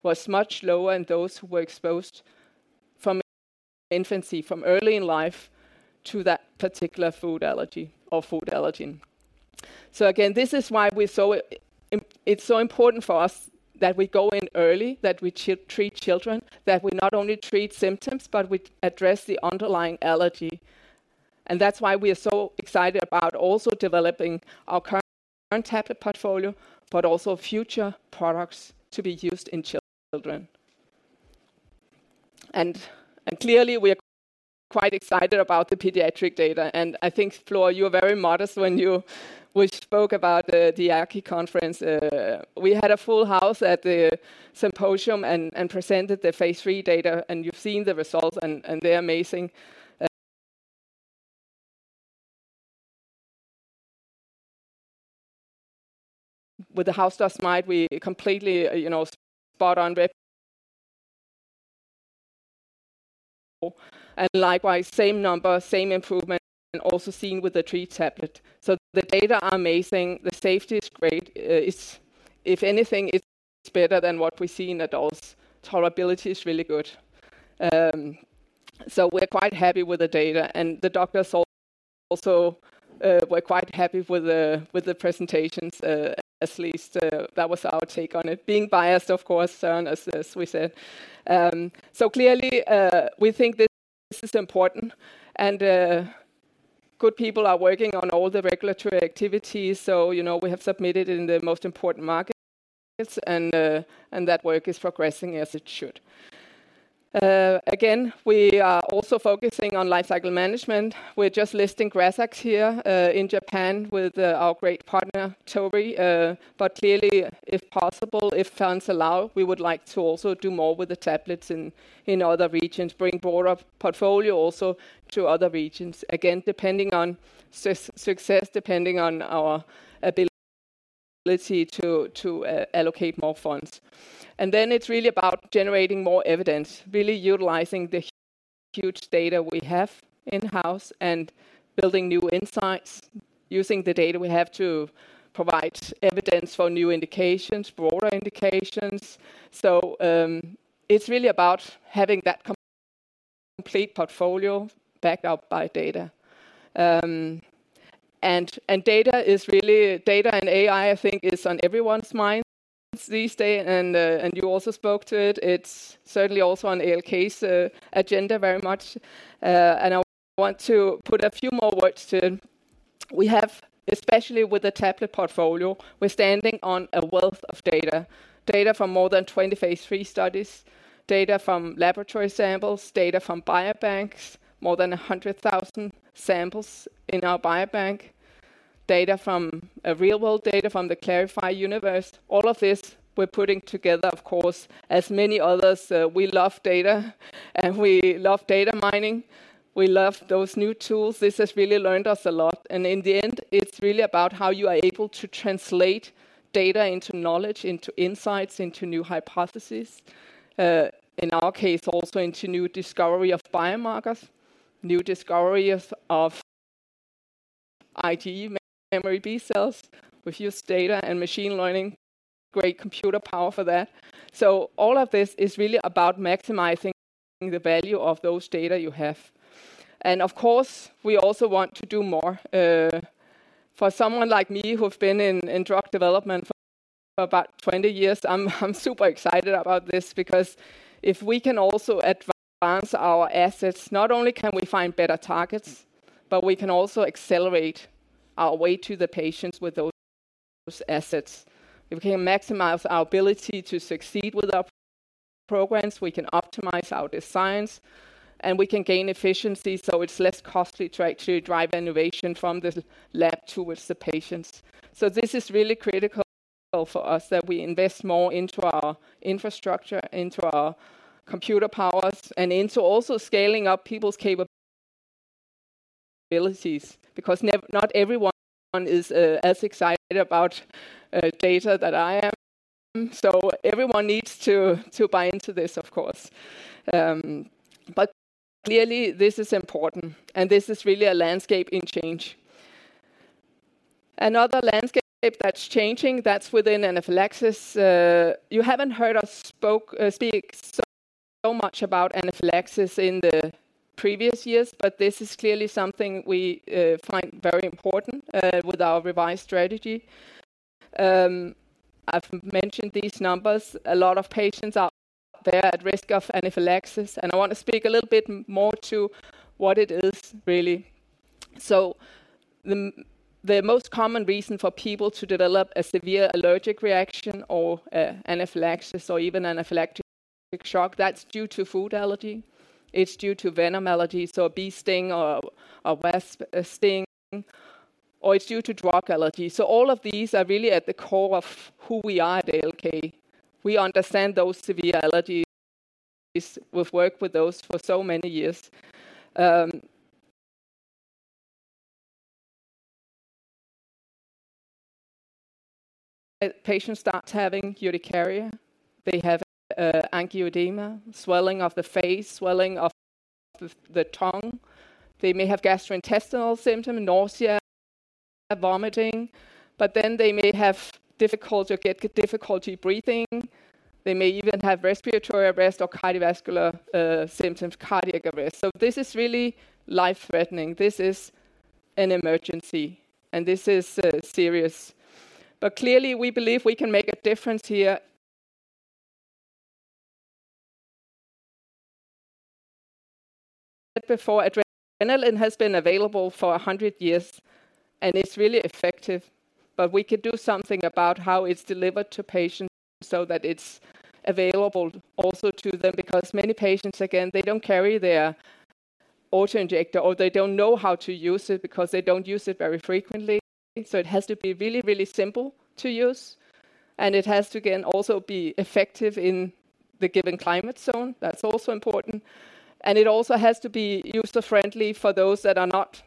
was much lower in those who were exposed from infancy, from early in life to that particular food allergy or food allergen. So again, this is why we so it, it's so important for us that we go in early, that we treat children, that we not only treat symptoms, but we address the underlying allergy. And that's why we are so excited about also developing our current tablet portfolio, but also future products to be used in children. And clearly, we are quite excited about the pediatric data, and I think, Flor, you were very modest when we spoke about the EAACI Conference. We had a full house at the symposium and presented the phase III data, and you've seen the results, and they're amazing. With the house dust mite, we completely, you know, spot on with... Likewise, same number, same improvement, and also seen with the tree tablet. So the data are amazing. The safety is great. It's, if anything, better than what we see in adults. Tolerability is really good. So we're quite happy with the data, and the doctors also were quite happy with the presentations, at least that was our take on it. Being biased, of course, as we said. So clearly, we think this is important, and good people are working on all the regulatory activities. So, you know, we have submitted in the most important markets, and that work is progressing as it should. Again, we are also focusing on lifecycle management. We're just listing GRAZAX here in Japan with our great partner, Torii. But clearly, if possible, if funds allow, we would like to also do more with the tablets in other regions. Bring broader portfolio also to other regions. Again, depending on success, depending on our ability to allocate more funds. And then it's really about generating more evidence, really utilizing the huge data we have in-house and building new insights. Using the data we have to provide evidence for new indications, broader indications. So, it's really about having that complete portfolio backed up by data. And data is really... Data and AI, I think, is on everyone's minds these days, and, and you also spoke to it. It's certainly also on ALK's agenda very much, and I want to put a few more words to it. We have, especially with the tablet portfolio, we're standing on a wealth of data. Data from more than 20 phase III studies, data from laboratory samples, data from biobanks, more than 100,000 samples in our biobank. Data from a real world, data from the klarify Universe. All of this, we're putting together, of course, as many others, we love data, and we love data mining. We love those new tools. This has really learned us a lot, and in the end, it's really about how you are able to translate data into knowledge, into insights, into new hypotheses. In our case, also into new discovery of biomarkers, new discovery of IgE memory B cells with use data and machine learning, great computer power for that. So all of this is really about maximizing the value of those data you have. And of course, we also want to do more. For someone like me who have been in drug development for about 20 years, I'm super excited about this because if we can also advance our assets, not only can we find better targets, but we can also accelerate our way to the patients with those assets. We can maximize our ability to succeed with our programs, we can optimize our science, and we can gain efficiency, so it's less costly to try to drive innovation from the lab towards the patients. So this is really critical for us, that we invest more into our infrastructure, into our computer powers, and into also scaling up people's capabilities, because not everyone is as excited about data that I am. So everyone needs to buy into this, of course. But clearly, this is important, and this is really a landscape in change. Another landscape that's changing, that's within anaphylaxis. You haven't heard us speak so much about anaphylaxis in the previous years, but this is clearly something we find very important with our revised strategy. I've mentioned these numbers. A lot of patients are there at risk of anaphylaxis, and I want to speak a little bit more to what it is, really. So the most common reason for people to develop a severe allergic reaction or anaphylaxis or even anaphylactic shock, that's due to food allergy. It's due to venom allergy, so a bee sting or a wasp sting, or it's due to drug allergy. So all of these are really at the core of who we are at ALK. We understand those severe allergies. We've worked with those for so many years. Patients start having urticaria. They have angioedema, swelling of the face, swelling of the tongue. They may have gastrointestinal symptom, nausea, vomiting, but then they may have difficulty breathing. They may even have respiratory arrest or cardiovascular symptoms, cardiac arrest. So this is really life-threatening. This is an emergency, and this is serious. But clearly, we believe we can make a difference here. Before adrenaline has been available for 100 years, and it's really effective. But we could do something about how it's delivered to patients so that it's available also to them, because many patients, again, they don't carry their auto-injector, or they don't know how to use it because they don't use it very frequently. So it has to be really, really simple to use, and it has to, again, also be effective in the given climate zone. That's also important. And it also has to be user-friendly for those that are not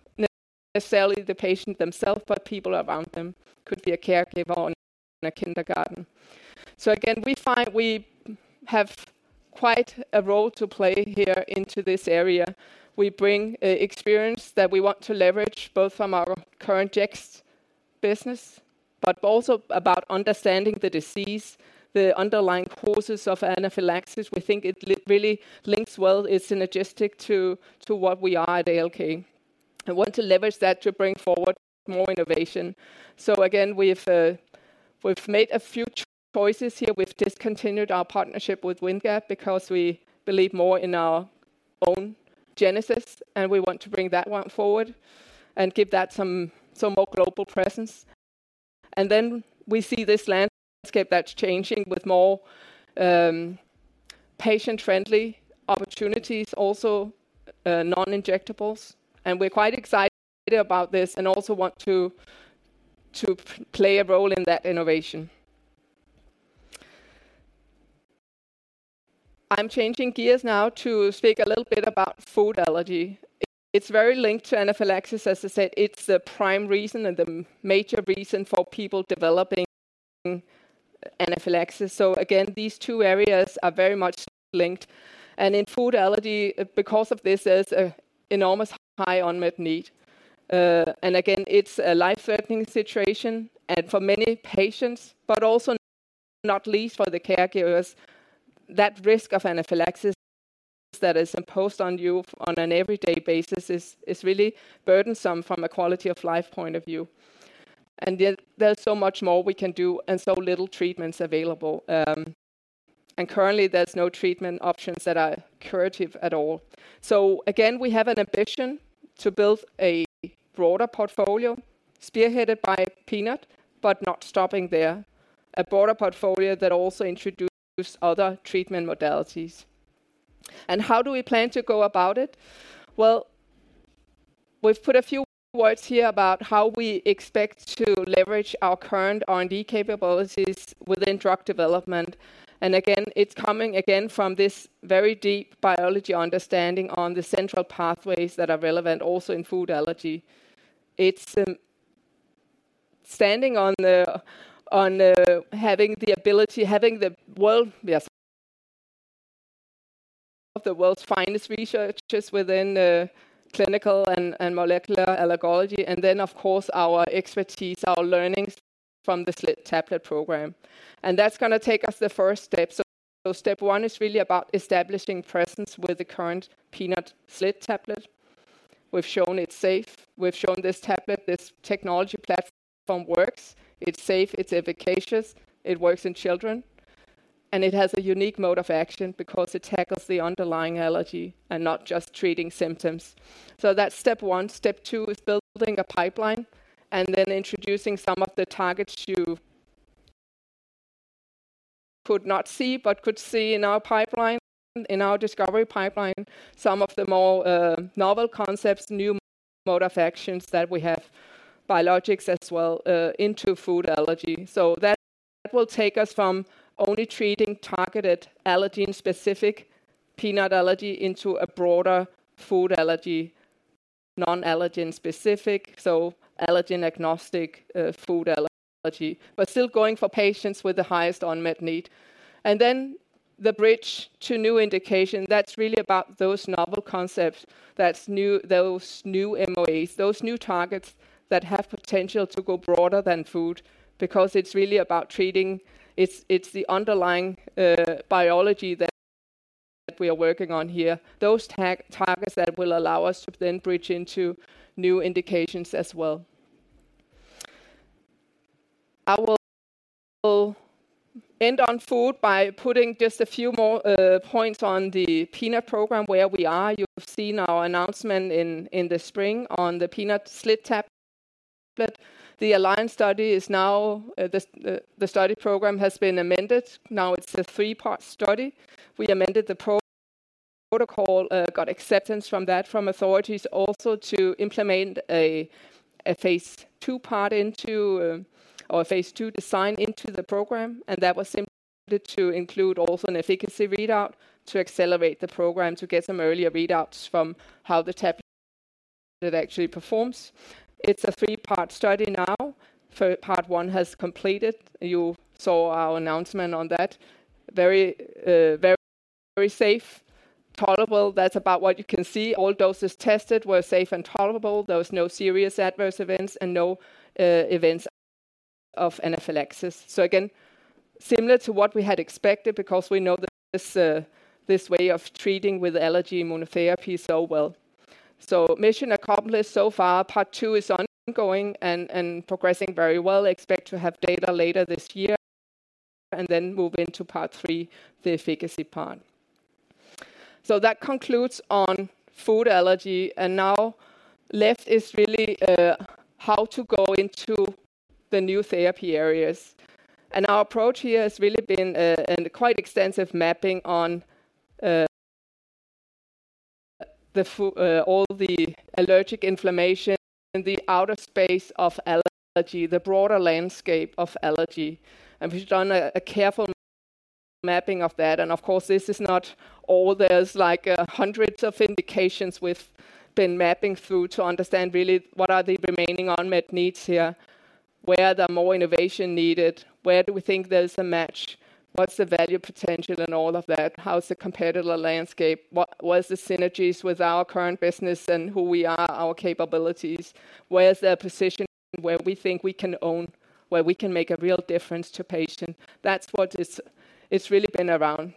necessarily the patient themselves, but people around them. Could be a caregiver or in a kindergarten. So again, we find we have quite a role to play here into this area. We bring experience that we want to leverage, both from our current Jext business, but also about understanding the disease, the underlying causes of anaphylaxis. We think it really links well. It's synergistic to what we are at ALK. I want to leverage that to bring forward more innovation. So again, we've made a few choices here. We've discontinued our partnership with Windgap because we believe more in our own Genesis, and we want to bring that one forward and give that some more global presence. And then we see this landscape that's changing with more patient-friendly opportunities, also non-injectables. And we're quite excited about this and also want to play a role in that innovation. I'm changing gears now to speak a little bit about food allergy. It's very linked to anaphylaxis. As I said, it's the prime reason and the major reason for people developing anaphylaxis. So again, these two areas are very much linked. And in food allergy, because of this, there's an enormous high unmet need. And again, it's a life-threatening situation and for many patients, but also not least for the caregivers, that risk of anaphylaxis that is imposed on you on an everyday basis is really burdensome from a quality of life point of view. And yet there's so much more we can do and so little treatments available. And currently there's no treatment options that are curative at all. So again, we have an ambition to build a broader portfolio spearheaded by peanut but not stopping there. A broader portfolio that also introduces other treatment modalities. And how do we plan to go about it? Well, we've put a few words here about how we expect to leverage our current R&D capabilities within drug development. Again, it's coming again from this very deep biology understanding on the central pathways that are relevant, also in food allergy. It's standing on the shoulders of the world's finest researchers within the clinical and molecular allergology, and then of course, our expertise, our learnings from the SLIT-tablet program. That's gonna take us the first step. Step one is really about establishing presence with the current peanut SLIT-tablet. We've shown it's safe. We've shown this tablet, this technology platform works. It's safe, it's efficacious, it works in children, and it has a unique mode of action because it tackles the underlying allergy and not just treating symptoms. That's step one. Step two is building a pipeline and then introducing some of the targets you could not see, but could see in our pipeline, in our discovery pipeline, some of the more novel concepts, new mode of actions that we have, biologics as well, into food allergy. So that will take us from only treating targeted allergen-specific peanut allergy into a broader food allergy, non-allergen specific, so allergen-agnostic food allergy, but still going for patients with the highest unmet need. And then the bridge to new indication, that's really about those novel concepts. That's new, those new MOAs, those new targets that have potential to go broader than food, because it's really about treating. It's the underlying biology that we are working on here, those targets that will allow us to then bridge into new indications as well. I will end on food by putting just a few more points on the peanut program where we are. You've seen our announcement in the spring on the peanut SLIT-tablet. The ALLIANCE study is now the study program has been amended. Now it's a three-part study. We amended the protocol, got acceptance from the authorities also to implement a phase II part into or a phase II design into the program. And that was simply to include also an efficacy readout to accelerate the program, to get some earlier readouts from how the tablet it actually performs. It's a three-part study now. Part one has completed. You saw our announcement on that. Very, very, very safe, tolerable. That's about what you can see. All doses tested were safe and tolerable. There was no serious adverse events and no events of anaphylaxis. So again, similar to what we had expected, because we know this, this way of treating with allergy immunotherapy so well. So mission accomplished so far. Part two is ongoing and progressing very well. Expect to have data later this year and then move into part three, the efficacy part. So that concludes on food allergy. And now left is really how to go into the new therapy areas. And our approach here has really been a quite extensive mapping on all the allergic inflammation in the outer space of allergy, the broader landscape of allergy. And we've done a careful mapping of that. And of course, this is not all. There's like hundreds of indications we've been mapping through to understand really what are the remaining unmet needs here, where are the more innovation needed, where do we think there is a match, what's the value potential and all of that? How is the competitive landscape? What was the synergies with our current business and who we are, our capabilities? Where's the position, where we think we can own, where we can make a real difference to patient? That's what it's really been around.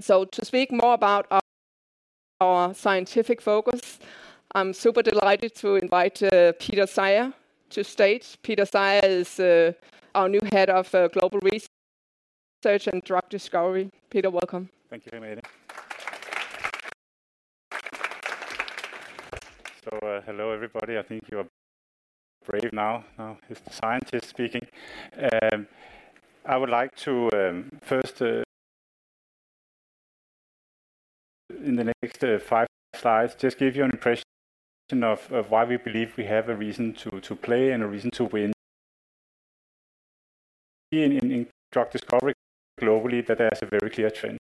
So to speak more about our scientific focus. I'm super delighted to invite Peter Sejer to stage. Peter Sejer is our new Head of Global Research and Drug Discovery. Peter, welcome. Thank you, Henriette. So, hello, everybody. I think you are brave now. Now, it's the scientist speaking. I would like to, first, in the next five slides, just give you an impression of why we believe we have a reason to play and a reason to win. In drug discovery globally, there is a very clear trend,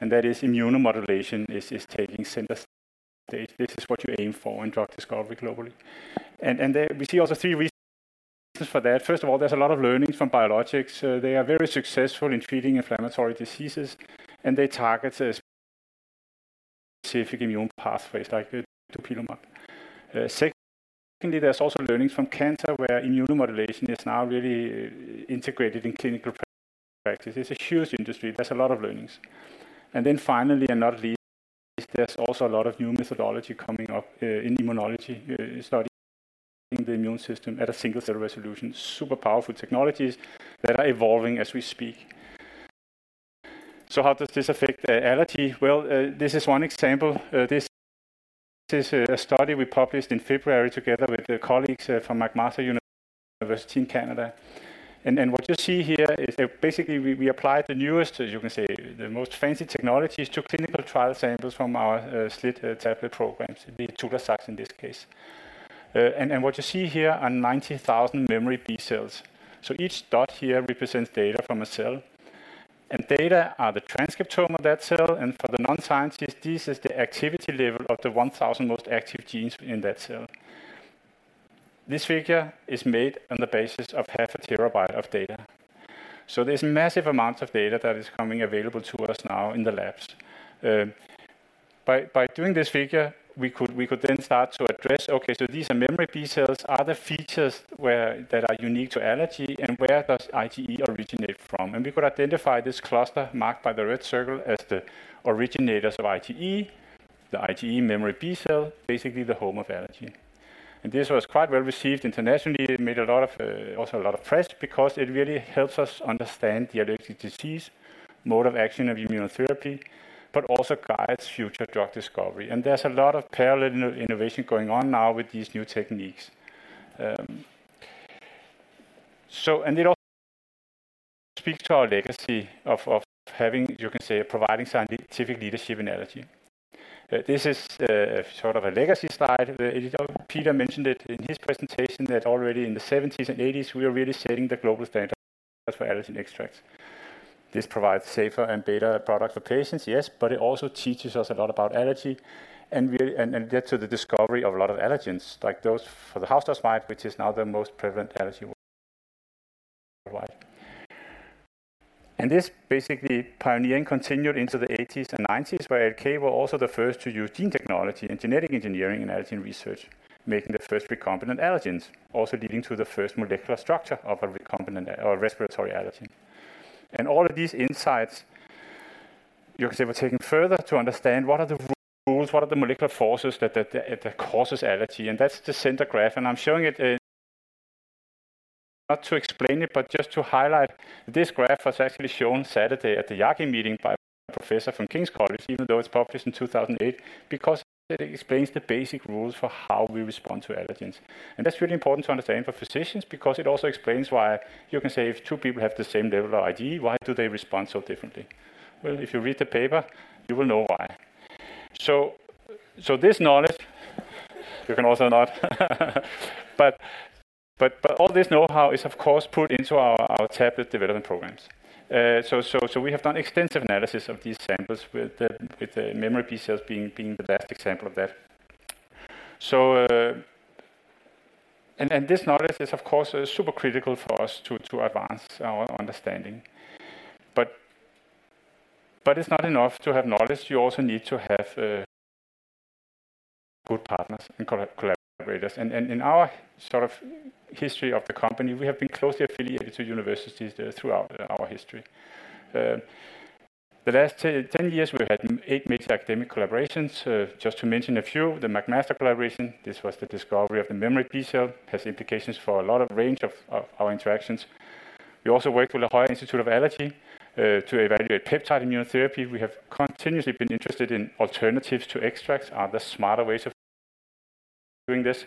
and that is immunomodulation is taking center stage. This is what you aim for in drug discovery globally. And there we see also three reasons for that. First of all, there's a lot of learnings from biologics. They are very successful in treating inflammatory diseases, and they target a specific immune pathway, like the dupilumab. Secondly, there's also learnings from cancer, where immunomodulation is now really integrated in clinical practice. It's a huge industry. There's a lot of learnings. And then finally, another reason, there's also a lot of new methodology coming up, in immunology, studying the immune system at a single cell resolution. Super powerful technologies that are evolving as we speak. So how does this affect, allergy? Well, this is one example. This, this is a study we published in February together with the colleagues from McMaster University in Canada. And then, what you see here is that basically, we, we applied the newest, as you can say, the most fancy technologies to clinical trial samples from our, SLIT-tablet programs, the ITULAZAX in this case. And, and what you see here are 90,000 memory B cells. So each dot here represents data from a cell, and data are the transcriptome of that cell, and for the non-scientist, this is the activity level of the 1,000 most active genes in that cell. This figure is made on the basis of 0.5 TB of data. So there's massive amounts of data that is coming available to us now in the labs. By doing this figure, we could then start to address, okay, so these are memory B cells, are the features where—that are unique to allergy, and where does IgE originate from? And we could identify this cluster marked by the red circle as the originators of IgE, the IgE memory B cell, basically the home of allergy. And this was quite well-received internationally. It made a lot of also a lot of press because it really helps us understand the allergic disease, mode of action of immunotherapy, but also guides future drug discovery. And there's a lot of parallel innovation going on now with these new techniques. And it also speaks to our legacy of having, you can say, providing scientific leadership in allergy. This is sort of a legacy slide. Peter mentioned it in his presentation that already in the seventies and eighties, we are really setting the global standard for allergy and extracts. This provides safer and better product for patients, yes, but it also teaches us a lot about allergy, and we and get to the discovery of a lot of allergens, like those for the house dust mite, which is now the most prevalent allergy worldwide. This basically, pioneering continued into the eighties and nineties, where ALK were also the first to use gene technology and genetic engineering in allergen research, making the first recombinant allergens, also leading to the first molecular structure of a recombinant major respiratory allergen. And all of these insights, you can say, were taken further to understand what are the rules, what are the molecular forces that causes allergy, and that's the center graph. And I'm showing it, not to explain it, but just to highlight. This graph was actually shown Saturday at the EAACI meeting by a professor from King's College, even though it's published in 2008, because it explains the basic rules for how we respond to allergens. That's really important to understand for physicians, because it also explains why you can say if two people have the same level of IgE, why do they respond so differently? Well, if you read the paper, you will know why. So this knowledge, but all this know-how is, of course, put into our tablet development programs. So we have done extensive analysis of these samples with the memory B cells being the best example of that. And this knowledge is, of course, super critical for us to advance our understanding. But it's not enough to have knowledge. You also need to have good partners and collaborators. And in our sort of history of the company, we have been closely affiliated to universities throughout our history. The last 10 years, we've had 8 major academic collaborations. Just to mention a few, the McMaster collaboration, this was the discovery of the memory B cell, has implications for a lot of range of, of our interactions. We also worked with the La Jolla Institute of Allergy, to evaluate peptide immunotherapy. We have continuously been interested in alternatives to extracts. Are there smarter ways of doing this?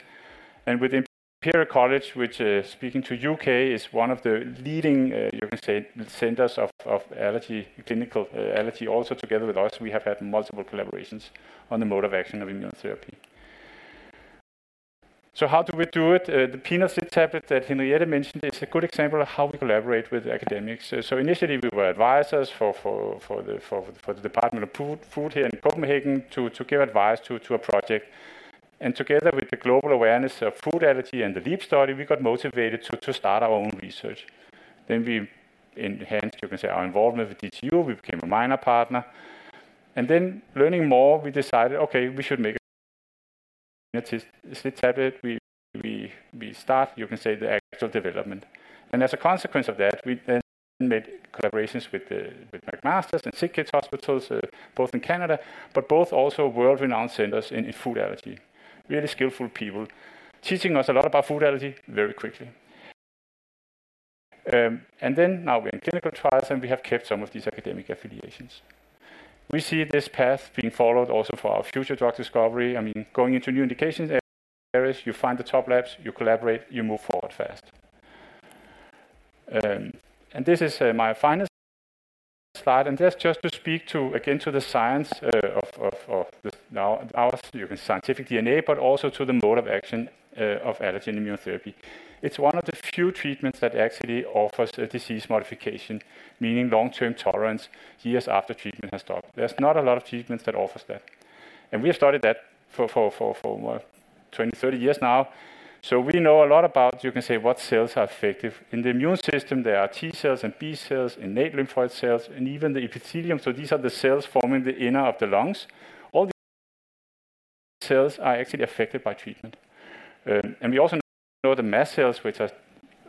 And with Imperial College, which, speaking to U.K., is one of the leading, you can say, centers of, of allergy, clinical allergy, also together with us, we have had multiple collaborations on the mode of action of immunotherapy. So how do we do it? The peanut tablet that Henriette mentioned is a good example of how we collaborate with academics. So initially, we were advisors for the Department of Food here in Copenhagen, to give advice to a project. And together with the global awareness of food allergy and the leap study, we got motivated to start our own research. Then we enhanced, you can say, our involvement with DTU, we became a minor partner. And then learning more, we decided, "Okay, we should make a tablet. We start, you can say, the actual development. And as a consequence of that, we then made collaborations with McMaster and SickKids hospitals, both in Canada, but both also world-renowned centers in food allergy. Really skillful people, teaching us a lot about food allergy very quickly. And then now we're in clinical trials, and we have kept some of these academic affiliations. We see this path being followed also for our future drug discovery. I mean, going into new indications areas, you find the top labs, you collaborate, you move forward fast. And this is my final slide, and that's just to speak to, again, to the science of this now our scientific DNA, but also to the mode of action of allergen immunotherapy. It's one of the few treatments that actually offers a disease modification, meaning long-term tolerance years after treatment has stopped. There's not a lot of treatments that offers that, and we have studied that for what? 20, 30 years now. So we know a lot about, you can say, what cells are effective. In the immune system, there are T cells and B cells, innate lymphoid cells, and even the epithelium. So these are the cells forming the inner of the lungs. All the cells are actually affected by treatment. And we also know the mast cells, which are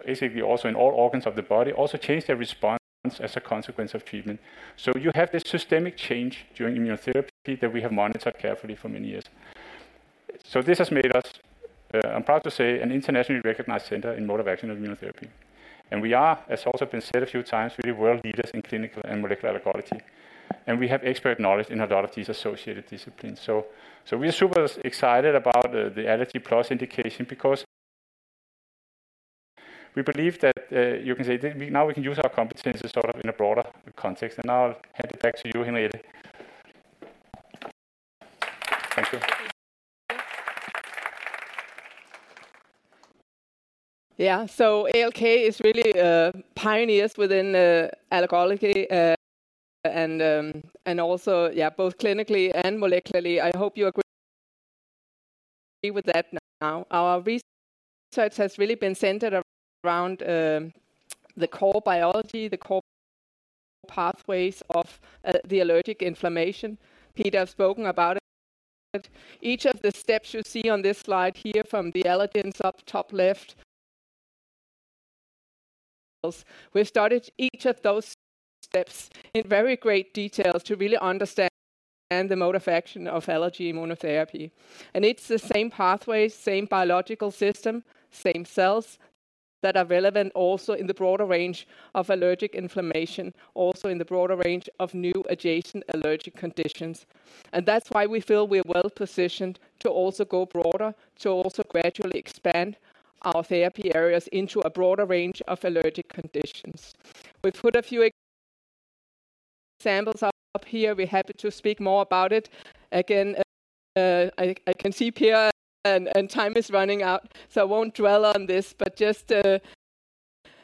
basically also in all organs of the body, also change their response as a consequence of treatment. So you have this systemic change during immunotherapy that we have monitored carefully for many years. So this has made us, I'm proud to say, an internationally recognized center in mode of action of immunotherapy. And we are, as has also been said a few times, really world leaders in clinical and molecular allergy, and we have expert knowledge in a lot of these associated disciplines. So, so we are super excited about the, the Allergy+ indication because we believe that, you can say that we... now we can use our competencies sort of in a broader context. Now I'll hand it back to you, Henriette. Thank you. Yeah. So ALK is really pioneers within allergology and also both clinically and molecularly. I hope you agree with that now. Our research has really been centered around the core biology, the core pathways of the allergic inflammation. Peter spoken about it. Each of the steps you see on this slide here, from the allergens up top left—we've studied each of those steps in very great details to really understand the mode of action of allergy immunotherapy. And it's the same pathways, same biological system, same cells that are relevant also in the broader range of allergic inflammation, also in the broader range of new adjacent allergic conditions. And that's why we feel we're well positioned to also go broader, to also gradually expand our therapy areas into a broader range of allergic conditions. We've put a few examples up here. We're happy to speak more about it. Again, I can see, Per, time is running out, so I won't dwell on this, but just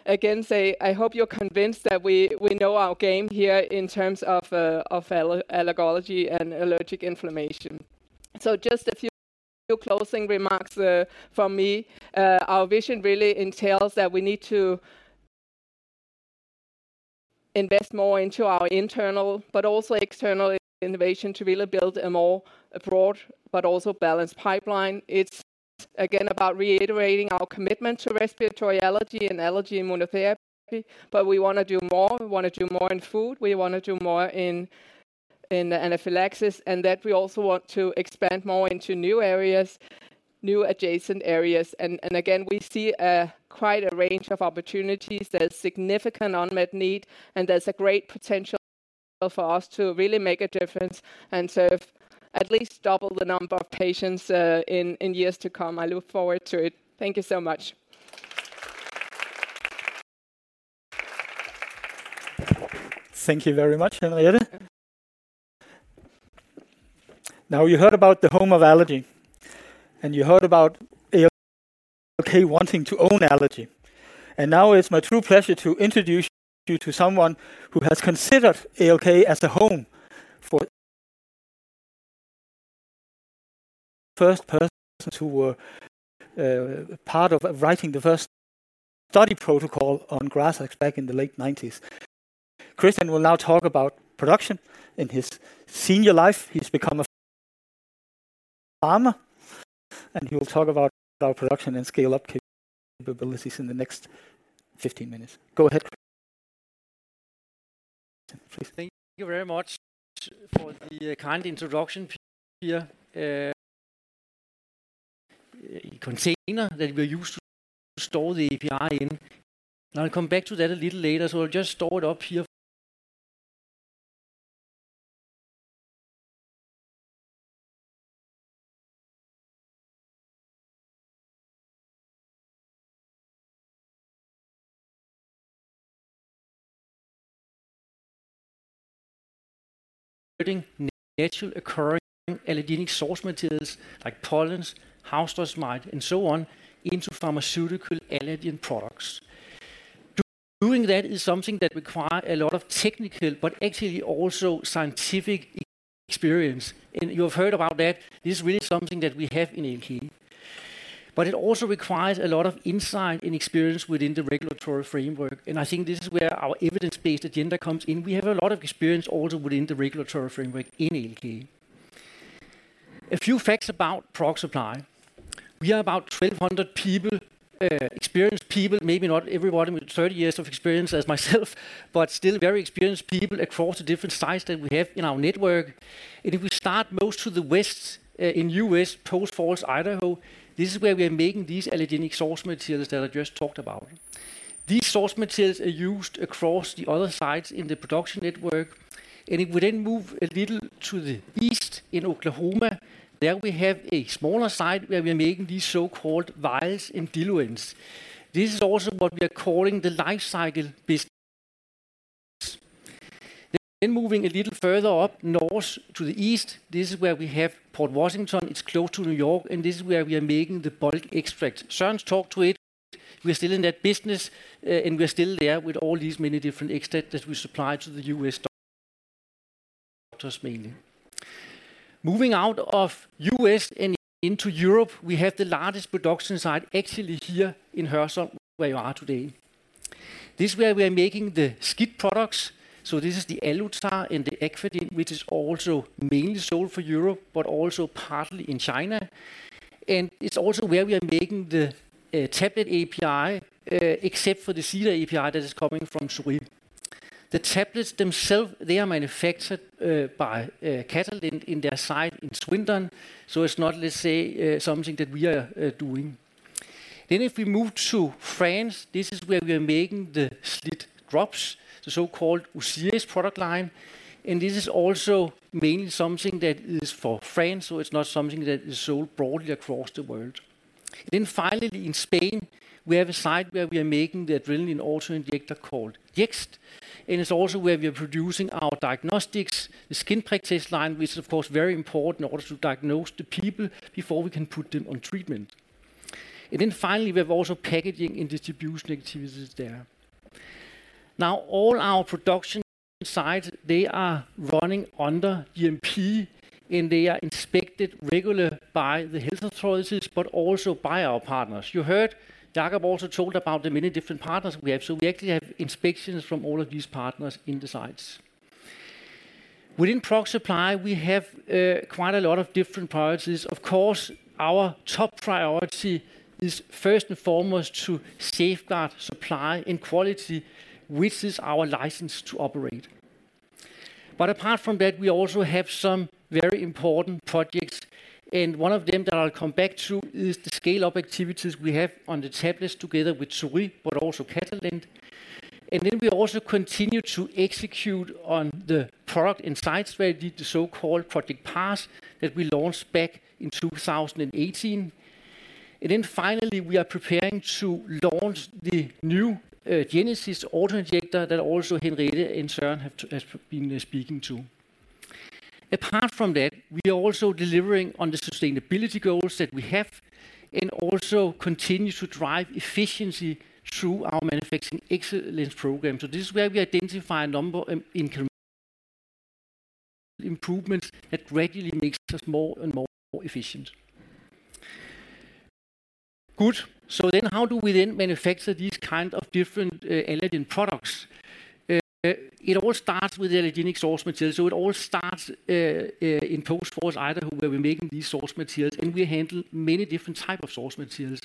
again, I hope you're convinced that we know our game here in terms of allergology and allergic inflammation. So just a few closing remarks from me. Our vision really entails that we need to invest more into our internal but also external innovation to really build a more broad but also balanced pipeline. It's again, about reiterating our commitment to respiratory allergy and allergy immunotherapy, but we want to do more. We want to do more in food, we want to do more in anaphylaxis, and that we also want to expand more into new areas, new adjacent areas. Again, we see quite a range of opportunities. There's significant unmet need, and there's a great potential for us to really make a difference and serve at least double the number of patients in years to come. I look forward to it. Thank you so much. Thank you very much, Henriette. Now, you heard about the home of allergy, and you heard about ALK wanting to own allergy. And now it's my true pleasure to introduce you to someone who has considered ALK as the home for... first persons who were part of writing the first study protocol on grass back in the late nineties. Christian will now talk about production. In his senior life, he's become a farmer, and he will talk about our production and scale-up capabilities in the next 15 minutes. Go ahead, Christian. Thank you very much for the kind introduction, Per. Container that we use to store the API in. I'll come back to that a little later, so I'll just start up here. ... Naturally occurring allergenic source materials like pollens, house dust mite, and so on, into pharmaceutical allergen products. Doing that is something that require a lot of technical but actually also scientific experience. You have heard about that. This is really something that we have in ALK. But it also requires a lot of insight and experience within the regulatory framework, and I think this is where our evidence-based agenda comes in. We have a lot of experience also within the regulatory framework in ALK. A few facts about Product Supply. We are about 1,200 people, experienced people, maybe not everybody with 30 years of experience as myself, but still very experienced people across the different sites that we have in our network. And if we start most to the west, in U.S., Post Falls, Idaho, this is where we are making these allergenic source materials that I just talked about. These source materials are used across the other sites in the production network, and if we then move a little to the east in Oklahoma, there we have a smaller site where we're making these so-called vials and diluents. This is also what we are calling the life cycle business. Then moving a little further up north to the east, this is where we have Port Washington. It's close to New York, and this is where we are making the bottled extracts. Søren's talked to it. We're still in that business, and we're still there with all these many different extracts that we supply to the U.S. doctors mainly. Moving out of U.S. and into Europe, we have the largest production site actually here in Hørsholm, where you are today. This is where we are making the SCIT products, so this is the Alutard and the Aquagen, which is also mainly sold for Europe, but also partly in China. And it's also where we are making the tablet API, except for the cedar API that is coming from Zurich. The tablets themselves, they are manufactured by Catalent in their site in Swindon, so it's not, let's say, something that we are doing. Then if we move to France, this is where we are making the SLIT drops, the so-called OSIRIS product line, and this is also mainly something that is for France, so it's not something that is sold broadly across the world. Then finally, in Spain, we have a site where we are making the adrenaline auto-injector called Jext, and it's also where we are producing our diagnostics, the skin prick test line, which is, of course, very important in order to diagnose the people before we can put them on treatment. And then finally, we have also packaging and distribution activities there. Now, all our production sites, they are running under GMP, and they are inspected regularly by the health authorities, but also by our partners. You heard Jacob also talked about the many different partners we have, so we actually have inspections from all of these partners in the sites. Within Product Supply, we have quite a lot of different priorities. Of course, our top priority is first and foremost to safeguard supply and quality, which is our license to operate. But apart from that, we also have some very important projects, and one of them that I'll come back to is the scale-up activities we have on the tablets together with Zurich, but also Catalent. And then we also continue to execute on the product and sites where we did the so-called Project Path that we launched back in 2018. And then finally, we are preparing to launch the new Genesis auto-injector that also Henriette and Søren have has been speaking to. Apart from that, we are also delivering on the sustainability goals that we have and also continue to drive efficiency through our Manufacturing Excellence program. So this is where we identify a number of incremental improvements that gradually makes us more and more efficient. Good. So then how do we then manufacture these kind of different allergen products? It all starts with allergenic source material. So it all starts in Post Falls, Idaho, where we're making these source materials, and we handle many different type of source materials.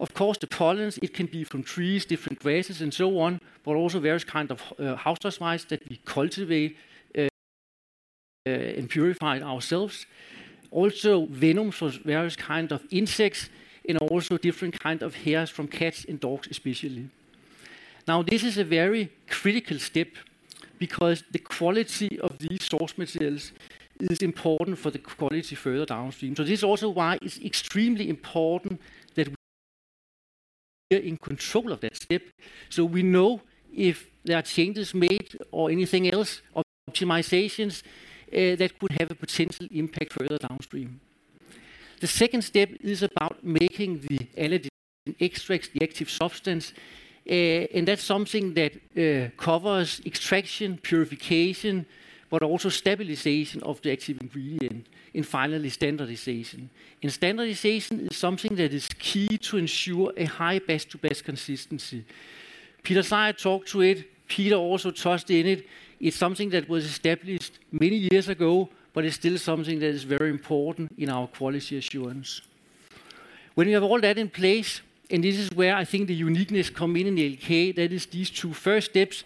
Of course, the pollens, it can be from trees, different grasses, and so on, but also various kind of house dust mites that we cultivate and purify ourselves. Also, venoms for various kind of insects and also different kind of hairs from cats and dogs, especially. Now, this is a very critical step because the quality of these source materials is important for the quality further downstream. So this is also why it's extremely important that we are in control of that step, so we know if there are changes made or anything else, or optimizations, that could have a potential impact further downstream. The second step is about making the allergen extracts, the active substance, and that's something that covers extraction, purification, but also stabilization of the active ingredient, and finally, standardization. And standardization is something that is key to ensure a high batch-to-batch consistency. Peter Sejer talked to it. Peter also trusted in it. It's something that was established many years ago, but it's still something that is very important in our quality assurance. When you have all that in place, and this is where I think the uniqueness come in, in ALK, that is these two first steps.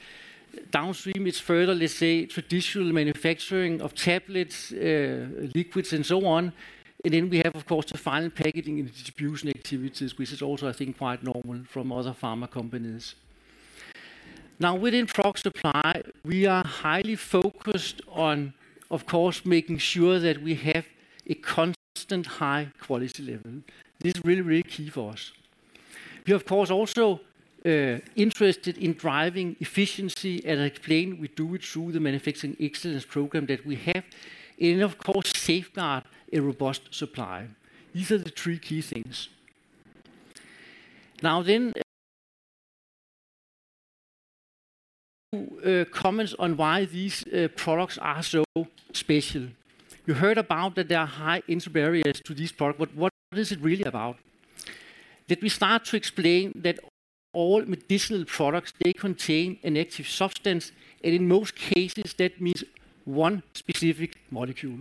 Downstream, it's further, let's say, traditional manufacturing of tablets, liquids, and so on. And then we have, of course, the final packaging and distribution activities, which is also, I think, quite normal from other pharma companies. Now, within Product Supply, we are highly focused on, of course, making sure that we have a constant high-quality level. This is really, really key for us. We are, of course, also interested in driving efficiency, and I explained we do it through the Manufacturing Excellence program that we have, and of course, safeguard a robust supply. These are the three key things. Now, then... Comments on why these products are so special. You heard about that there are high entry barriers to this product, but what is it really about? Let me start to explain that all medicinal products, they contain an active substance, and in most cases, that means one specific molecule.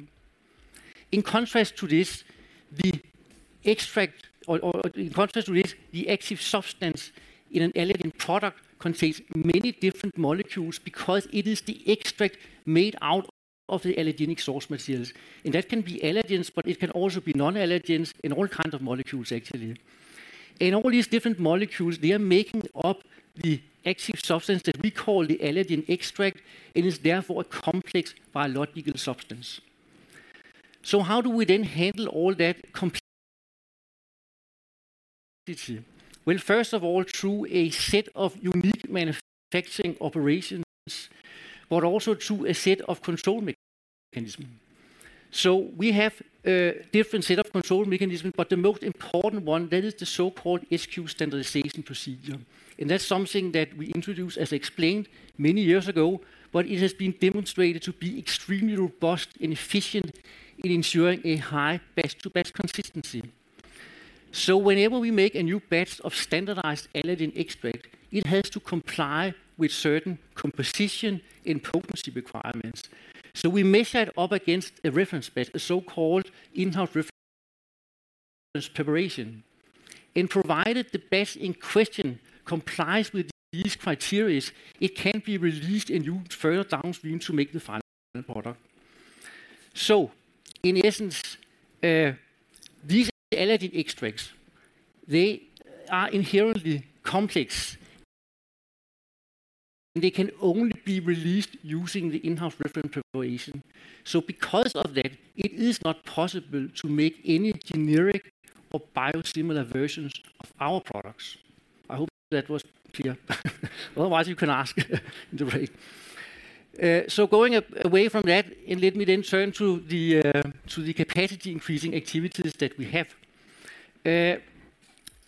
In contrast to this, the active substance in an allergen product contains many different molecules because it is the extract made out of the allergenic source materials. And that can be allergens, but it can also be non-allergens and all kinds of molecules actually. And all these different molecules, they are making up the active substance that we call the allergen extract, and is therefore a complex biological substance. So how do we then handle all that complexity? Well, first of all, through a set of unique manufacturing operations, but also through a set of control mechanisms. So we have a different set of control mechanisms, but the most important one, that is the so-called SQ Standardization procedure. And that's something that we introduced, as explained many years ago, but it has been demonstrated to be extremely robust and efficient in ensuring a high batch-to-batch consistency. So whenever we make a new batch of standardized allergen extract, it has to comply with certain composition and potency requirements. So we measure it up against a reference batch, a so-called in-house reference preparation. And provided the batch in question complies with these criteria, it can be released and used further downstream to make the final product. So in essence, these allergy extracts, they are inherently complex. They can only be released using the in-house reference preparation. So because of that, it is not possible to make any generic or biosimilar versions of our products. I hope that was clear. Otherwise, you can ask in the break. So going away from that, and let me then turn to the capacity-increasing activities that we have.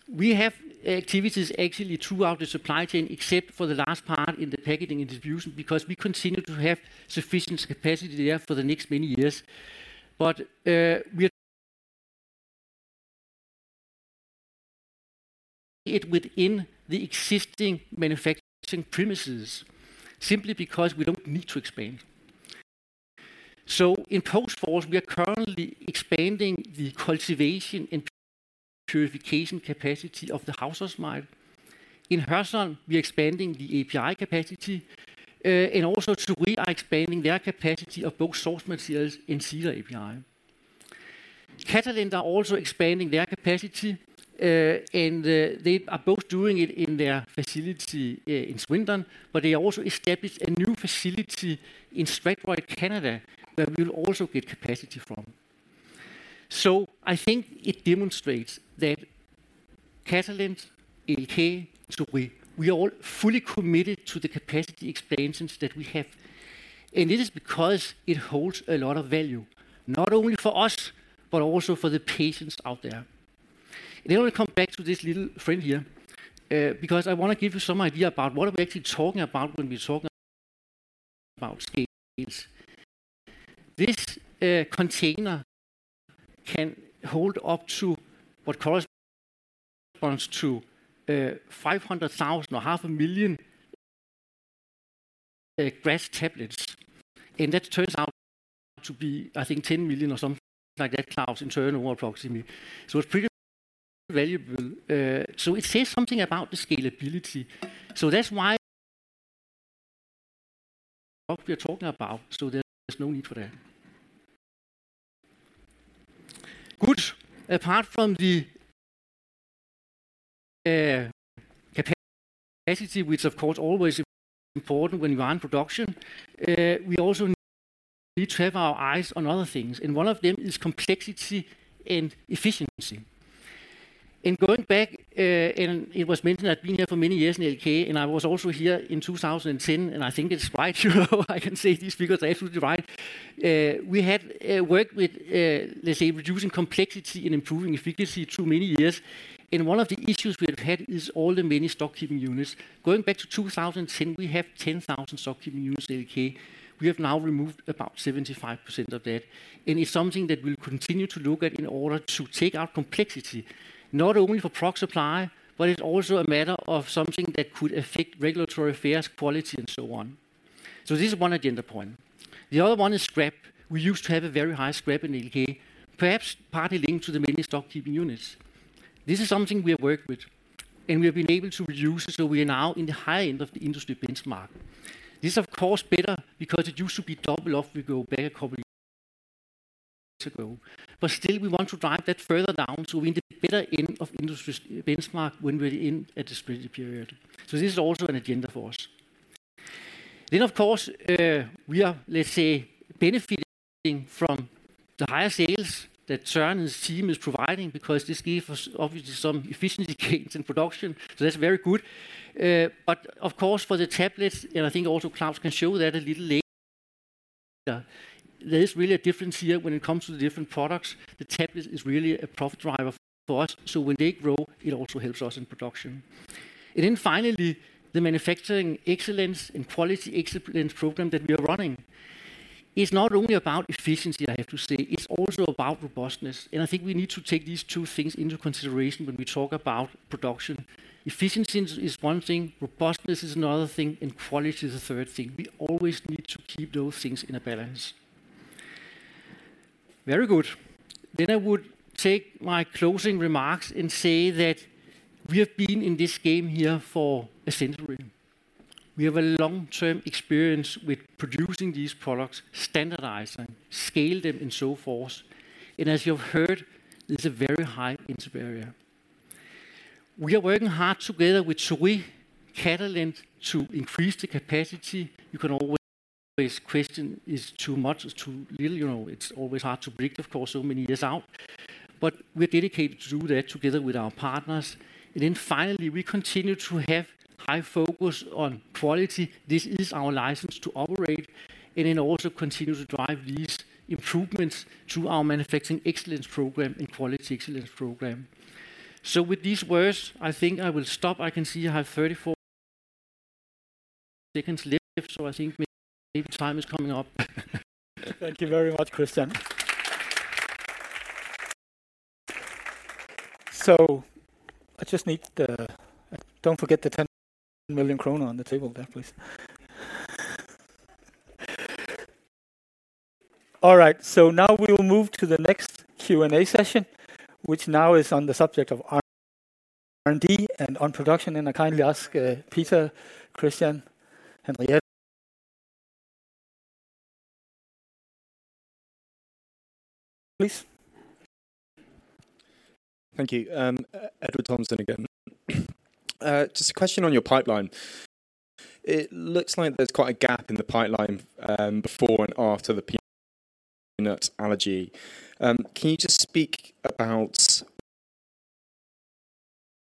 We have activities actually throughout the supply chain, except for the last part in the packaging and distribution, because we continue to have sufficient capacity there for the next many years. But, we are doing it within the existing manufacturing premises, simply because we don't need to expand. So in Post Falls, we are currently expanding the cultivation and purification capacity of the house dust mite. In Hørsholm, we are expanding the API capacity, and also we are expanding the capacity of both source materials and cedar API. Catalent are also expanding their capacity, and they are both doing it in their facility in Swindon, but they also established a new facility in Strathroy, Canada, where we will also get capacity from. So I think it demonstrates that Catalent, ALK, so we, we are all fully committed to the capacity expansions that we have. And this is because it holds a lot of value, not only for us, but also for the patients out there. Then we'll come back to this little friend here, because I want to give you some idea about what are we actually talking about when we're talking about scales. This container can hold up to what corresponds to 500,000 or half a million grass tablets. And that turns out to be, I think, 10 million or something like that, Claus, in turnover approximately. So it's pretty valuable. So it says something about the scalability. So that's why we are talking about, so there's no need for that. Good. Apart from the capacity, which of course, always important when you are in production, we also need to have our eyes on other things, and one of them is complexity and efficiency. And going back, and it was mentioned, I've been here for many years in ALK, and I was also here in 2010, and I think it's right. You know, I can say these figures are absolutely right. We have worked with, let's say, reducing complexity and improving efficiency through many years. And one of the issues we have had is all the many stockkeeping units. Going back to 2010, we have 10,000 stockkeeping units at ALK. We have now removed about 75% of that, and it's something that we'll continue to look at in order to take out complexity, not only for product supply, but it's also a matter of something that could affect regulatory affairs, quality, and so on. So this is one agenda point. The other one is scrap. We used to have a very high scrap in ALK, perhaps partly linked to the many stockkeeping units. This is something we have worked with, and we have been able to reduce, so we are now in the high end of the industry benchmark. This is, of course, better because it used to be double if we go back a couple years ago. But still, we want to drive that further down, so we're in the better end of industry benchmark when we're in a distributed period. So this is also an agenda for us. Then, of course, we are, let's say, benefiting from the higher sales that Søren's team is providing because this gave us obviously some efficiency gains in production. So that's very good. But of course, for the tablets, and I think also Claus can show that a little later... There is really a difference here when it comes to the different products. The tablet is really a profit driver for us, so when they grow, it also helps us in production. And then finally, the manufacturing excellence and quality excellence program that we are running is not only about efficiency, I have to say, it's also about robustness. And I think we need to take these two things into consideration when we talk about production. Efficiency is one thing, robustness is another thing, and quality is a third thing. We always need to keep those things in a balance. Very good. I would take my closing remarks and say that we have been in this game here for a century. We have a long-term experience with producing these products, standardizing, scale them, and so forth. As you have heard, there's a very high entry barrier. We are working hard together with Catalent to increase the capacity. You can always question is too much, is too little, you know, it's always hard to predict, of course, so many years out, but we're dedicated to do that together with our partners. Then finally, we continue to have high focus on quality. This is our license to operate, and then also continue to drive these improvements to our manufacturing excellence program and quality excellence program. With these words, I think I will stop. I can see I have 34 seconds left, so I think maybe time is coming up. Thank you very much, Christian. Don't forget the 10 million krone on the table there, please. All right, so now we will move to the next Q&A session, which now is on the subject of R&D and on production, and I kindly ask, Peter, Christian, and Henriette, please. Thank you. Edward Thomason again. Just a question on your pipeline. It looks like there's quite a gap in the pipeline, before and after the peanut allergy. Can you just speak about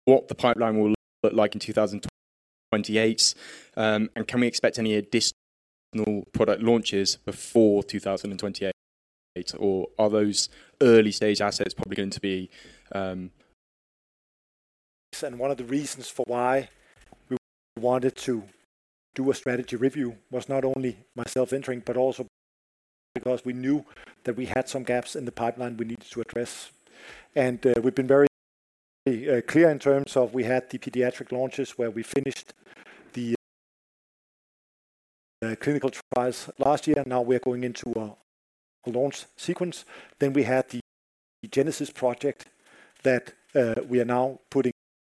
what the pipeline will look like in 2028? And can we expect any additional product launches before 2028, or are those early-stage assets probably going to be. One of the reasons for why we wanted to do a strategy review was not only myself entering, but also because we knew that we had some gaps in the pipeline we needed to address. We've been very clear in terms of we had the pediatric launches where we finished the clinical trials last year, now we're going into a launch sequence. Then we had the Genesis project that we are now putting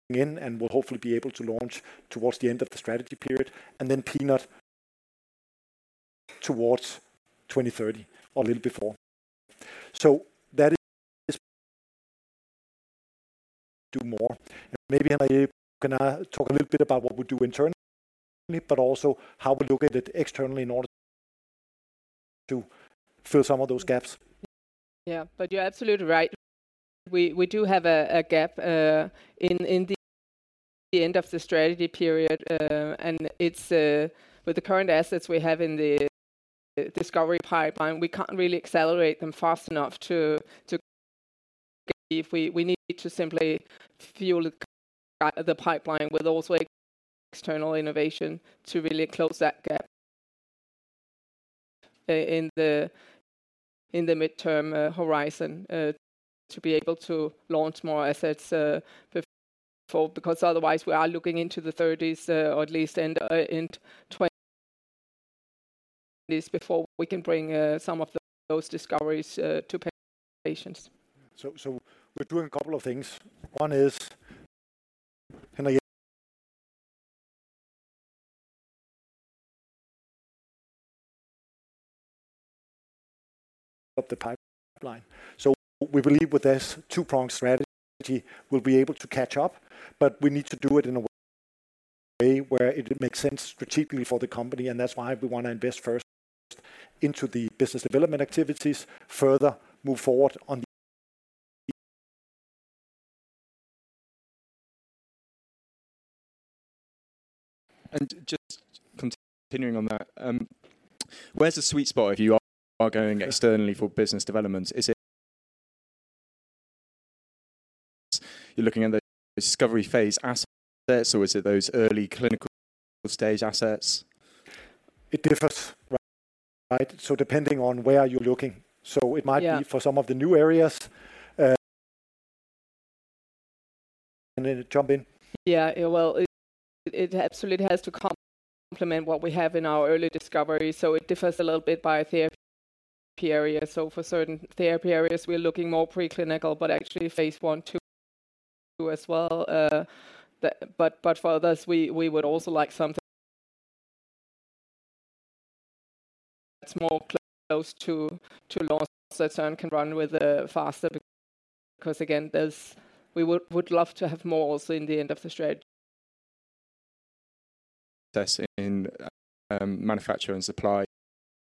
in and will hopefully be able to launch towards the end of the strategy period, and then peanut towards 2030 or a little before. So that is... do more. Maybe I'm gonna talk a little bit about what we do internally, but also how we look at it externally in order to fill some of those gaps. Yeah, but you're absolutely right. We do have a gap in the end of the strategy period, and it's with the current assets we have in the discovery pipeline, we can't really accelerate them fast enough to... If we need to simply fuel the pipeline with also external innovation to really close that gap in the midterm horizon to be able to launch more assets before, because otherwise we are looking into the thirties or at least end in twenty... Before we can bring some of those discoveries to patients. So, so we're doing a couple of things. One is, Henriette... of the pipeline. So we believe with this two-pronged strategy, we'll be able to catch up, but we need to do it in a way where it makes sense strategically for the company, and that's why we wanna invest first into the business development activities, further move forward on the- And just continuing on that, where's the sweet spot if you are going externally for business development? Is it... You're looking at the discovery phase assets, or is it those early clinical stage assets? It differs, right? So depending on where you're looking. Yeah. So it might be for some of the new areas, and then jump in. Yeah, well, it absolutely has to complement what we have in our early discovery, so it differs a little bit by therapy area. So, for certain therapy areas, we're looking more preclinical, but actually phase I/II, as well. But for others, we would also like something that's more close to launch that can run with faster because again, there's we would love to have more also in the end of the strategy. That's in manufacture and supply.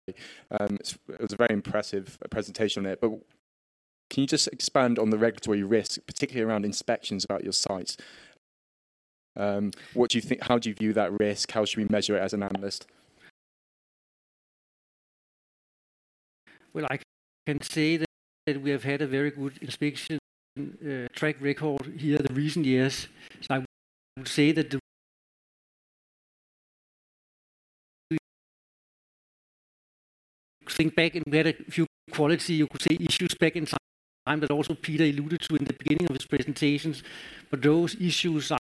It was a very impressive presentation there, but can you just expand on the regulatory risk, particularly around inspections about your sites? What do you think—how do you view that risk? How should we measure it as an analyst? Well, I can say that we have had a very good inspection track record here in the recent years. So I would say, think back and we had a few quality, you could say, issues back in time, that also Peter alluded to in the beginning of his presentations. But those issues are.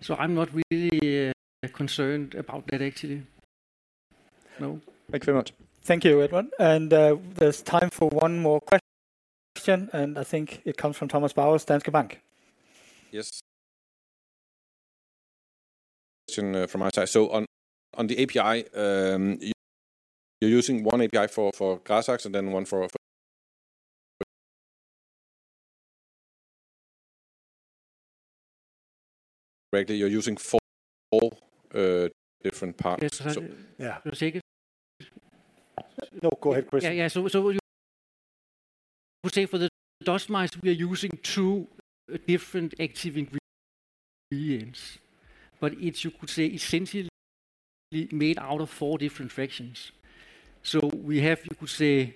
So I'm not really concerned about that, actually. No. Thank you very much. Thank you, Edward. There's time for one more question, and I think it comes from Thomas Bowers, Danske Bank. Yes. From my side. So, on the API, you're using one API for GRAZAX, and then one for (audio distortion) correctly, you're using four different parts. Yeah. No, go ahead, Christian. Yeah, yeah. So, so you would say for the dust mites, we are using two different active ingredients. But it's, you could say, essentially made out of four different fractions. So we have, you could say,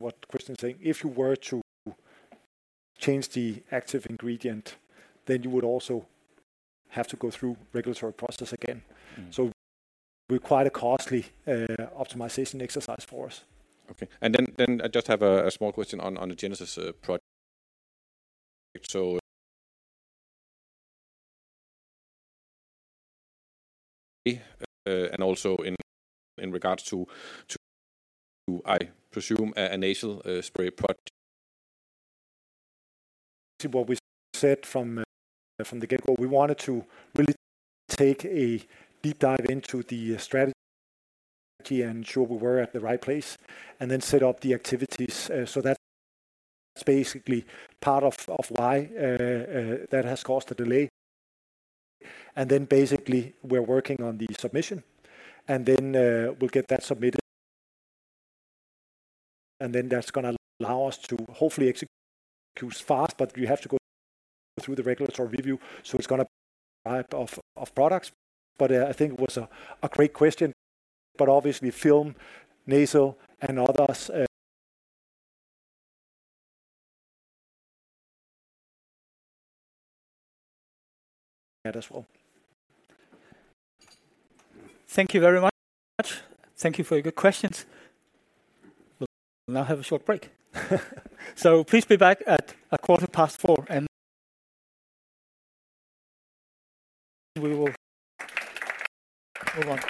body- What Christian is saying, if you were to change the active ingredient, then you would also have to go through regulatory process again. So require a costly, optimization exercise for us. Okay. And then I just have a small question on the Genesis project. So, and also in regards to, I presume, a nasal spray product. See what we said from, from the get-go, we wanted to really take a deep dive into the strategy and ensure we were at the right place, and then set up the activities. So that's basically part of, of why, that has caused a delay. And then basically, we're working on the submission, and then, we'll get that submitted. And then that's gonna allow us to hopefully execute fast, but we have to go through the regulatory review, so it's gonna type of, of products. But, I think it was a, a great question, but obviously film, nasal and others as well. Thank you very much. Thank you for your good questions. We'll now have a short break. So please be back at 4:15 P.M., and we will move on.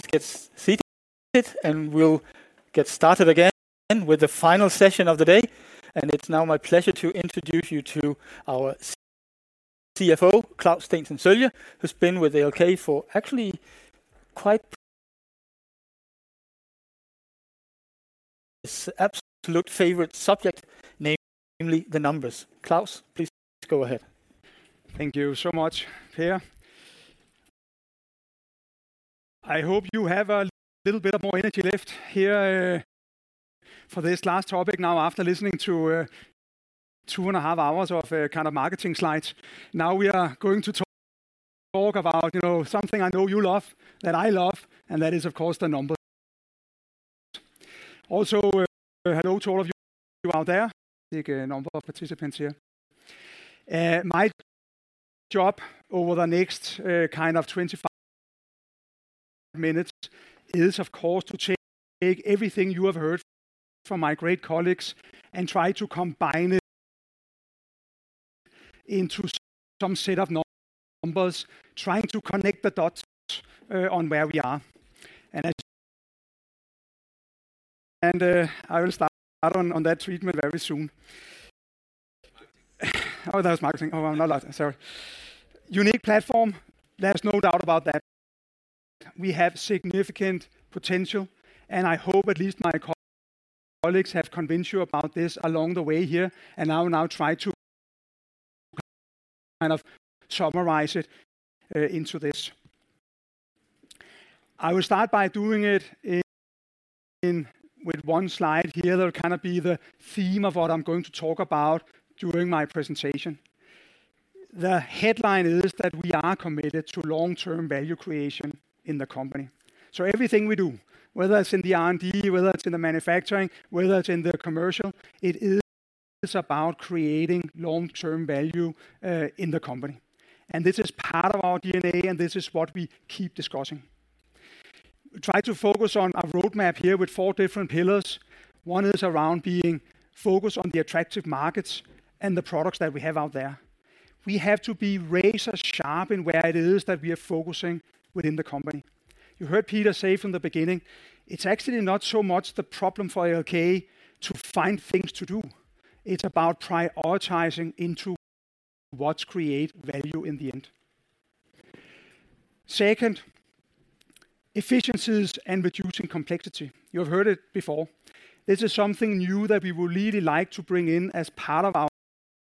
Gentlemen, please get seated, and we'll get started again with the final session of the day. It's now my pleasure to introduce you to our CFO, Claus Steensen Sølje, who's been with ALK for actually quite... absolute favorite subject, namely, the numbers. Claus, please go ahead. Thank you so much, Per. I hope you have a little bit of more energy left here for this last topic now, after listening to 2.5 hours of kind of marketing slides. Now we are going to talk about, you know, something I know you love, that I love, and that is, of course, the numbers. Also, hello to all of you out there, a big number of participants here. My job over the next kind of 25 minutes is, of course, to take everything you have heard from my great colleagues and try to combine it into some set of numbers, trying to connect the dots on where we are. And I will start on that treatment very soon. Oh, that was marketing. Oh, I'm not... Sorry. Unique platform, there's no doubt about that. We have significant potential, and I hope at least my colleagues have convinced you about this along the way here, and I will now try to kind of summarize it into this. I will start by doing it with one slide here. That'll kind of be the theme of what I'm going to talk about during my presentation. The headline is that we are committed to long-term value creation in the company. So everything we do, whether it's in the R&D, whether it's in the manufacturing, whether it's in the commercial, it is about creating long-term value in the company. And this is part of our DNA, and this is what we keep discussing. Try to focus on our roadmap here with four different pillars. One is around being focused on the attractive markets and the products that we have out there. We have to be razor sharp in where it is that we are focusing within the company. You heard Peter say from the beginning, it's actually not so much the problem for ALK to find things to do. It's about prioritizing into what create value in the end. Second, efficiencies and reducing complexity. You've heard it before. This is something new that we would really like to bring in as part of our,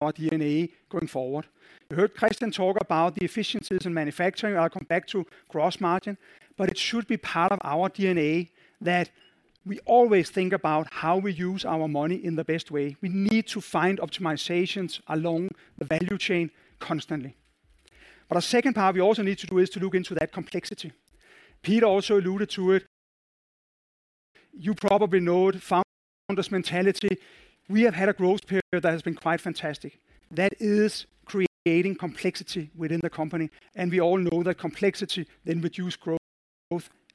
our DNA going forward. You heard Christian talk about the efficiencies in manufacturing. I'll come back to gross margin, but it should be part of our DNA that we always think about how we use our money in the best way. We need to find optimizations along the value chain constantly. But a second part we also need to do is to look into that complexity. Peter also alluded to it. You probably know it, founder's mentality. We have had a growth period that has been quite fantastic. That is creating complexity within the company, and we all know that complexity then reduce growth,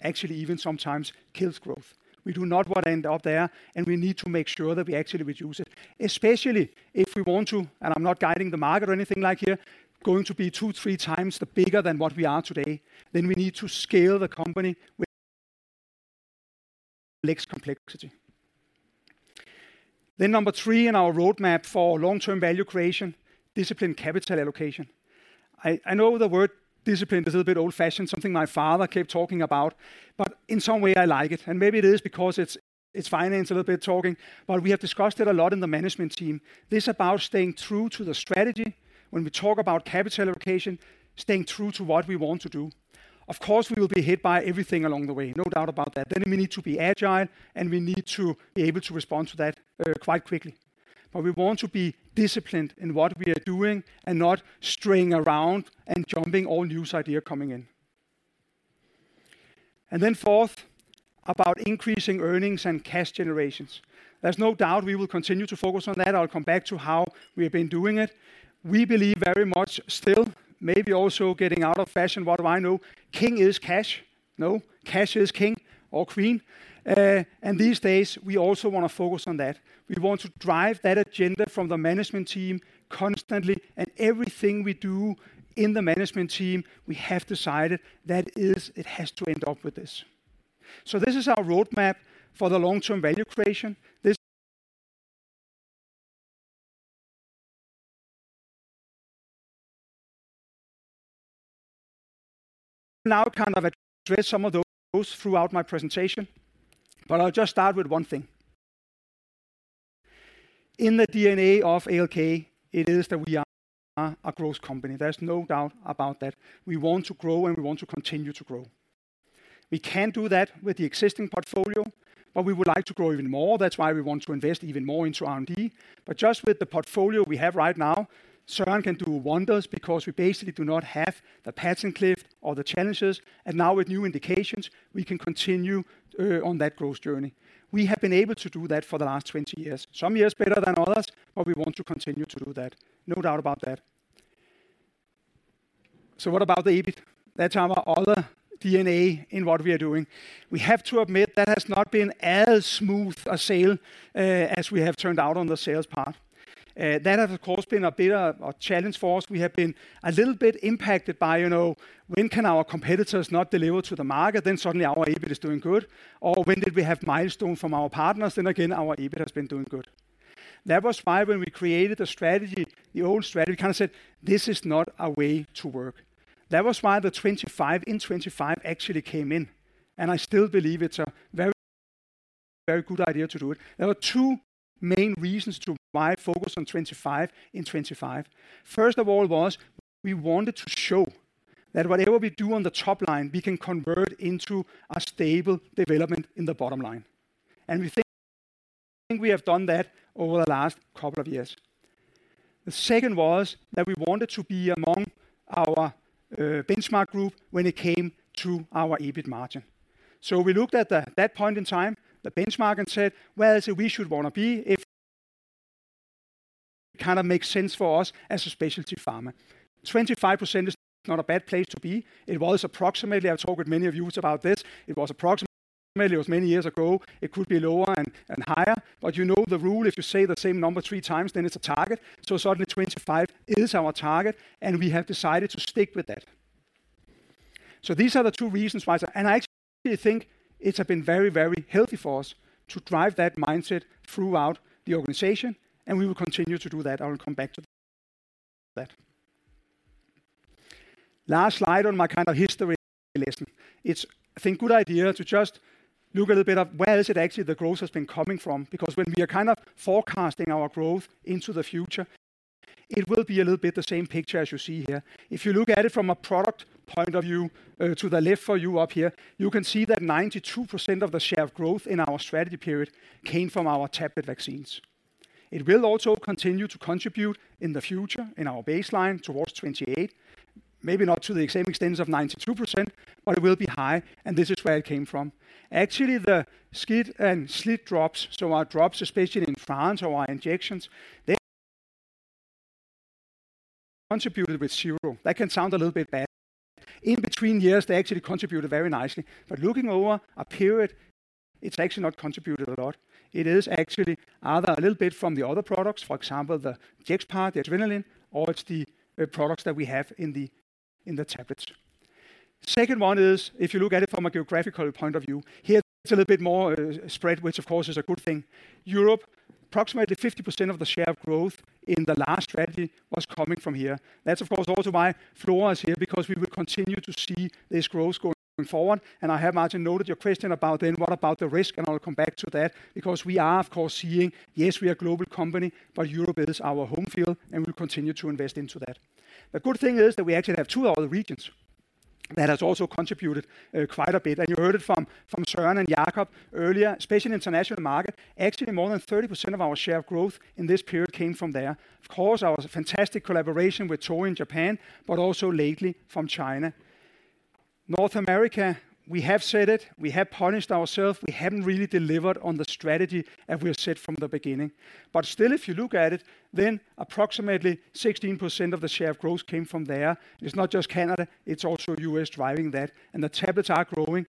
actually even sometimes kills growth. We do not want to end up there, and we need to make sure that we actually reduce it, especially if we want to, and I'm not guiding the market or anything like here, going to be 2x-3x the bigger than what we are today, then we need to scale the company with less complexity. Then number three in our roadmap for long-term value creation, disciplined capital allocation. I, I know the word discipline is a little bit old-fashioned, something my father kept talking about, but in some way I like it. And maybe it is because it's, it's finance a little bit talking, but we have discussed it a lot in the management team. This is about staying true to the strategy when we talk about capital allocation, staying true to what we want to do. Of course, we will be hit by everything along the way, no doubt about that. Then we need to be agile, and we need to be able to respond to that, quite quickly. But we want to be disciplined in what we are doing and not straying around and jumping all new idea coming in.... And then fourth, about increasing earnings and cash generations. There's no doubt we will continue to focus on that. I'll come back to how we have been doing it. We believe very much still, maybe also getting out of fashion, what do I know? King is cash. No, cash is king or queen. And these days, we also want to focus on that. We want to drive that agenda from the management team constantly, and everything we do in the management team, we have decided that is, it has to end up with this. So this is our roadmap for the long-term value creation. This now kind of address some of those throughout my presentation, but I'll just start with one thing. In the DNA of ALK, it is that we are a growth company. There's no doubt about that. We want to grow, and we want to continue to grow. We can do that with the existing portfolio, but we would like to grow even more. That's why we want to invest even more into R&D. But just with the portfolio we have right now, Søren can do wonders because we basically do not have the patent cliff or the challenges, and now with new indications, we can continue on that growth journey. We have been able to do that for the last 20 years. Some years better than others, but we want to continue to do that. No doubt about that. So what about the EBIT? That's our other DNA in what we are doing. We have to admit, that has not been as smooth a sail as we have turned out on the sales path. That has of course, been a bit of a challenge for us. We have been a little bit impacted by, you know, when can our competitors not deliver to the market, then suddenly our EBIT is doing good, or when did we have milestone from our partners, then again, our EBIT has been doing good. That was why when we created the strategy, the old strategy, we kind of said, "This is not a way to work." That was why the 25 in 25 actually came in, and I still believe it's a very, very good idea to do it. There were two main reasons to why focus on 25 in 25. First of all, was we wanted to show that whatever we do on the top line, we can convert into a stable development in the bottom line. We think we have done that over the last couple of years. The second was that we wanted to be among our benchmark group when it came to our EBIT margin. So we looked at that point in time, the benchmark, and said, "Where is it we should want to be? If kind of makes sense for us as a specialty pharma." 25% is not a bad place to be. It was approximately, I've talked with many of you about this, it was approximately, it was many years ago. It could be lower and higher, but you know the rule, if you say the same number three times, then it's a target. So suddenly, 25% is our target, and we have decided to stick with that. So these are the two reasons why, and I actually think it has been very, very healthy for us to drive that mindset throughout the organization, and we will continue to do that. I will come back to that. Last slide on my kind of history lesson. It's, I think, good idea to just look a little bit of where is it actually the growth has been coming from, because when we are kind of forecasting our growth into the future, it will be a little bit the same picture as you see here. If you look at it from a product point of view, to the left for you up here, you can see that 92% of the share of growth in our strategy period came from our tablet vaccines. It will also continue to contribute in the future, in our baseline towards 2028. Maybe not to the same extent as 92%, but it will be high, and this is where it came from. Actually, the SCIT and SLIT drops, so our drops, especially in France or our injections, they contributed with 0. That can sound a little bit bad. In between years, they actually contributed very nicely, but looking over a period, it's actually not contributed a lot. It is actually either a little bit from the other products, for example, the Jext, the adrenaline, or it's the products that we have in the tablets. Second one is, if you look at it from a geographical point of view, here it's a little bit more spread, which of course is a good thing. Europe, approximately 50% of the share of growth in the last strategy was coming from here. That's of course also why Flora is here, because we will continue to see this growth going forward. I have noted your question about then what about the risk? I'll come back to that because we are of course seeing, yes, we are a global company, but Europe is our home field, and we'll continue to invest into that. The good thing is that we actually have two other regions that has also contributed quite a bit. You heard it from Søren and Jacob earlier, especially in international market, actually, more than 30% of our share of growth in this period came from there. Of course, our fantastic collaboration with Torii in Japan, but also lately from China. North America, we have said it, we have punished ourselves. We haven't really delivered on the strategy as we have said from the beginning. But still, if you look at it, then approximately 16% of the share of growth came from there. It's not just Canada, it's also U.S. driving that, and the tablets are growing.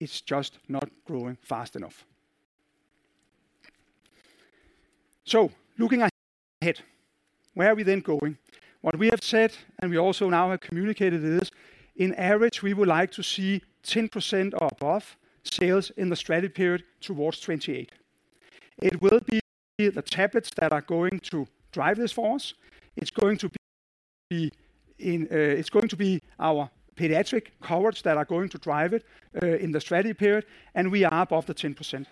It's just not growing fast enough. So looking ahead, where are we then going? What we have said, and we also now have communicated, is in average, we would like to see 10% or above sales in the strategy period towards 2028. It will be the tablets that are going to drive this for us. It's going to be in, it's going to be our pediatric cohorts that are going to drive it, in the strategy period, and we are above the 10%.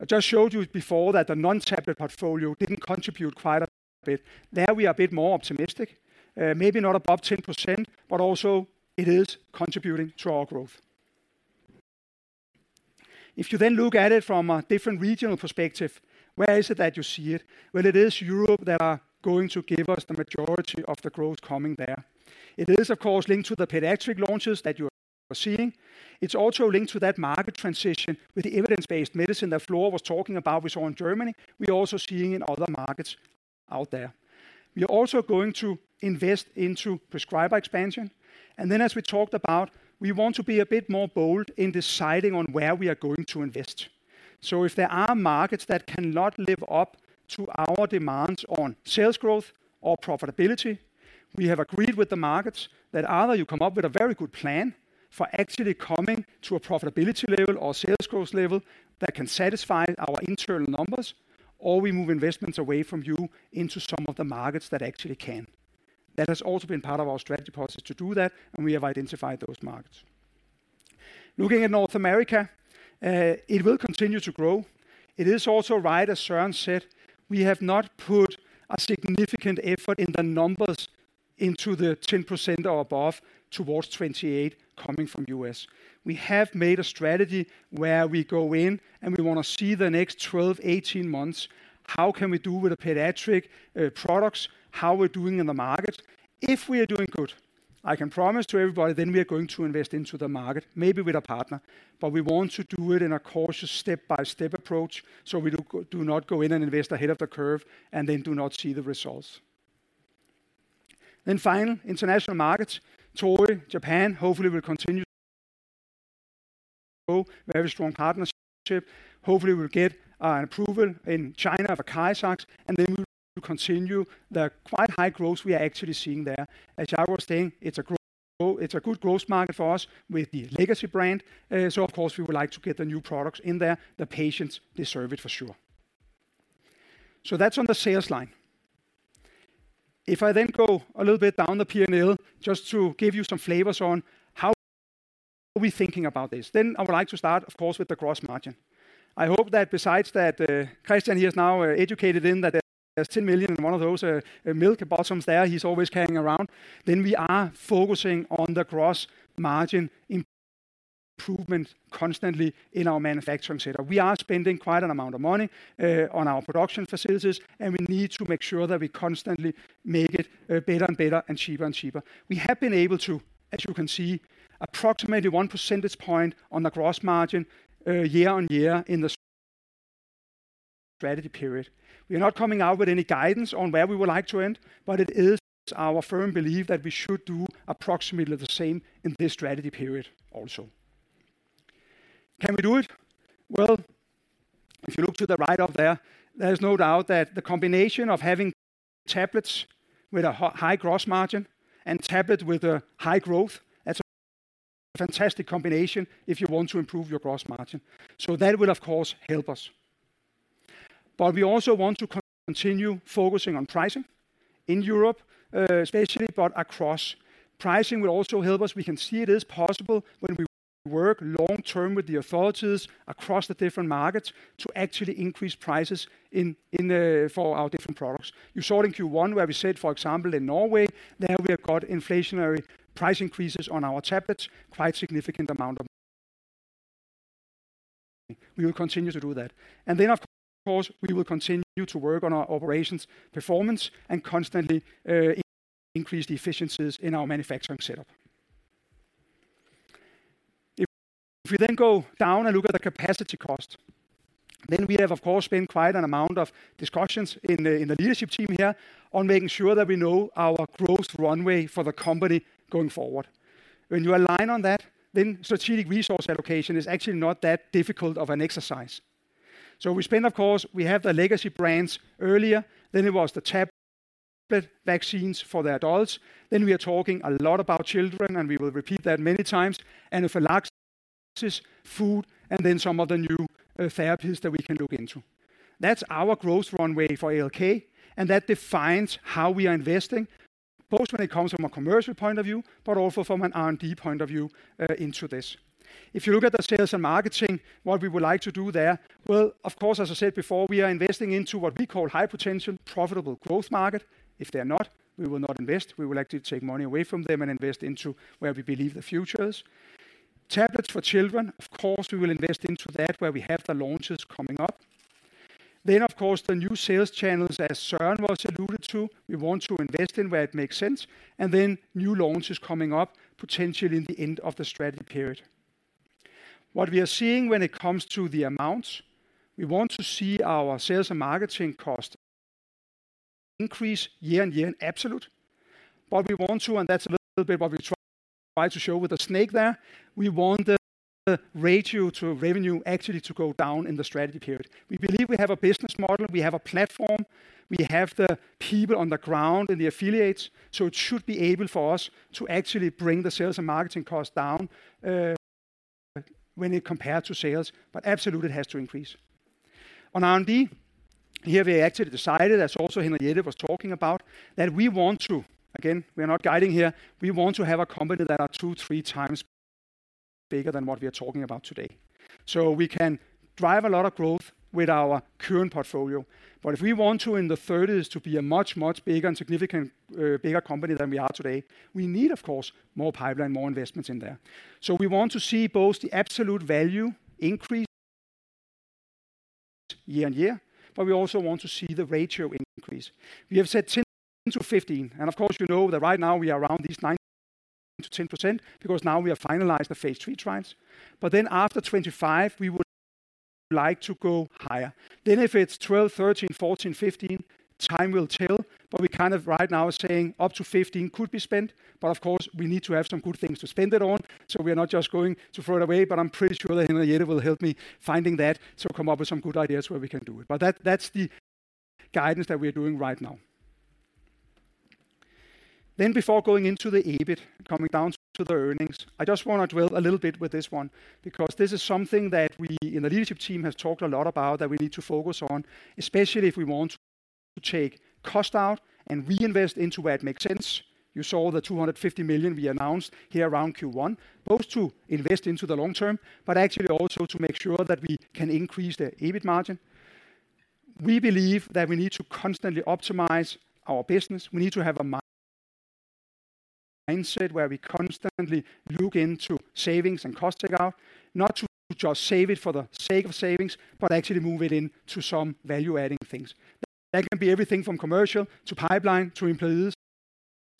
I just showed you before that the non-tablet portfolio didn't contribute quite a bit. There, we are a bit more optimistic, maybe not above 10%, but also it is contributing to our growth. If you then look at it from a different regional perspective, where is it that you see it? Well, it is Europe that are going to give us the majority of the growth coming there. It is, of course, linked to the pediatric launches that you are seeing. It's also linked to that market transition with the evidence-based medicine that Flo was talking about we saw in Germany, we are also seeing in other markets out there. We are also going to invest into prescriber expansion, and then as we talked about, we want to be a bit more bold in deciding on where we are going to invest. If there are markets that cannot live up to our demands on sales growth or profitability, we have agreed with the markets that either you come up with a very good plan for actually coming to a profitability level or sales growth level that can satisfy our internal numbers, or we move investments away from you into some of the markets that actually can. That has also been part of our strategy process to do that, and we have identified those markets. Looking at North America, it will continue to grow. It is also right, as Søren said, we have not put a significant effort in the numbers into the 10% or above towards 2028 coming from U.S. We have made a strategy where we go in, and we want to see the next 12, 18 months, how can we do with the pediatric products, how we're doing in the market. If we are doing good, I can promise to everybody, then we are going to invest into the market, maybe with a partner. But we want to do it in a cautious step-by-step approach, so we do not go in and invest ahead of the curve and then do not see the results. Then finally, international markets. Torii, Japan, hopefully will continue to grow. Very strong partnership. Hopefully, we'll get an approval in China of ACARIZAX, and then we will continue the quite high growth we are actually seeing there. As I was saying, it's a good growth market for us with the legacy brand. So of course, we would like to get the new products in there. The patients deserve it for sure. So that's on the sales line. If I then go a little bit down the P&L, just to give you some flavors on how are we thinking about this, then I would like to start, of course, with the gross margin. I hope that besides that, Christian, he is now educated in that there's 10 million in one of those, milk bottoms there he's always carrying around, then we are focusing on the gross margin improvement constantly in our manufacturing setup. We are spending quite an amount of money, on our production facilities, and we need to make sure that we constantly make it, better and better, and cheaper and cheaper. We have been able to, as you can see, approximately one percentage point on the gross margin year on year in the strategy period. We are not coming out with any guidance on where we would like to end, but it is our firm belief that we should do approximately the same in this strategy period also. Can we do it? Well, if you look to the right up there, there's no doubt that the combination of having tablets with a high gross margin and tablet with a high growth, that's a fantastic combination if you want to improve your gross margin. So that will, of course, help us. But we also want to continue focusing on pricing in Europe, especially, but across. Pricing will also help us. We can see it is possible when we work long term with the authorities across the different markets to actually increase prices in, in, for our different products. You saw it in Q1, where we said, for example, in Norway, there we have got inflationary price increases on our tablets, quite significant amount of... We will continue to do that. And then, of course, we will continue to work on our operations performance and constantly, increase the efficiencies in our manufacturing setup. If we then go down and look at the capacity cost, then we have, of course, spent quite an amount of discussions in the, in the leadership team here on making sure that we know our growth runway for the company going forward. When you align on that, then strategic resource allocation is actually not that difficult of an exercise. So, we spend. Of course, we have the legacy brands earlier. Then it was the tablet vaccines for the adults. Then we are talking a lot about children, and we will repeat that many times, and anaphylaxis is food, and then some of the new therapies that we can look into. That's our growth runway for ALK, and that defines how we are investing, both when it comes from a commercial point of view, but also from an R&D point of view, into this. If you look at the sales and marketing, what we would like to do there, well, of course, as I said before, we are investing into what we call high-potential, profitable growth market. If they're not, we will not invest. We will actually take money away from them and invest into where we believe the future is. Tablets for children, of course, we will invest into that, where we have the launches coming up. Then, of course, the new sales channels, as Søren once alluded to, we want to invest in where it makes sense, and then new launches coming up, potentially in the end of the strategy period. What we are seeing when it comes to the amounts, we want to see our sales and marketing cost increase year on year in absolute. But we want to, and that's a little bit what we try to show with the snake there, we want the ratio to revenue actually to go down in the strategy period. We believe we have a business model, we have a platform, we have the people on the ground and the affiliates, so it should be able for us to actually bring the sales and marketing costs down when compared to sales, but absolutely, it has to increase. On R&D, here we actually decided, as also Henriette was talking about, that we want to... Again, we are not guiding here, we want to have a company that are 2x-3x bigger than what we are talking about today. So we can drive a lot of growth with our current portfolio. But if we want to, in the thirties, to be a much, much bigger and significant bigger company than we are today, we need, of course, more pipeline, more investments in there. So we want to see both the absolute value increase year-over-year, but we also want to see the ratio increase. We have said 10%-15%, and of course, you know that right now we are around these 9%-10%, because now we have finalized the phase III trials. But then after 25%, we would like to go higher. Then if it's 12%, 13%, 14%, 15%, time will tell. But we kind of right now are saying up to 15% could be spent, but of course, we need to have some good things to spend it on, so we are not just going to throw it away. But I'm pretty sure that Henriette will help me finding that, so come up with some good ideas where we can do it. But that, that's the guidance that we are doing right now. Then before going into the EBIT, coming down to the earnings, I just want to dwell a little bit with this one, because this is something that we in the leadership team have talked a lot about that we need to focus on, especially if we want to take cost out and reinvest into where it makes sense. You saw the 250 million we announced here around Q1, both to invest into the long term, but actually also to make sure that we can increase the EBIT margin. We believe that we need to constantly optimize our business. We need to have a mindset where we constantly look into savings and cost take out, not to just save it for the sake of savings but actually move it into some value-adding things. That can be everything from commercial, to pipeline, to employees,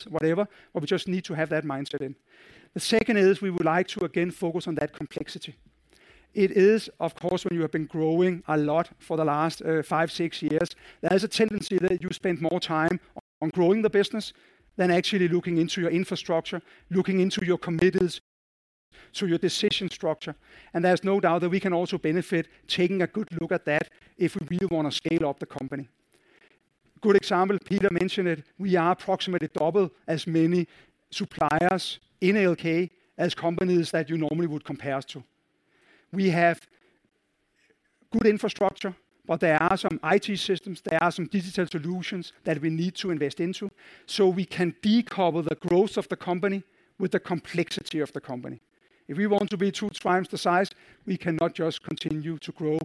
whatever, but we just need to have that mindset in. The second is we would like to again focus on that complexity. It is, of course, when you have been growing a lot for the last five, six years, there is a tendency that you spend more time on growing the business than actually looking into your infrastructure, looking into your committees, to your decision structure. And there's no doubt that we can also benefit taking a good look at that if we really want to scale up the company. Good example, Peter mentioned it, we are approximately double as many suppliers in ALK as companies that you normally would compare us to. We have good infrastructure, but there are some IT systems, there are some digital solutions that we need to invest into, so we can decouple the growth of the company with the complexity of the company. If we want to be two times the size, we cannot just continue to grow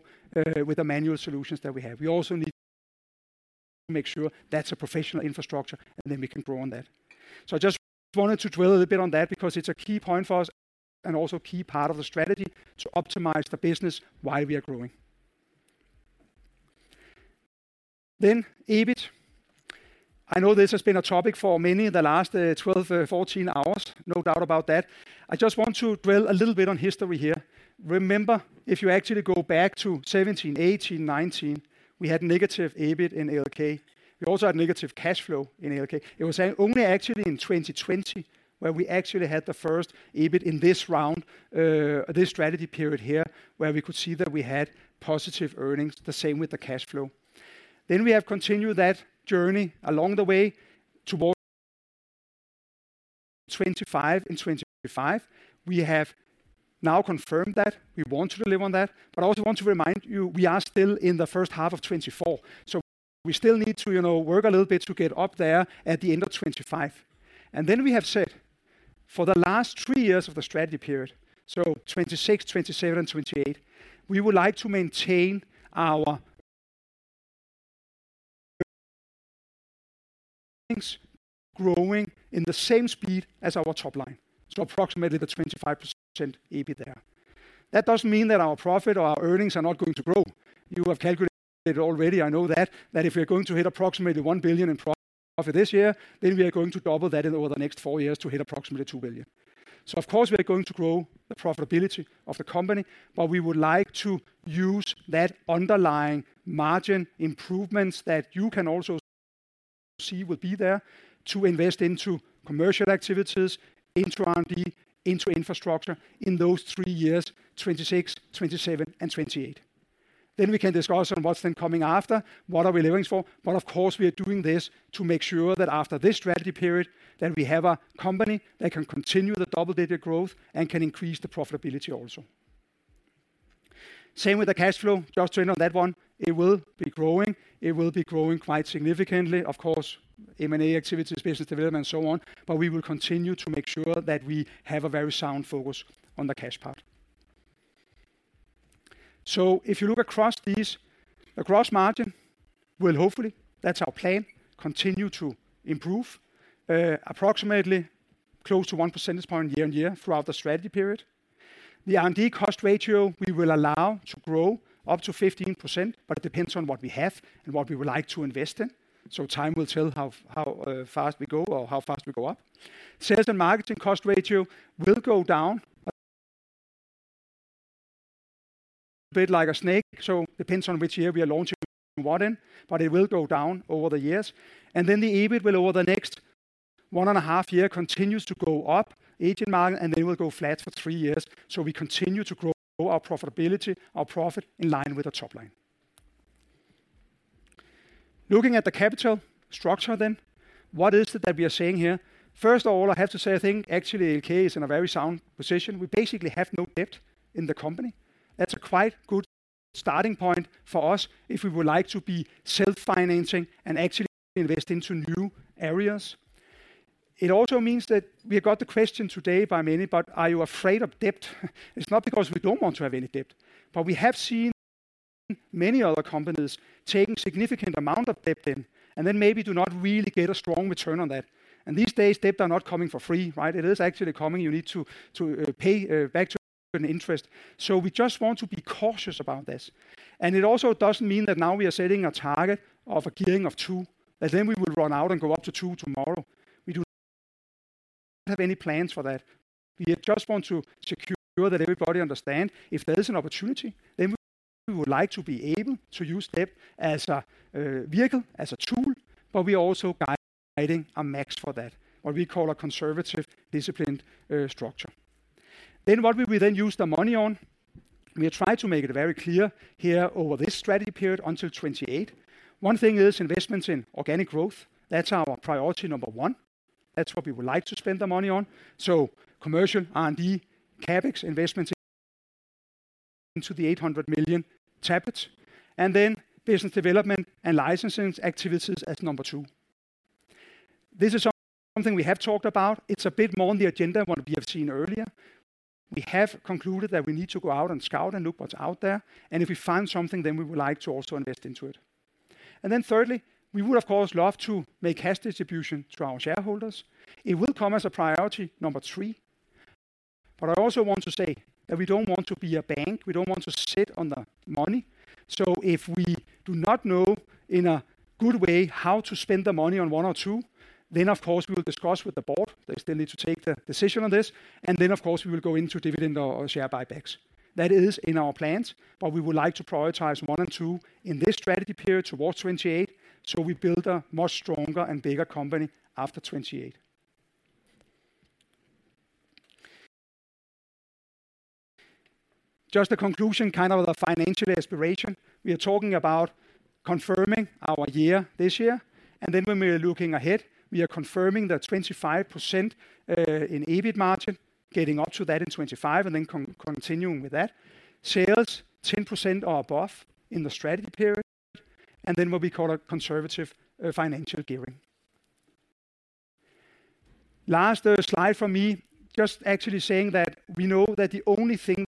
with the manual solutions that we have. We also need to make sure that's a professional infrastructure, and then we can grow on that. So I just wanted to dwell a bit on that because it's a key point for us and also a key part of the strategy to optimize the business while we are growing. Then EBIT. I know this has been a topic for many in the last 12-14 hours, no doubt about that. I just want to dwell a little bit on history here. Remember, if you actually go back to 2017, 2018, 2019, we had negative EBIT in ALK. We also had negative cash flow in ALK. It was only actually in 2020 where we actually had the first EBIT in this round, this strategy period here, where we could see that we had positive earnings, the same with the cash flow. Then we have continued that journey along the way towards 2025 and 2025. We have now confirmed that we want to deliver on that, but I also want to remind you, we are still in the first half of 2024, so we still need to, you know, work a little bit to get up there at the end of 2025. And then we have said, for the last three years of the strategy period, so 2026, 2027 and 2028, we would like to maintain our... things growing in the same speed as our top line, so approximately the 25% EBIT there. That doesn't mean that our profit or our earnings are not going to grow. You have calculated it already, I know that. That if we are going to hit approximately 1 billion in profit this year, then we are going to double that over the next four years to hit approximately 2 billion. So of course, we are going to grow the profitability of the company, but we would like to use that underlying margin improvements that you can also see will be there to invest into commercial activities, into R&D, into infrastructure in those three years, 2026, 2027 and 2028. Then we can discuss on what's then coming after, what are we looking for? But of course, we are doing this to make sure that after this strategy period, that we have a company that can continue the double-digit growth and can increase the profitability also. Same with the cash flow, just to end on that one, it will be growing. It will be growing quite significantly. Of course, M&A activities, business development, so on, but we will continue to make sure that we have a very sound focus on the cash part. So if you look across these, across margin, well, hopefully, that's our plan, continue to improve, approximately close to 1 percentage point year-on-year throughout the strategy period. The R&D cost ratio, we will allow to grow up to 15%, but it depends on what we have and what we would like to invest in. So time will tell how fast we go or how fast we go up. Sales and marketing cost ratio will go down a bit like a snake, so depends on which year we are launching what in, but it will go down over the years. And then the EBIT will, over the next one and a half year, continues to go up, EBIT margin, and then will go flat for three years. So we continue to grow our profitability, our profit in line with the top line. Looking at the capital structure then, what is it that we are saying here? First of all, I have to say, I think actually ALK is in a very sound position. We basically have no debt in the company. That's a quite good starting point for us if we would like to be self-financing and actually invest into new areas. It also means that we got the question today by many, but are you afraid of debt? It's not because we don't want to have any debt, but we have seen many other companies taking significant amount of debt in, and then maybe do not really get a strong return on that. These days, debt are not coming for free, right? It is actually coming. You need to pay back with interest. So we just want to be cautious about this. It also doesn't mean that now we are setting a target of a gearing of two, and then we will run out and go up to two tomorrow. We do not have any plans for that. We just want to secure that everybody understand if there is an opportunity, then we would like to be able to use debt as a, vehicle, as a tool, but we are also guiding a max for that, what we call a conservative, disciplined, structure. Then what will we then use the money on? We try to make it very clear here over this strategy period until 2028. One thing is investments in organic growth. That's our priority number one. That's what we would like to spend the money on. So commercial, R&D, CapEx, investments into the 800 million tablets, and then business development and licensing activities as number two. This is something we have talked about. It's a bit more on the agenda, what we have seen earlier. We have concluded that we need to go out and scout and look what's out there, and if we find something, then we would like to also invest into it. Then thirdly, we would, of course, love to make cash distribution to our shareholders. It will come as a priority number three. But I also want to say that we don't want to be a bank. We don't want to sit on the money. So if we do not know in a good way how to spend the money on one or two, then of course, we will discuss with the board. They still need to take the decision on this, and then, of course, we will go into dividend or share buybacks. That is in our plans, but we would like to prioritize one and two in this strategy period towards 2028, so we build a much stronger and bigger company after 2028. Just a conclusion, kind of the financial aspiration. We are talking about confirming our year this year, and then when we are looking ahead, we are confirming the 25% in EBIT margin, getting up to that in 2025, and then continuing with that. Sales, 10% or above in the strategy period, and then what we call a conservative financial gearing. Last slide for me, just actually saying that we know that the only thing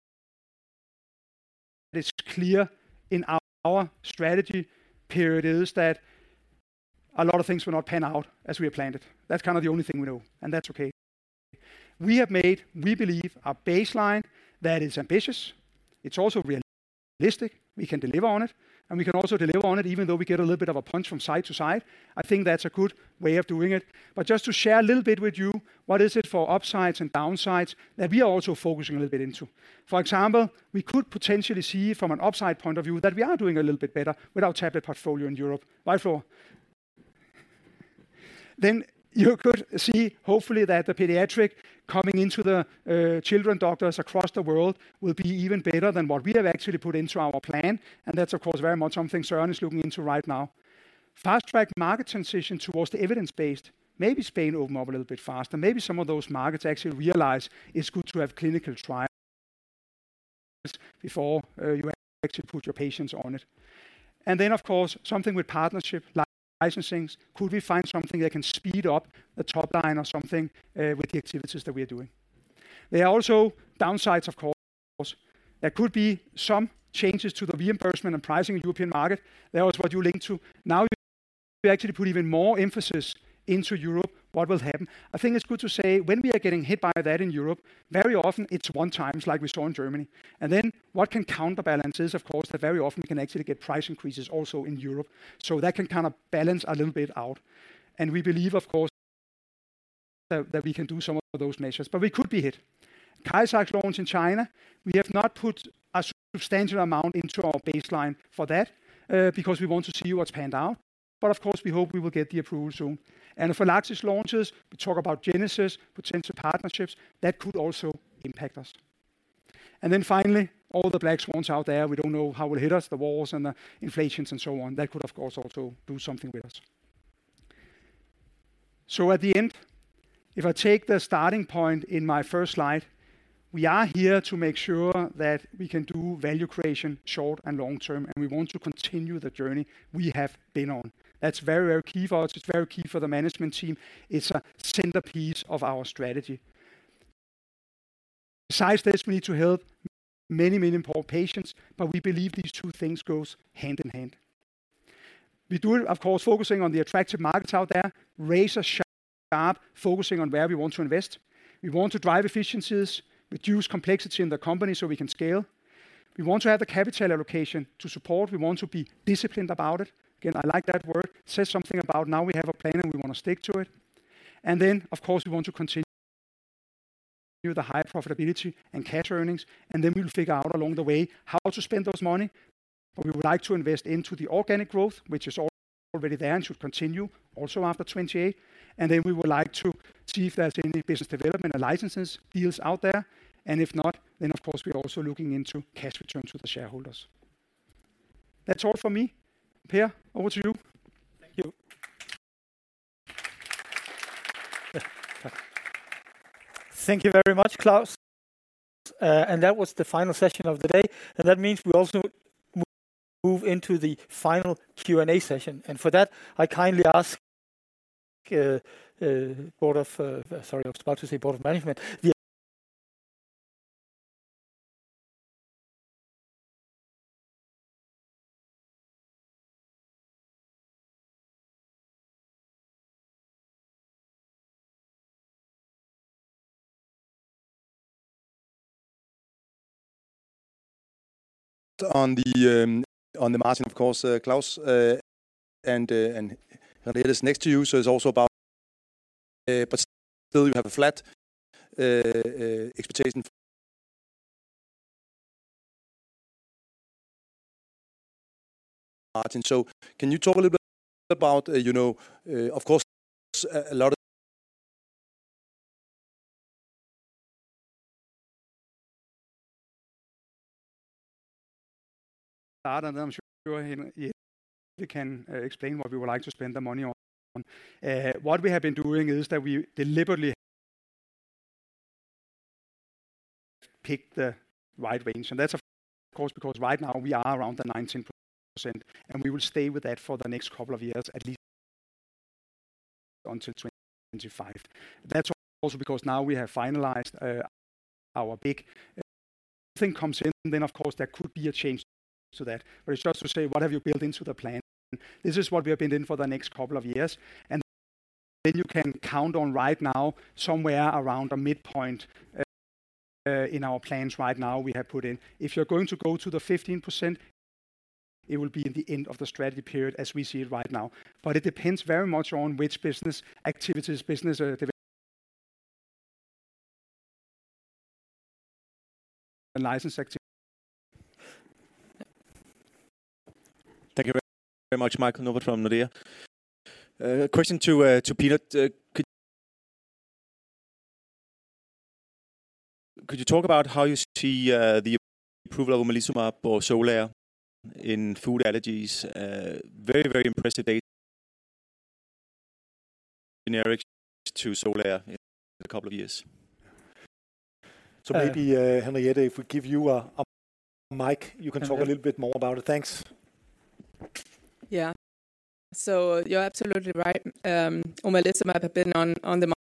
that is clear in our strategy period is that a lot of things will not pan out as we have planned it. That's kind of the only thing we know, and that's okay. We have made, we believe, a baseline that is ambitious. It's also realistic. We can deliver on it, and we can also deliver on it, even though we get a little bit of a punch from side to side. I think that's a good way of doing it. But just to share a little bit with you, what is it for upsides and downsides that we are also focusing a little bit into. For example, we could potentially see from an upside point of view that we are doing a little bit better with our tablet portfolio in Europe. Right, Flora? Then you could see hopefully that the pediatric coming into the, children doctors across the world will be even better than what we have actually put into our plan, and that's of course, very much something Søren is looking into right now. Fast-track market transition towards the evidence-based, maybe Spain open up a little bit faster. Maybe some of those markets actually realize it's good to have clinical trials before you actually put your patients on it. And then, of course, something with partnership, licensings. Could we find something that can speed up the top line or something with the activities that we are doing? There are also downsides, of course. There could be some changes to the reimbursement and pricing in European market. That was what you linked to. Now, we actually put even more emphasis into Europe, what will happen? I think it's good to say when we are getting hit by that in Europe, very often it's one times, like we saw in Germany. And then what can counterbalance is, of course, that very often we can actually get price increases also in Europe. So that can kind of balance a little bit out. And we believe, of course, that we can do some of those measures, but we could be hit. ACARIZAX launch in China, we have not put a substantial amount into our baseline for that, because we want to see what's panned out. But of course, we hope we will get the approval soon. And if Orexo launches, we talk about Genesis, potential partnerships, that could also impact us. And then finally, all the black swans out there, we don't know how it will hit us, the wars and the inflations and so on. That could, of course, also do something with us. At the end, if I take the starting point in my first slide, we are here to make sure that we can do value creation, short and long term, and we want to continue the journey we have been on. That's very, very key for us. It's very key for the management team. It's a centerpiece of our strategy. Besides this, we need to help many, many important patients, but we believe these two things goes hand in hand. We do it, of course, focusing on the attractive markets out there, razor sharp, focusing on where we want to invest. We want to drive efficiencies, reduce complexity in the company so we can scale. We want to have the capital allocation to support. We want to be disciplined about it. Again, I like that word. It says something about now we have a plan, and we want to stick to it. And then, of course, we want to continue the high profitability and cash earnings, and then we'll figure out along the way how to spend this money. But we would like to invest into the organic growth, which is already there and should continue also after 2028. And then we would like to see if there's any business development and licenses deals out there, and if not, then of course, we're also looking into cash returns to the shareholders. That's all for me. Per, over to you. Thank you. Thank you very much, Claus. And that was the final session of the day, and that means we also move into the final Q&A session. And for that, I kindly ask board of, sorry, I was about to say board of management. On the margin, of course, Claus, and Henriette is next to you, so it's also about, but still you have a flat expectation. Margin. So can you talk a little bit about, you know, of course, a lot of can explain what we would like to spend the money on. What we have been doing is that we deliberately pick the right range, and that's, of course, because right now we are around the 19%, and we will stay with that for the next couple of years, at least until 2025. That's also because now we have finalized our big thing comes in, then, of course, there could be a change to that. But it's just to say, what have you built into the plan? This is what we have been in for the next couple of years, and then you can count on right now, somewhere around the midpoint in our plans right now, we have put in. If you're going to go to the 15%, it will be in the end of the strategy period as we see it right now. It depends very much on which business activities, business, license activity. Thank you very, very much, Michael Novod from Nordea. Question to Peter: Could you talk about how you see the approval of omalizumab or XOLAIR in food allergies? Very, very impressive data, generics to XOLAIR in a couple of years. So maybe, Henriette, if we give you a mic, you can talk a little bit more about it. Thanks. Yeah. So you're absolutely right. Omalizumab have been on the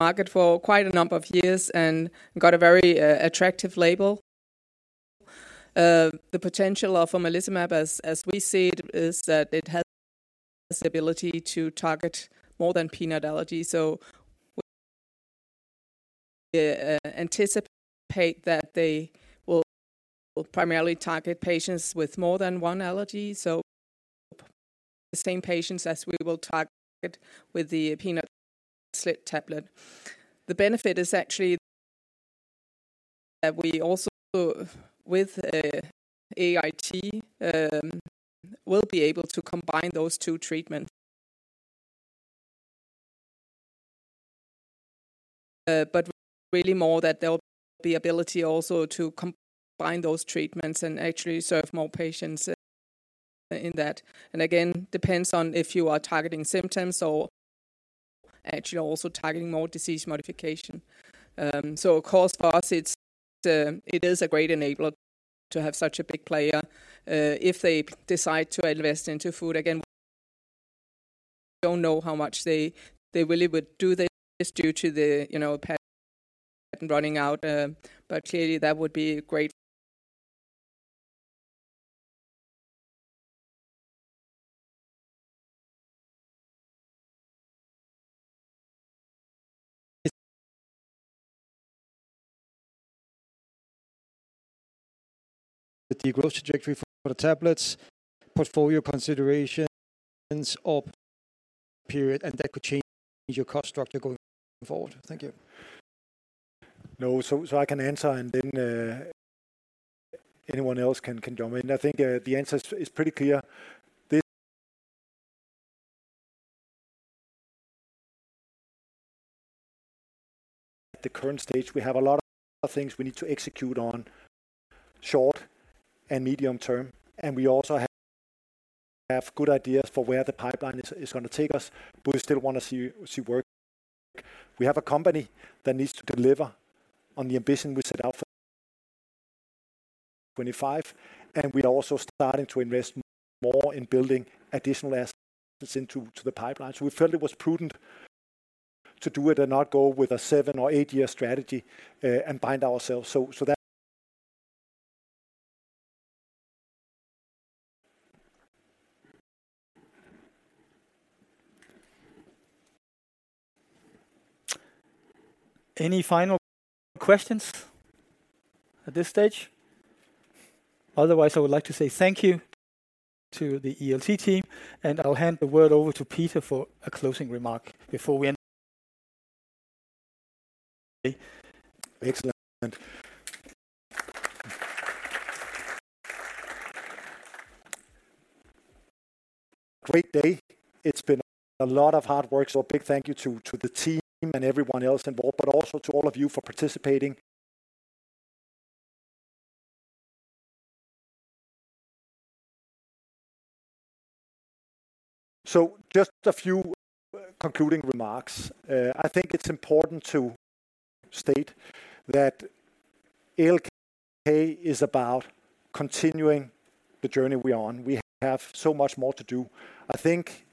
market for quite a number of years and got a very attractive label. The potential of omalizumab, as we see it, is that it has the ability to target more than peanut allergy. So anticipate that they will primarily target patients with more than one allergy, so the same patients as we will target with the peanut SLIT-tablet. The benefit is actually that we also, with AIT, will be able to combine those two treatments. But really more that there will be ability also to combine those treatments and actually serve more patients in that. And again, depends on if you are targeting symptoms or actually also targeting more disease modification. So of course, for us, it's it is a great enabler to have such a big player. If they decide to invest into food, again, we don't know how much they, they really would do this due to the, you know, patent running out, but clearly that would be great. The growth trajectory for the tablets, portfolio considerations of period, and that could change your cost structure going forward. Thank you. No. I can answer and then anyone else can join me. And I think the answer is pretty clear. At the current stage, we have a lot of things we need to execute on short- and medium-term, and we also have good ideas for where the pipeline is going to take us, but we still want to see work. We have a company that needs to deliver on the ambition we set out for 25, and we are also starting to invest more in building additional assets into the pipeline. So we felt it was prudent to do it and not go with a seven- or eight-year strategy and bind ourselves. Any final questions at this stage? Otherwise, I would like to say thank you to the ELT team, and I'll hand the word over to Peter for a closing remark before we end. Excellent. Great day. It's been a lot of hard work, so a big thank you to the team and everyone else involved, but also to all of you for participating. So just a few concluding remarks. I think it's important to state that ALK is about continuing the journey we're on. We have so much more to do. I think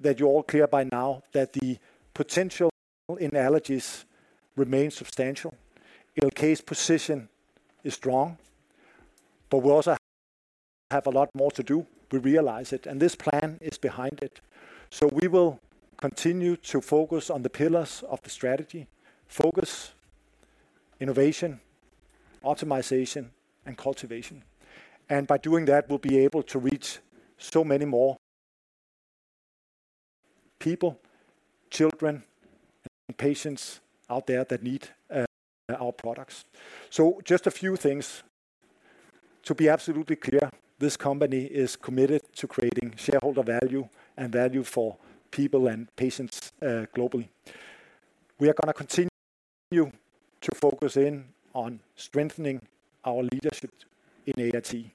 that you're all clear by now that the potential in allergies remains substantial. ALK's position is strong, but we also have a lot more to do. We realize it, and this plan is behind it. So we will continue to focus on the pillars of the strategy: focus, innovation, optimization, and cultivation. And by doing that, we'll be able to reach so many more people, children, and patients out there that need our products. So just a few things to be absolutely clear, this company is committed to creating shareholder value and value for people and patients, globally. We are gonna continue to focus in on strengthening our leadership in AIT.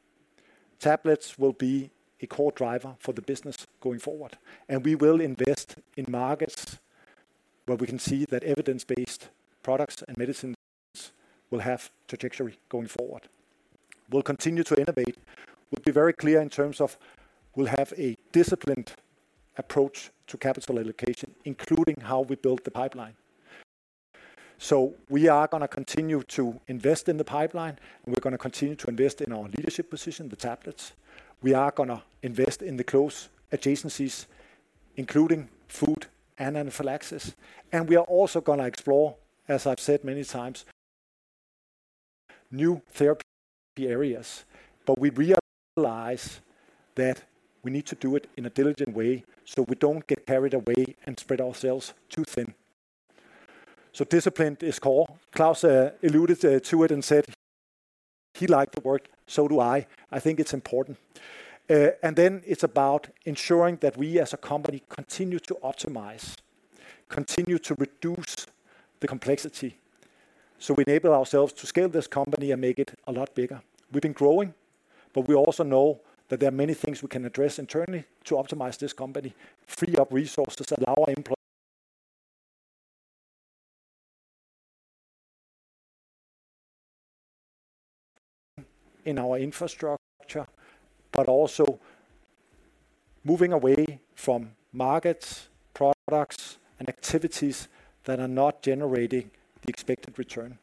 Tablets will be a core driver for the business going forward, and we will invest in markets where we can see that evidence-based products and medicines will have trajectory going forward. We'll continue to innovate. We'll be very clear in terms of we'll have a disciplined approach to capital allocation, including how we build the pipeline. So we are gonna continue to invest in the pipeline, and we're gonna continue to invest in our leadership position, the tablets. We are gonna invest in the close adjacencies, including food and anaphylaxis, and we are also gonna explore, as I've said many times, new therapy areas. But we realize that we need to do it in a diligent way, so we don't get carried away and spread ourselves too thin. So disciplined is core. Claus alluded to it and said he liked the work. So do I. I think it's important. And then it's about ensuring that we, as a company, continue to optimize, continue to reduce the complexity, so we enable ourselves to scale this company and make it a lot bigger. We've been growing, but we also know that there are many things we can address internally to optimize this company, free up resources, allow employees... in our infrastructure, but also moving away from markets, products, and activities that are not generating the expected return.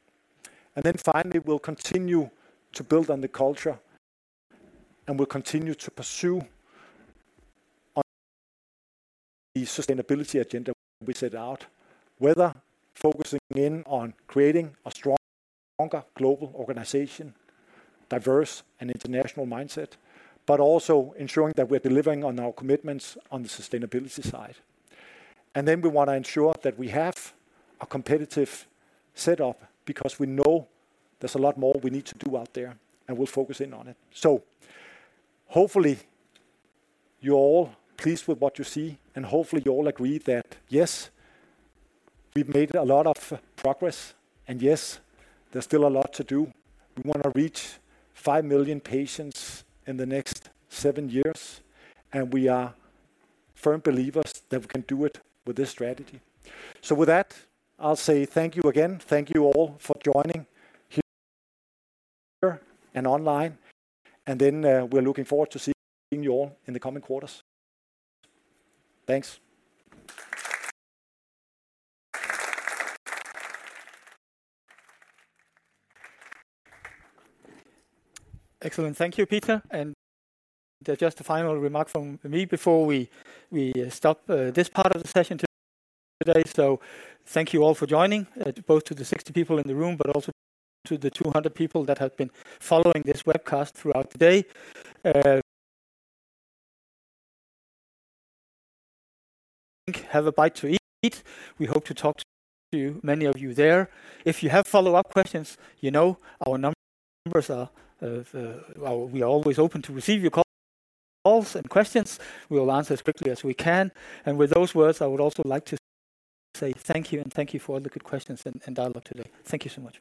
And then finally, we'll continue to build on the culture, and we'll continue to pursue on the sustainability agenda we set out, whether focusing in on creating a stronger global organization, diverse and international mindset, but also ensuring that we're delivering on our commitments on the sustainability side. And then we wanna ensure that we have a competitive set up because we know there's a lot more we need to do out there, and we'll focus in on it. So hopefully, you're all pleased with what you see, and hopefully, you all agree that, yes, we've made a lot of progress, and yes, there's still a lot to do. We wanna reach 5 million patients in the next seven years, and we are firm believers that we can do it with this strategy. So with that, I'll say thank you again. Thank you all for joining here and online, and then, we're looking forward to seeing you all in the coming quarters. Thanks. Excellent. Thank you, Peter. And just a final remark from me before we stop this part of the session today. So thank you all for joining both to the 60 people in the room, but also to the 200 people that have been following this webcast throughout the day. Have a bite to eat. We hope to talk to many of you there. If you have follow-up questions, you know our numbers are. We are always open to receive your calls and questions. We will answer as quickly as we can, and with those words, I would also like to say thank you and thank you for all the good questions and dialogue today. Thank you so much.